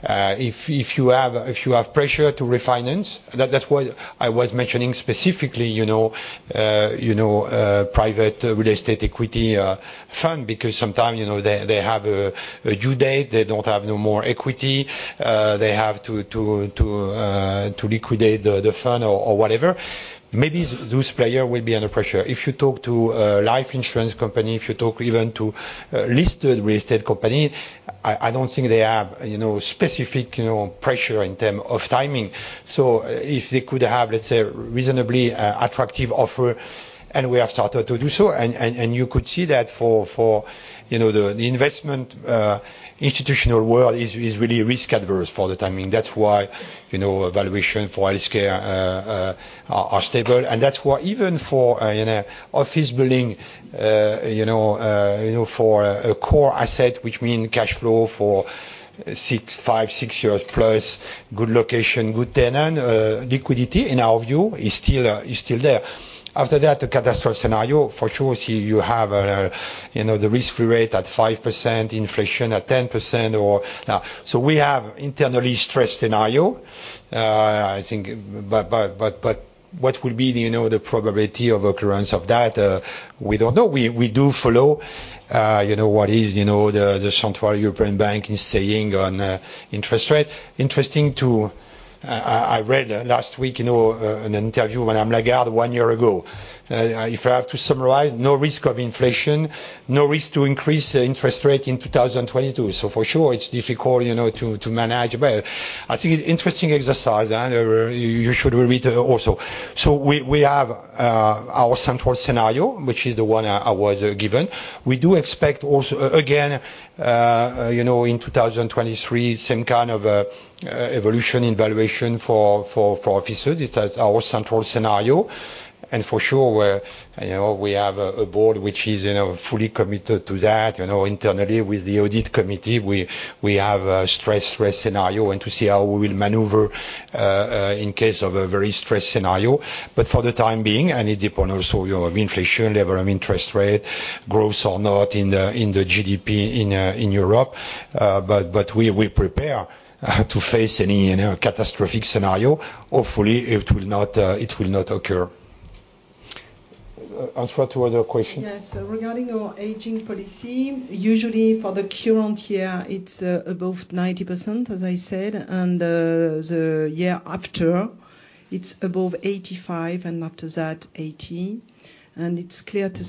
If you have pressure to refinance, that's what I was mentioning specifically, you know, private real estate equity fund, because sometimes, you know, they have a due date, they don't have no more equity, they have to liquidate the fund or whatever. Maybe those player will be under pressure. If you talk to a life insurance company, if you talk even to a listed real estate company, I don't think they have, you know, specific, you know, pressure in term of timing. If they could have, let's say, reasonably attractive offer, and we have started to do so, and you could see that for, you know, the investment institutional world is really risk-averse for the timing. That's why, you know, valuation for healthcare are stable. That's why even for, you know, office building, you know, for a core asset, which mean cash flow for six, five, six years plus, good location, good tenant, liquidity, in our view, is still there. The catastrophe scenario, for sure, you have, you know, the risk-free rate at 5%, inflation at 10%. We have internally stressed scenario. What will be the, you know, the probability of occurrence of that? We don't know. We do follow, you know, what is, you know, the European Central Bank is saying on interest rate. Interesting too, I read last week, you know, an interview with Madame Lagarde one year ago. If I have to summarize, no risk of inflation, no risk to increase interest rate in 2022. For sure, it's difficult, you know, to manage. I think it's interesting exercise, and you should read also. We have our central scenario, which is the one I was given. We do expect also, again, you know, in 2023, same kind of evolution in valuation for offices. It's as our central scenario. For sure, you know, we have a board which is, you know, fully committed to that. You know, internally with the audit committee, we have a stress scenario and to see how we will maneuver in case of a very stressed scenario. For the time being, it depend also your inflation level and interest rate, growth or not in the GDP in Europe. We will prepare to face any, you know, catastrophic scenario. Hopefully, it will not occur. Answer to other question. Yes. Regarding our aging policy, usually for the current year, it's above 90%, as I said, and the year after, it's above 85, and after that, 80. It's fair to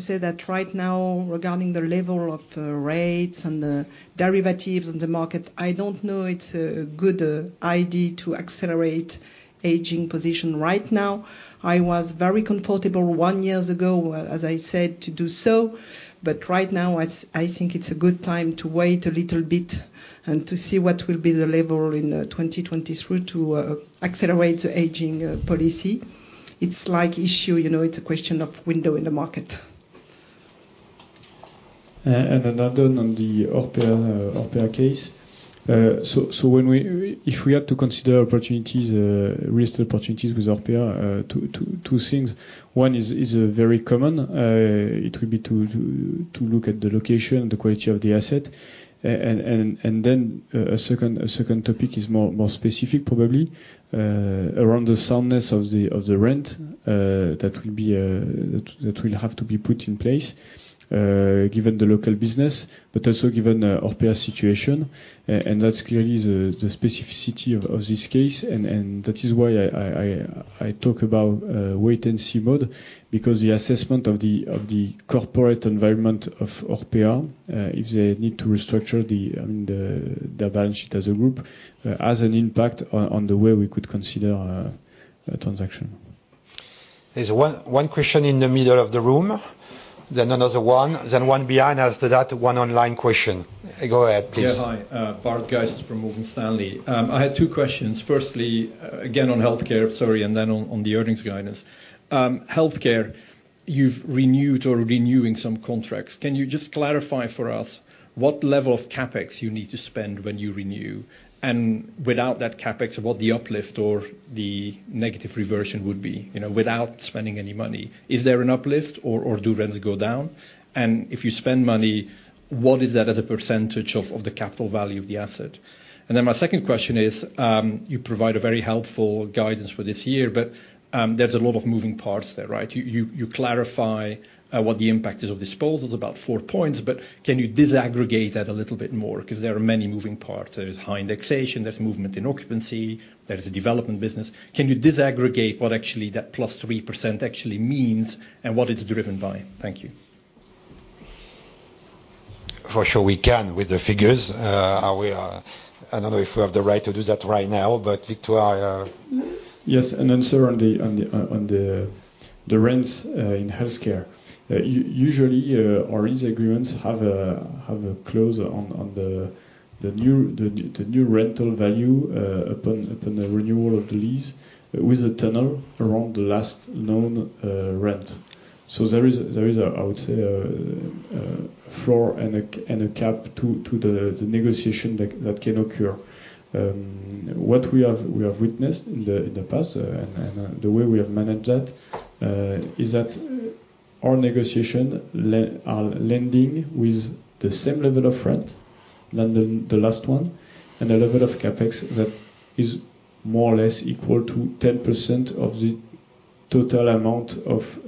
say that right now, regarding the level of rates and the derivatives in the market, I don't know it's a good idea to accelerate aging position right now. I was very comfortable one years ago, as I said, to do so. Right now, I think it's a good time to wait a little bit and to see what will be the level in 2023 to accelerate the aging policy. It's like issue, you know, it's a question of window in the market. Another on the Orpea case. If we had to consider opportunities, real estate opportunities with Orpea, two things. One is very common. It will be to look at the location, the quality of the asset. A second topic is more specific, probably, around the soundness of the rent that will have to be put in place, given the local business, but also given Orpea's situation. That's clearly the specificity of this case, and that is why I talk about wait-and-see mode, because the assessment of the corporate environment of Orpea, if they need to restructure, I mean, the balance sheet as a group, has an impact on the way we could consider a transaction. There's one question in the middle of the room, then another one, then one behind. One online question. Go ahead, please. Hi, Bart Gysens from Morgan Stanley. I had two questions. Firstly, again, on healthcare, sorry, and then on the earnings guidance. Healthcare, you've renewed or renewing some contracts. Can you just clarify for us what level of CapEx you need to spend when you renew? Without that CapEx, what the uplift or the negative reversion would be, you know, without spending any money. Is there an uplift or do rents go down? If you spend money, what is that as a percentage of the capital value of the asset? My second question is, you provide a very helpful guidance for this year, but there's a lot of moving parts there, right? You clarify what the impact is of disposals, about four points, but can you disaggregate that a little bit more? 'Cause there are many moving parts. There is high indexation, there's movement in occupancy, there is a development business. Can you disaggregate what actually that +3% actually means and what it's driven by? Thank you. For sure, we can with the figures. We. I don't know if we have the right to do that right now, but Victoire. Yes. An answer on the rents in healthcare. Usually, our lease agreements have a clause on the new rental value upon the renewal of the lease with a tenner around the last known rent. There is a, I would say, floor and a cap to the negotiation that can occur. What we have witnessed in the past and the way we have managed that is that our negotiation are landing with the same level of rent than the last one, and a level of CapEx that is more or less equal to 10% of the total amount of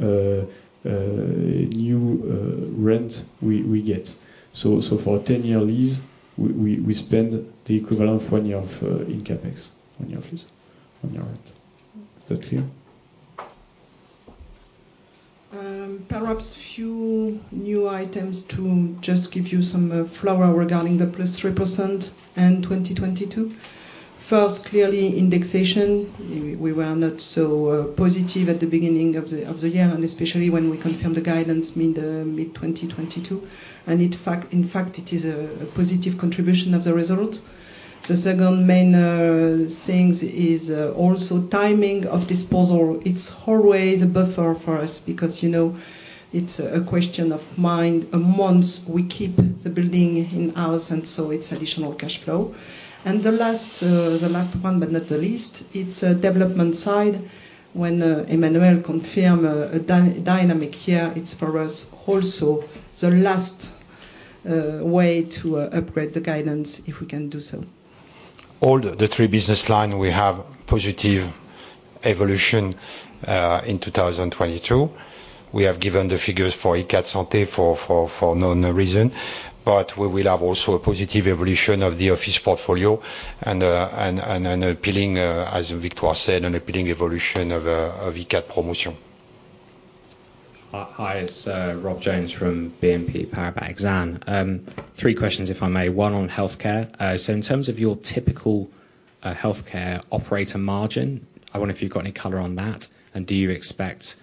new rent we get. For a 10-year lease, we spend the equivalent one year of in CapEx. one year of lease. one year of rent. Is that clear? Perhaps few new items to just give you some flavor regarding the +3% in 2022. First, clearly indexation. We were not so positive at the beginning of the year, and especially when we confirmed the guidance mid-2022. In fact, it is a positive contribution of the results. The second main things is also timing of disposal. It's always a buffer for us because, you know, it's a question of mind. A month we keep the building in-house, it's additional cash flow. The last one, but not the least, it's development side. When Emmanuel confirm a dynamic here, it's for us also the last way to upgrade the guidance, if we can do so. All the three business line, we have positive evolution in 2022. We have given the figures for Icade Santé for no reason, but we will have also a positive evolution of the office portfolio and an appealing, as Victoire said, an appealing evolution of Icade Promotion. Hi. Hi, it's Rob Jones from BNP Paribas Exane. Three questions if I may. One on healthcare. In terms of your typical healthcare operator margin, I wonder if you've got any color on that, and do you expect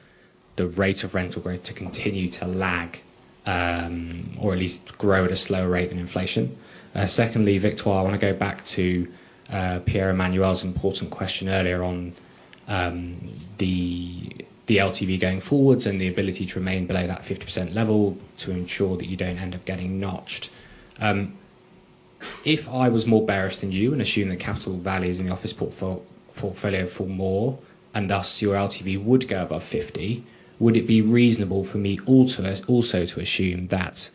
the rate of rental growth to continue to lag, or at least grow at a slower rate than inflation? Secondly, Victoire, I wanna go back to Pierre-Emmanuel's important question earlier on, the LTV going forwards and the ability to remain below that 50% level to ensure that you don't end up getting notched. If I was more bearish than you and assume the capital values in the office portfolio fall more, and thus your LTV would go above 50, would it be reasonable for me also to assume that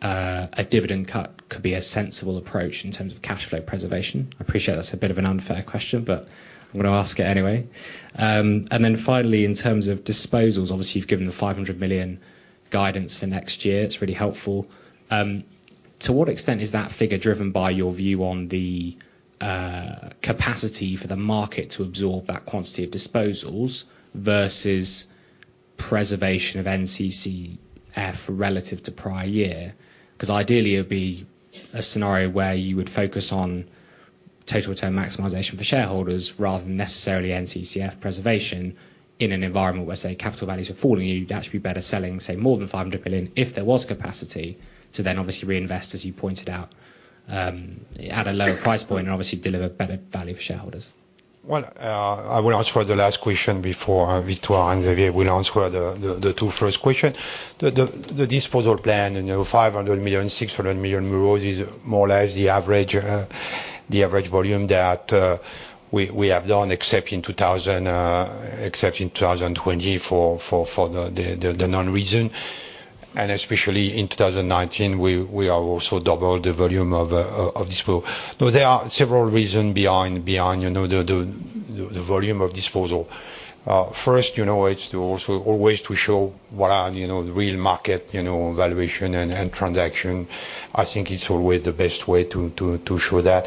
a dividend cut could be a sensible approach in terms of cash flow preservation? I appreciate that's a bit of an unfair question, but I'm gonna ask it anyway. Then finally, in terms of disposals, obviously you've given the 500 million guidance for next year. It's really helpful. To what extent is that figure driven by your view on the capacity for the market to absorb that quantity of disposals versus preservation of NCCF relative to prior year? 'Cause ideally it would be a scenario where you would focus on total return maximization for shareholders rather than necessarily NCCF preservation in an environment where, say, capital values are falling and you'd actually be better selling, say, more than 500 million if there was capacity to then obviously reinvest, as you pointed out, at a lower price point and obviously deliver better value for shareholders. Well, I will answer the last question before Victoire and Xavier will answer the two first question. The disposal plan, you know, 500 million, 600 million euros is more or less the average the average volume that we have done except in 2000, except in 2020 for the known reason. Especially in 2019, we are also double the volume of disposal. There are several reason behind, you know, the volume of disposal. First, you know, it's to also always to show what are, you know, the real market, you know, valuation and transaction. I think it's always the best way to show that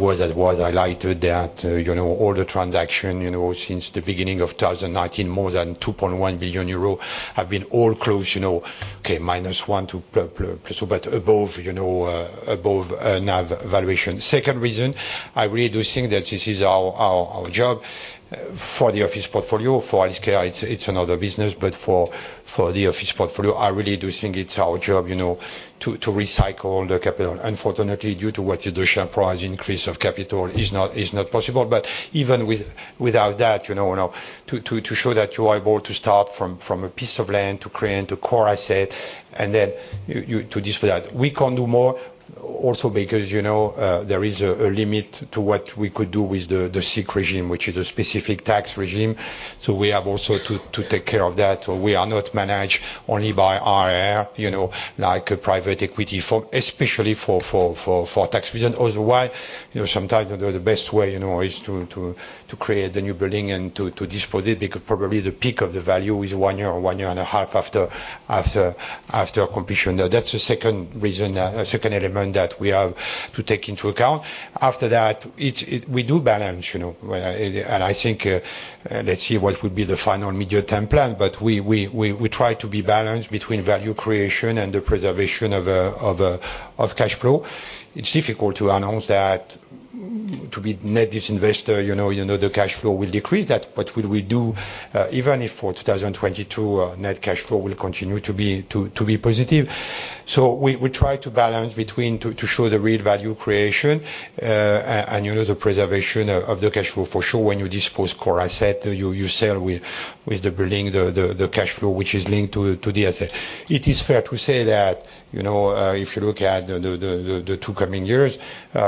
was, as was highlighted, that, you know, all the transaction, you know, since the beginning of 2019, more than 2.1 billion euro have been all closed, you know, okay, minus one to plus or but above, you know, above NAV valuation. Second reason, I really do think that this is our job for the office portfolio. For healthcare it's another business. For the office portfolio, I really do think it's our job, you know, to recycle the capital. Unfortunately, due to what you do, share price increase of capital is not possible. Even without that, you know, to show that you are able to start from a piece of land to create a core asset and then you to display that. We can't do more also because, you know, there is a limit to what we could do with the SIIC regime, which is a specific tax regime. We have also to take care of that. We are not managed only by IR, you know, like a private equity firm, especially for tax reason. Otherwise, you know, sometimes the best way, you know, is to create the new building and to dispose it because probably the peak of the value is one year or one year and a half after completion. That's the second reason, second element that we have to take into account. After that, it's we do balance, you know, and I think, let's see what would be the final mid-year term plan. We try to be balanced between value creation and the preservation of a cash flow. It's difficult to announce that. To be net disinvestor, you know the cash flow will decrease that, but will we do, even if for 2022, net cash flow will continue to be positive. We try to balance between to show the real value creation and, you know, the preservation of the cash flow for sure when you dispose core asset, you sell with the building the cash flow which is linked to the asset. It is fair to say that, you know, if you look at the two coming years,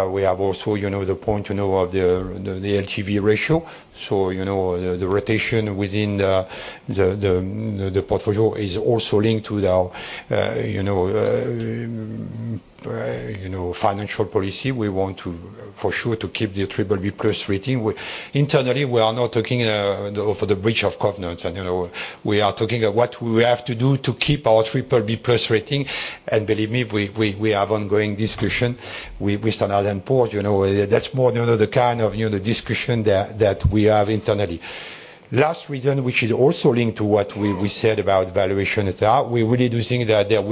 we have also, you know, the point, you know, of the LTV ratio. You know, the rotation within the portfolio is also linked with our, you know, financial policy. We want to for sure to keep the BBB+ rating. Internally, we are not talking of the breach of covenants and, you know, we are talking of what we have to do to keep our BBB+ rating. Believe me, we have ongoing discussion with Standard & Poor's. You know, that's more, you know, the kind of, you know, the discussion that we have internally. Last reason, which is also linked to what we said about valuation et al., we really do think that there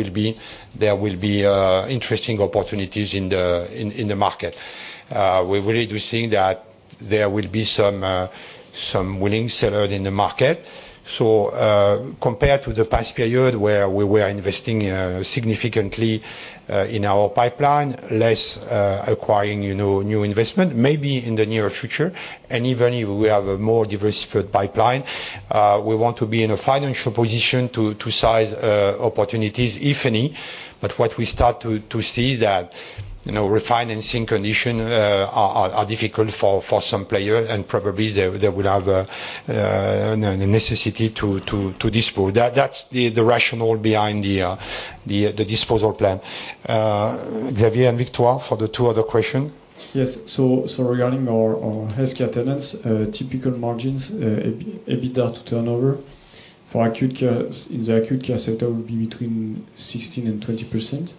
will be interesting opportunities in the market. We really do think that there will be some willing seller in the market. Compared to the past period, where we were investing significantly in our pipeline, less acquiring, you know, new investment, maybe in the near future. Even if we have a more diversified pipeline, we want to be in a financial position to size opportunities, if any. What we start to see that, you know, refinancing condition are difficult for some players and probably they will have a necessity to dispose. That's the rationale behind the disposal plan. Xavier and Victoire for the two other question. Yes. Regarding our healthcare tenants, typical margins, EBITDA to turnover for acute care in the acute care sector will be between 16% and 20%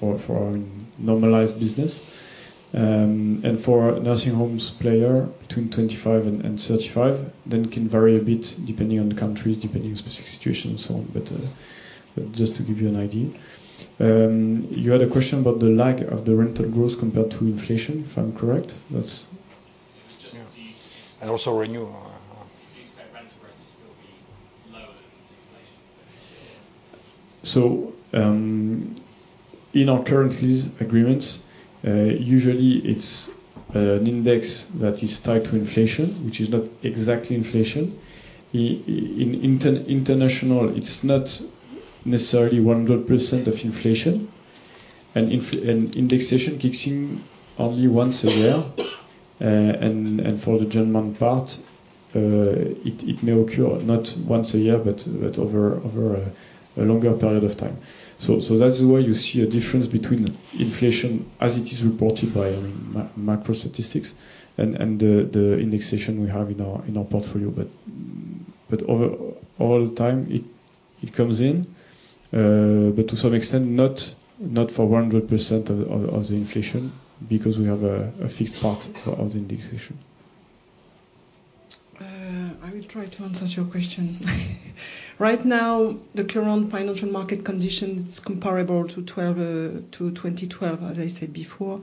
for normalized business. For nursing homes player, between 25% and 35% can vary a bit depending on the countries, depending specific situation and so on. Just to give you an idea. You had a question about the lag of the rental growth compared to inflation, if I'm correct. Also renewal. Do you expect rent growth to still be lower than inflation? In our current lease agreements, usually it's an index that is tied to inflation, which is not exactly inflation. In international, it's not necessarily 100% of inflation. Indexation kicks in only once a year. For the German part, it may occur not once a year, but over a longer period of time. That's why you see a difference between inflation as it is reported by, I mean, macro statistics and the indexation we have in our portfolio. Over all the time, it comes in, but to some extent, not for 100% of the inflation because we have a fixed part of the indexation. I will try to answer your question. Right now, the current financial market condition, it's comparable to 12, to 2012, as I said before.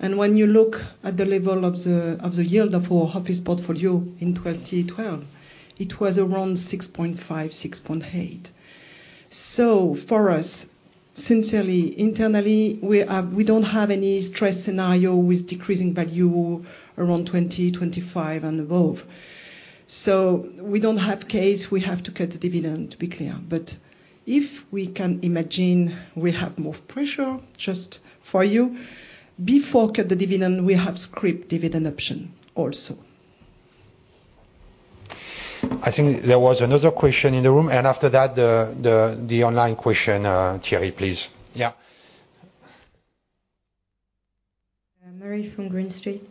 When you look at the level of the, of the yield of our office portfolio in 2012, it was around 6.5%, 6.8%. For us, sincerely, internally, we don't have any stress scenario with decreasing value around 20%, 25% and above. We don't have case, we have to cut the dividend to be clear. If we can imagine we have more pressure just for you, before cut the dividend, we have script dividend option also. I think there was another question in the room. After that, the online question, Thierry, please. Yeah. Mary from Green Street.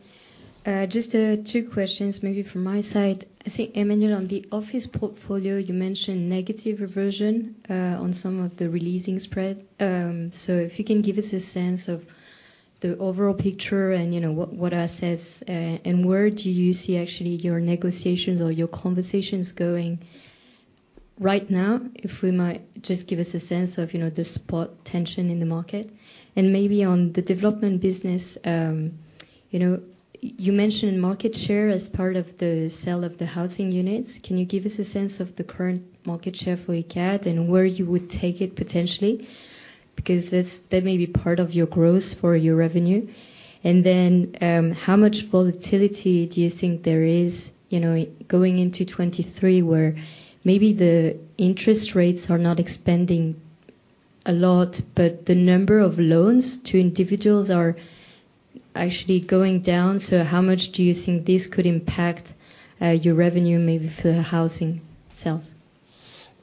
Just two questions maybe from my side. I think, Emmanuelle, on the office portfolio, you mentioned negative reversion on some of the releasing spread. If you can give us a sense of the overall picture and, you know, what assets, and where do you see actually your negotiations or your conversations going right now, if we might just give us a sense of, you know, the spot tension in the market? Maybe on the development business, you know, you mentioned market share as part of the sale of the housing units. Can you give us a sense of the current market share for Icade and where you would take it potentially? That may be part of your growth for your revenue. How much volatility do you think there is, you know, going into 2023, where maybe the interest rates are not expanding a lot, but the number of loans to individuals are actually going down. How much do you think this could impact your revenue maybe for housing sales?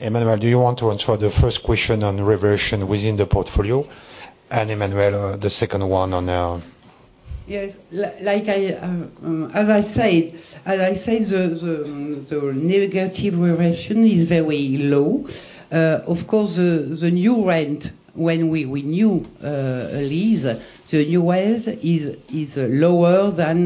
Emmanuelle, do you want to answer the first question on reversion within the portfolio? Emmanuelle, the second one on. Yes. Like I, as I said, the negative reversion is very low. Of course, the new rent when we renew a lease, the new rent is lower than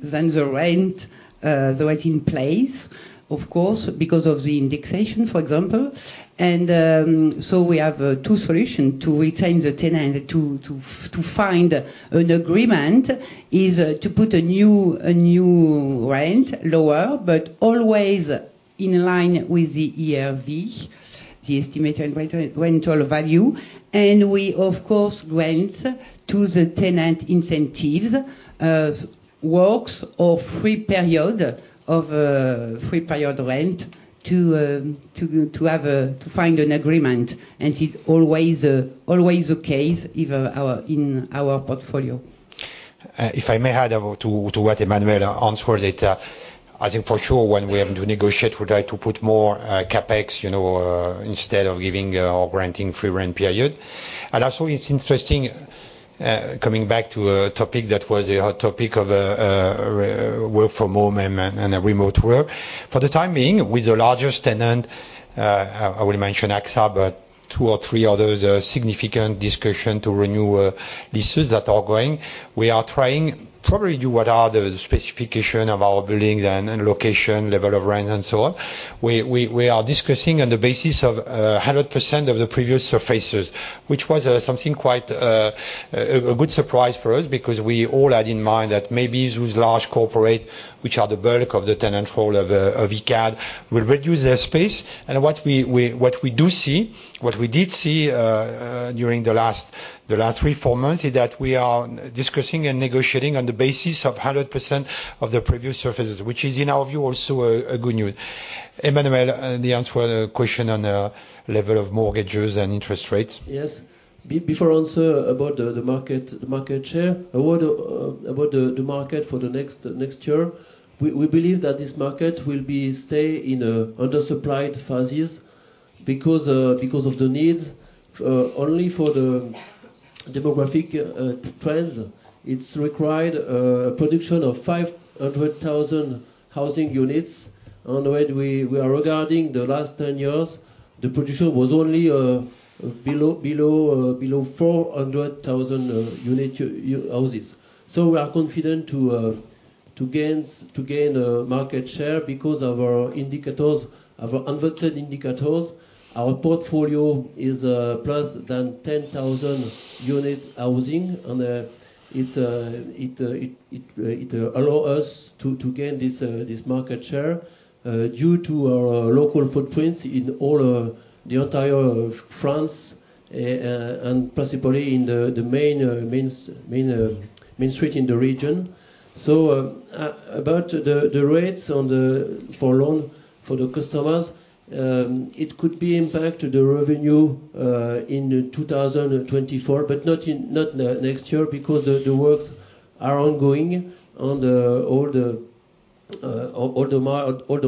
the rent that's in place. Of course, because of the indexation, for example. We have two solution to retain the tenant, to find an agreement, is to put a new rent lower, but always in line with the ERV, the estimated rental value. We, of course, went to the tenant incentives, works or free period of free period rent to find an agreement. It's always the case even our, in our portfolio. If I may add to what Emmanuelle answered. I think for sure when we have to negotiate, we try to put more CapEx, you know, instead of giving or granting free rent period. Also, it's interesting, coming back to a topic that was a hot topic of work from home and remote work. For the time being, with the largest tenant, I will mention AXA, but two or three others, significant discussion to renew leases that are ongoing. We are trying probably do what are the specification of our buildings and location, level of rent and so on. We are discussing on the basis of 100% of the previous surfaces, which was something quite a good surprise for us because we all had in mind that maybe these large corporate, which are the bulk of the tenant role of Icade, will reduce their space. What we did see during the last three, four months is that we are discussing and negotiating on the basis of 100% of the previous surfaces, which is, in our view, also a good news. Emmanuelle, the answer question on the level of mortgages and interest rates. Yes. Before answer about the market, the market share. About the market for the next year, we believe that this market will be stay in a undersupplied phases because of the needs only for the demographic trends. It's required production of 500,000 housing units. On the way we are regarding the last 10 years, the production was only below 400,000 unit houses. We are confident to gain market share because of our indicators, of our inverted indicators. Our portfolio is plus than 10,000 unit housing, and it allow us to gain this market share due to our local footprints in all the entire of France and principally in the main street in the region. about the rates for loan for the customers, it could be impact to the revenue in 2024, but not next year because the works are ongoing on all the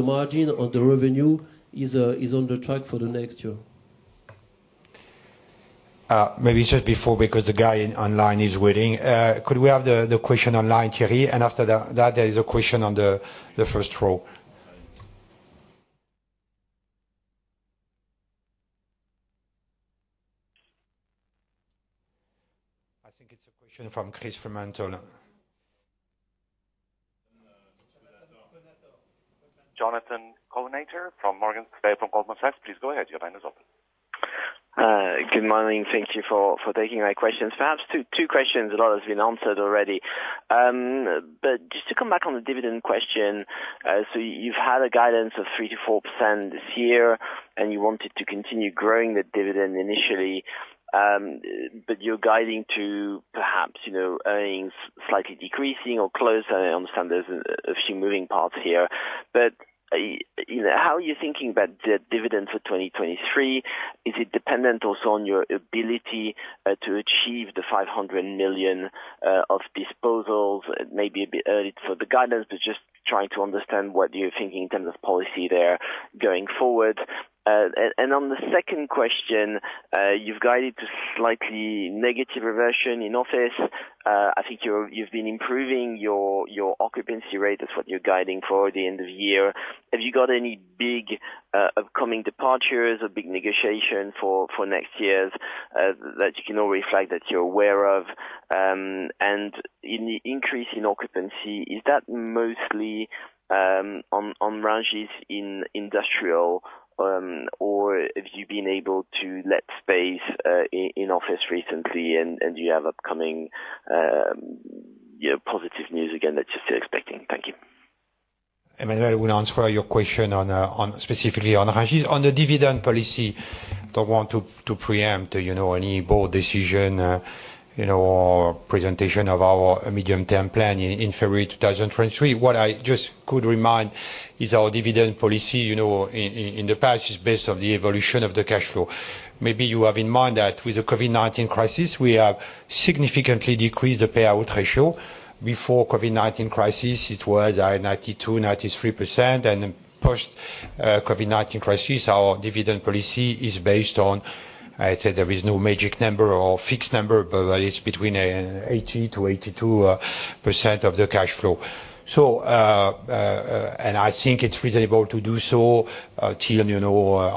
margin on the revenue is on the track for the next year. Maybe just before, because the guy online is waiting. Could we have the question online, Thierry? After that, there is a question on the first row. I think it's a question from Chris from Anton. Jonathan Kownator from Goldman Sachs. Please go ahead, your line is open. Good morning. Thank you for taking my questions. Perhaps two questions. A lot has been answered already. Just to come back on the dividend question. You've had a guidance of 3%-4% this year, and you wanted to continue growing the dividend initially, but you're guiding to perhaps, you know, earnings slightly decreasing or close. I understand there's a few moving parts here. You know, how are you thinking about the dividend for 2023? Is it dependent also on your ability to achieve the 500 million of disposals? It may be a bit early for the guidance, but just trying to understand what you're thinking in terms of policy there going forward. And on the second question, you've guided to slightly negative reversion in office. I think you're, you've been improving your occupancy rate. That's what you're guiding for the end of the year. Have you got any big upcoming departures or big negotiation for next year's that you can already flag that you're aware of? In the increase in occupancy, is that mostly on ranges in industrial? Have you been able to let space in office recently and you have upcoming, you know, positive news again that you're still expecting? Thank you. Emmanuelle will answer your question on specifically on ranges. On the dividend policy, don't want to preempt any board decision or presentation of our medium-term plan in February 2023. What I just could remind is our dividend policy in the past is based on the evolution of the cash flow. Maybe you have in mind that with the COVID-19 crisis, we have significantly decreased the payout ratio. Before COVID-19 crisis, it was 92%-93%. Post COVID-19 crisis, our dividend policy is based onI said there is no magic number or fixed number, but it's between 80%-82% of the cash flow. I think it's reasonable to do so till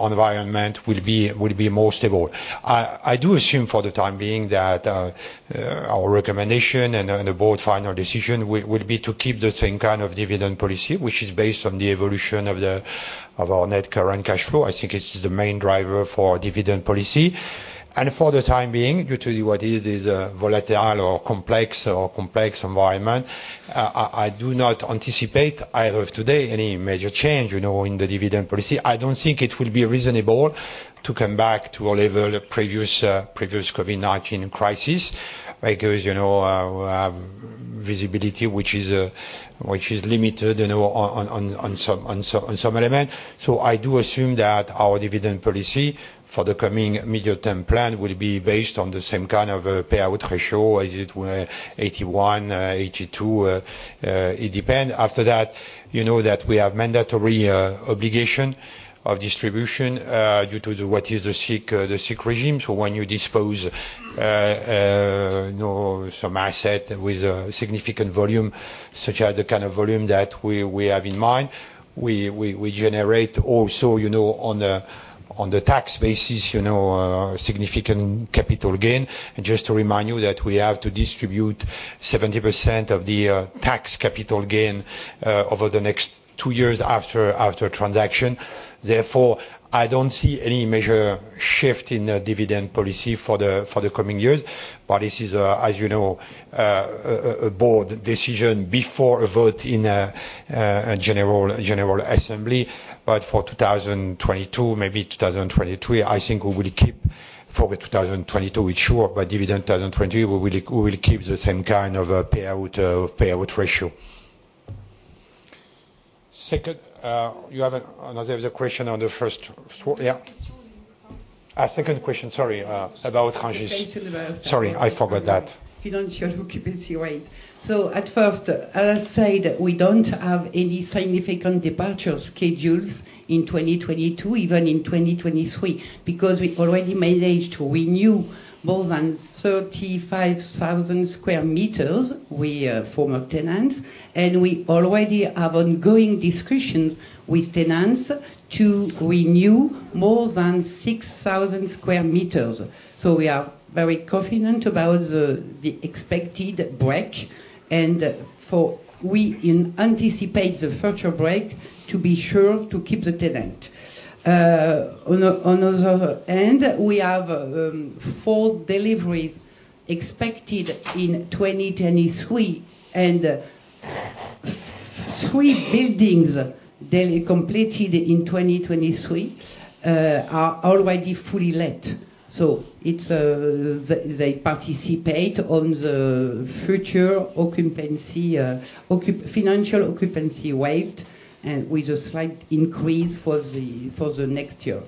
environment will be more stable. I do assume for the time being that our recommendation and the, and the board final decision will be to keep the same kind of dividend policy, which is based on the evolution of the, of our net cash flow. I think it's the main driver for dividend policy. For the time being, due to the what is this volatile or complex environment, I do not anticipate either of today any major change, you know, in the dividend policy. I don't think it will be reasonable to come back to our level previous COVID-19 crisis, because, you know, visibility which is limited, you know, on, on some, on some element. I do assume that our dividend policy for the coming medium-term plan will be based on the same kind of payout ratio as it were 81, 82, it depend. After that, you know that we have mandatory obligation of distribution due to the SIIC regime. When you dispose, you know, some asset with a significant volume, such as the kind of volume that we have in mind, we generate also, you know, on the tax basis, you know, significant capital gain. Just to remind you that we have to distribute 70% of the tax capital gain over the next two years after transaction. Therefore, I don't see any major shift in the dividend policy for the coming years. This is, as you know, a board decision before a vote in a general assembly. For 2022, maybe 2023, I think we will keep for the 2022 it sure, but dividend 2020, we will keep the same kind of a payout payout ratio. Second, you have another question on the first... Yeah. Second question. Sorry. Second question. Sorry, about Rungis. Financial. Sorry, I forgot that. Financial occupancy rate. At first, as I said, we don't have any significant departure schedules in 2022, even in 2023, because we already managed to renew more than 35,000 square meters we form of tenants. We already have ongoing discussions with tenants to renew more than 6,000 square meters. We are very confident about the expected break, and for we anticipate the future break to be sure to keep the tenant. On the other hand, we have full delivery expected in 2023, and three buildings then completed in 2023 are already fully let. It's they participate on the future occupancy financial occupancy rate, and with a slight increase for the next year.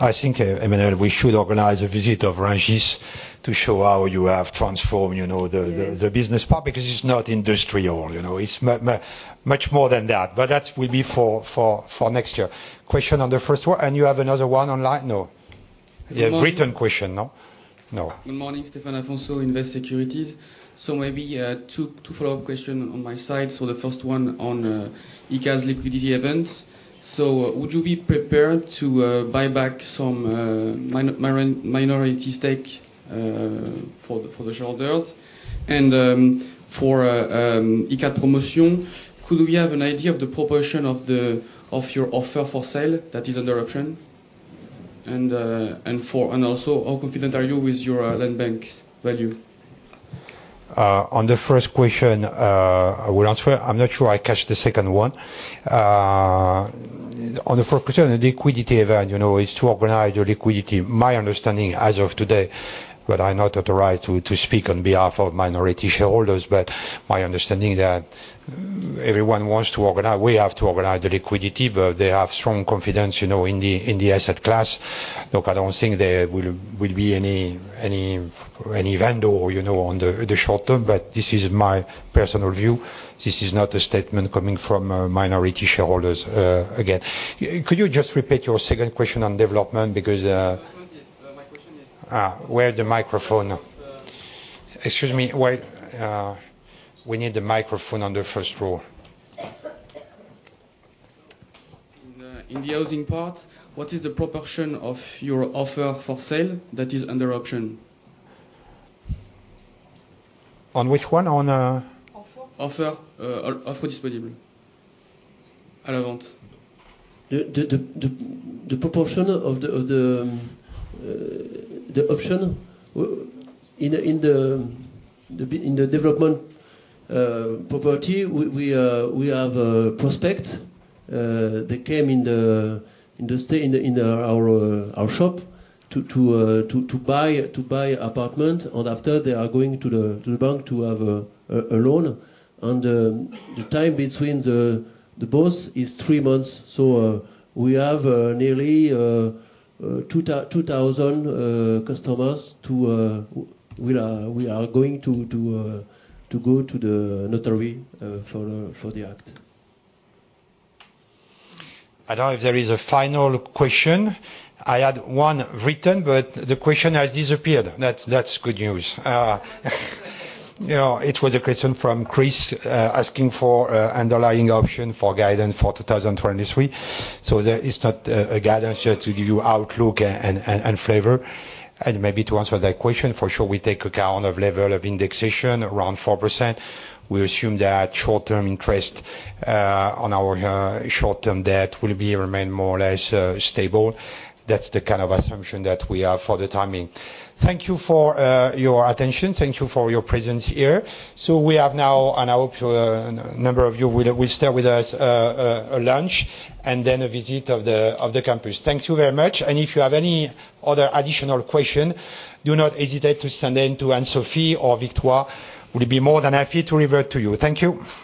I think, Emmanuel, we should organize a visit of Rungis to show how you have transformed, you know, the business part because it's not industrial, you know. It's much more than that. That will be for next year. Question on the first one? You have another one online? No. You have written question, no? No. Good morning, Stephan Alfonso, Invest Securities. Maybe two follow-up question on my side. The first one on Icade's liquidity events. Would you be prepared to buy back some minority stake for the shareholders? For Icade Promotion, could we have an idea of the proportion of the of your offer for sale that is under option? And also, how confident are you with your land bank value? On the first question, I will answer. I'm not sure I catch the second one. On the first question, the liquidity event, you know, is to organize your liquidity. My understanding as of today, but I'm not authorized to speak on behalf of minority shareholders, but my understanding that everyone wants to organize. We have to organize the liquidity, but they have strong confidence, you know, in the asset class. Look, I don't think there will be any vendor, you know, on the short term, but this is my personal view. This is not a statement coming from minority shareholders again. Could you just repeat your second question on development? Because. My question is. Where the microphone? The- Excuse me. Where, we need the microphone on the first row. In the housing part, what is the proportion of your offer for sale that is under option? On which one? On. Offer. Offer. Offer available. The proportion of the option in the development property, we have a prospect that came in the in our shop to buy apartment. After they are going to the bank to have a loan. The time between the both is three months. We have nearly 2,000 customers to we are going to go to the notary for the act. I don't know if there is a final question. I had one written, but the question has disappeared. That's good news. No, it was a question from Chris, asking for underlying option for guidance for 2023. There is not a guidance here to give you outlook and flavor. And maybe to answer that question, for sure we take account of level of indexation around 4%. We assume that short-term interest on our short-term debt will remain more or less stable. That's the kind of assumption that we have for the timing. Thank you for your attention. Thank you for your presence here. We have now, and I hope you, a number of you will stay with us, lunch, and then a visit of the campus. Thank you very much. If you have any other additional question, do not hesitate to send in to Anne-Sophie or Victoire. We'll be more than happy to revert to you. Thank you.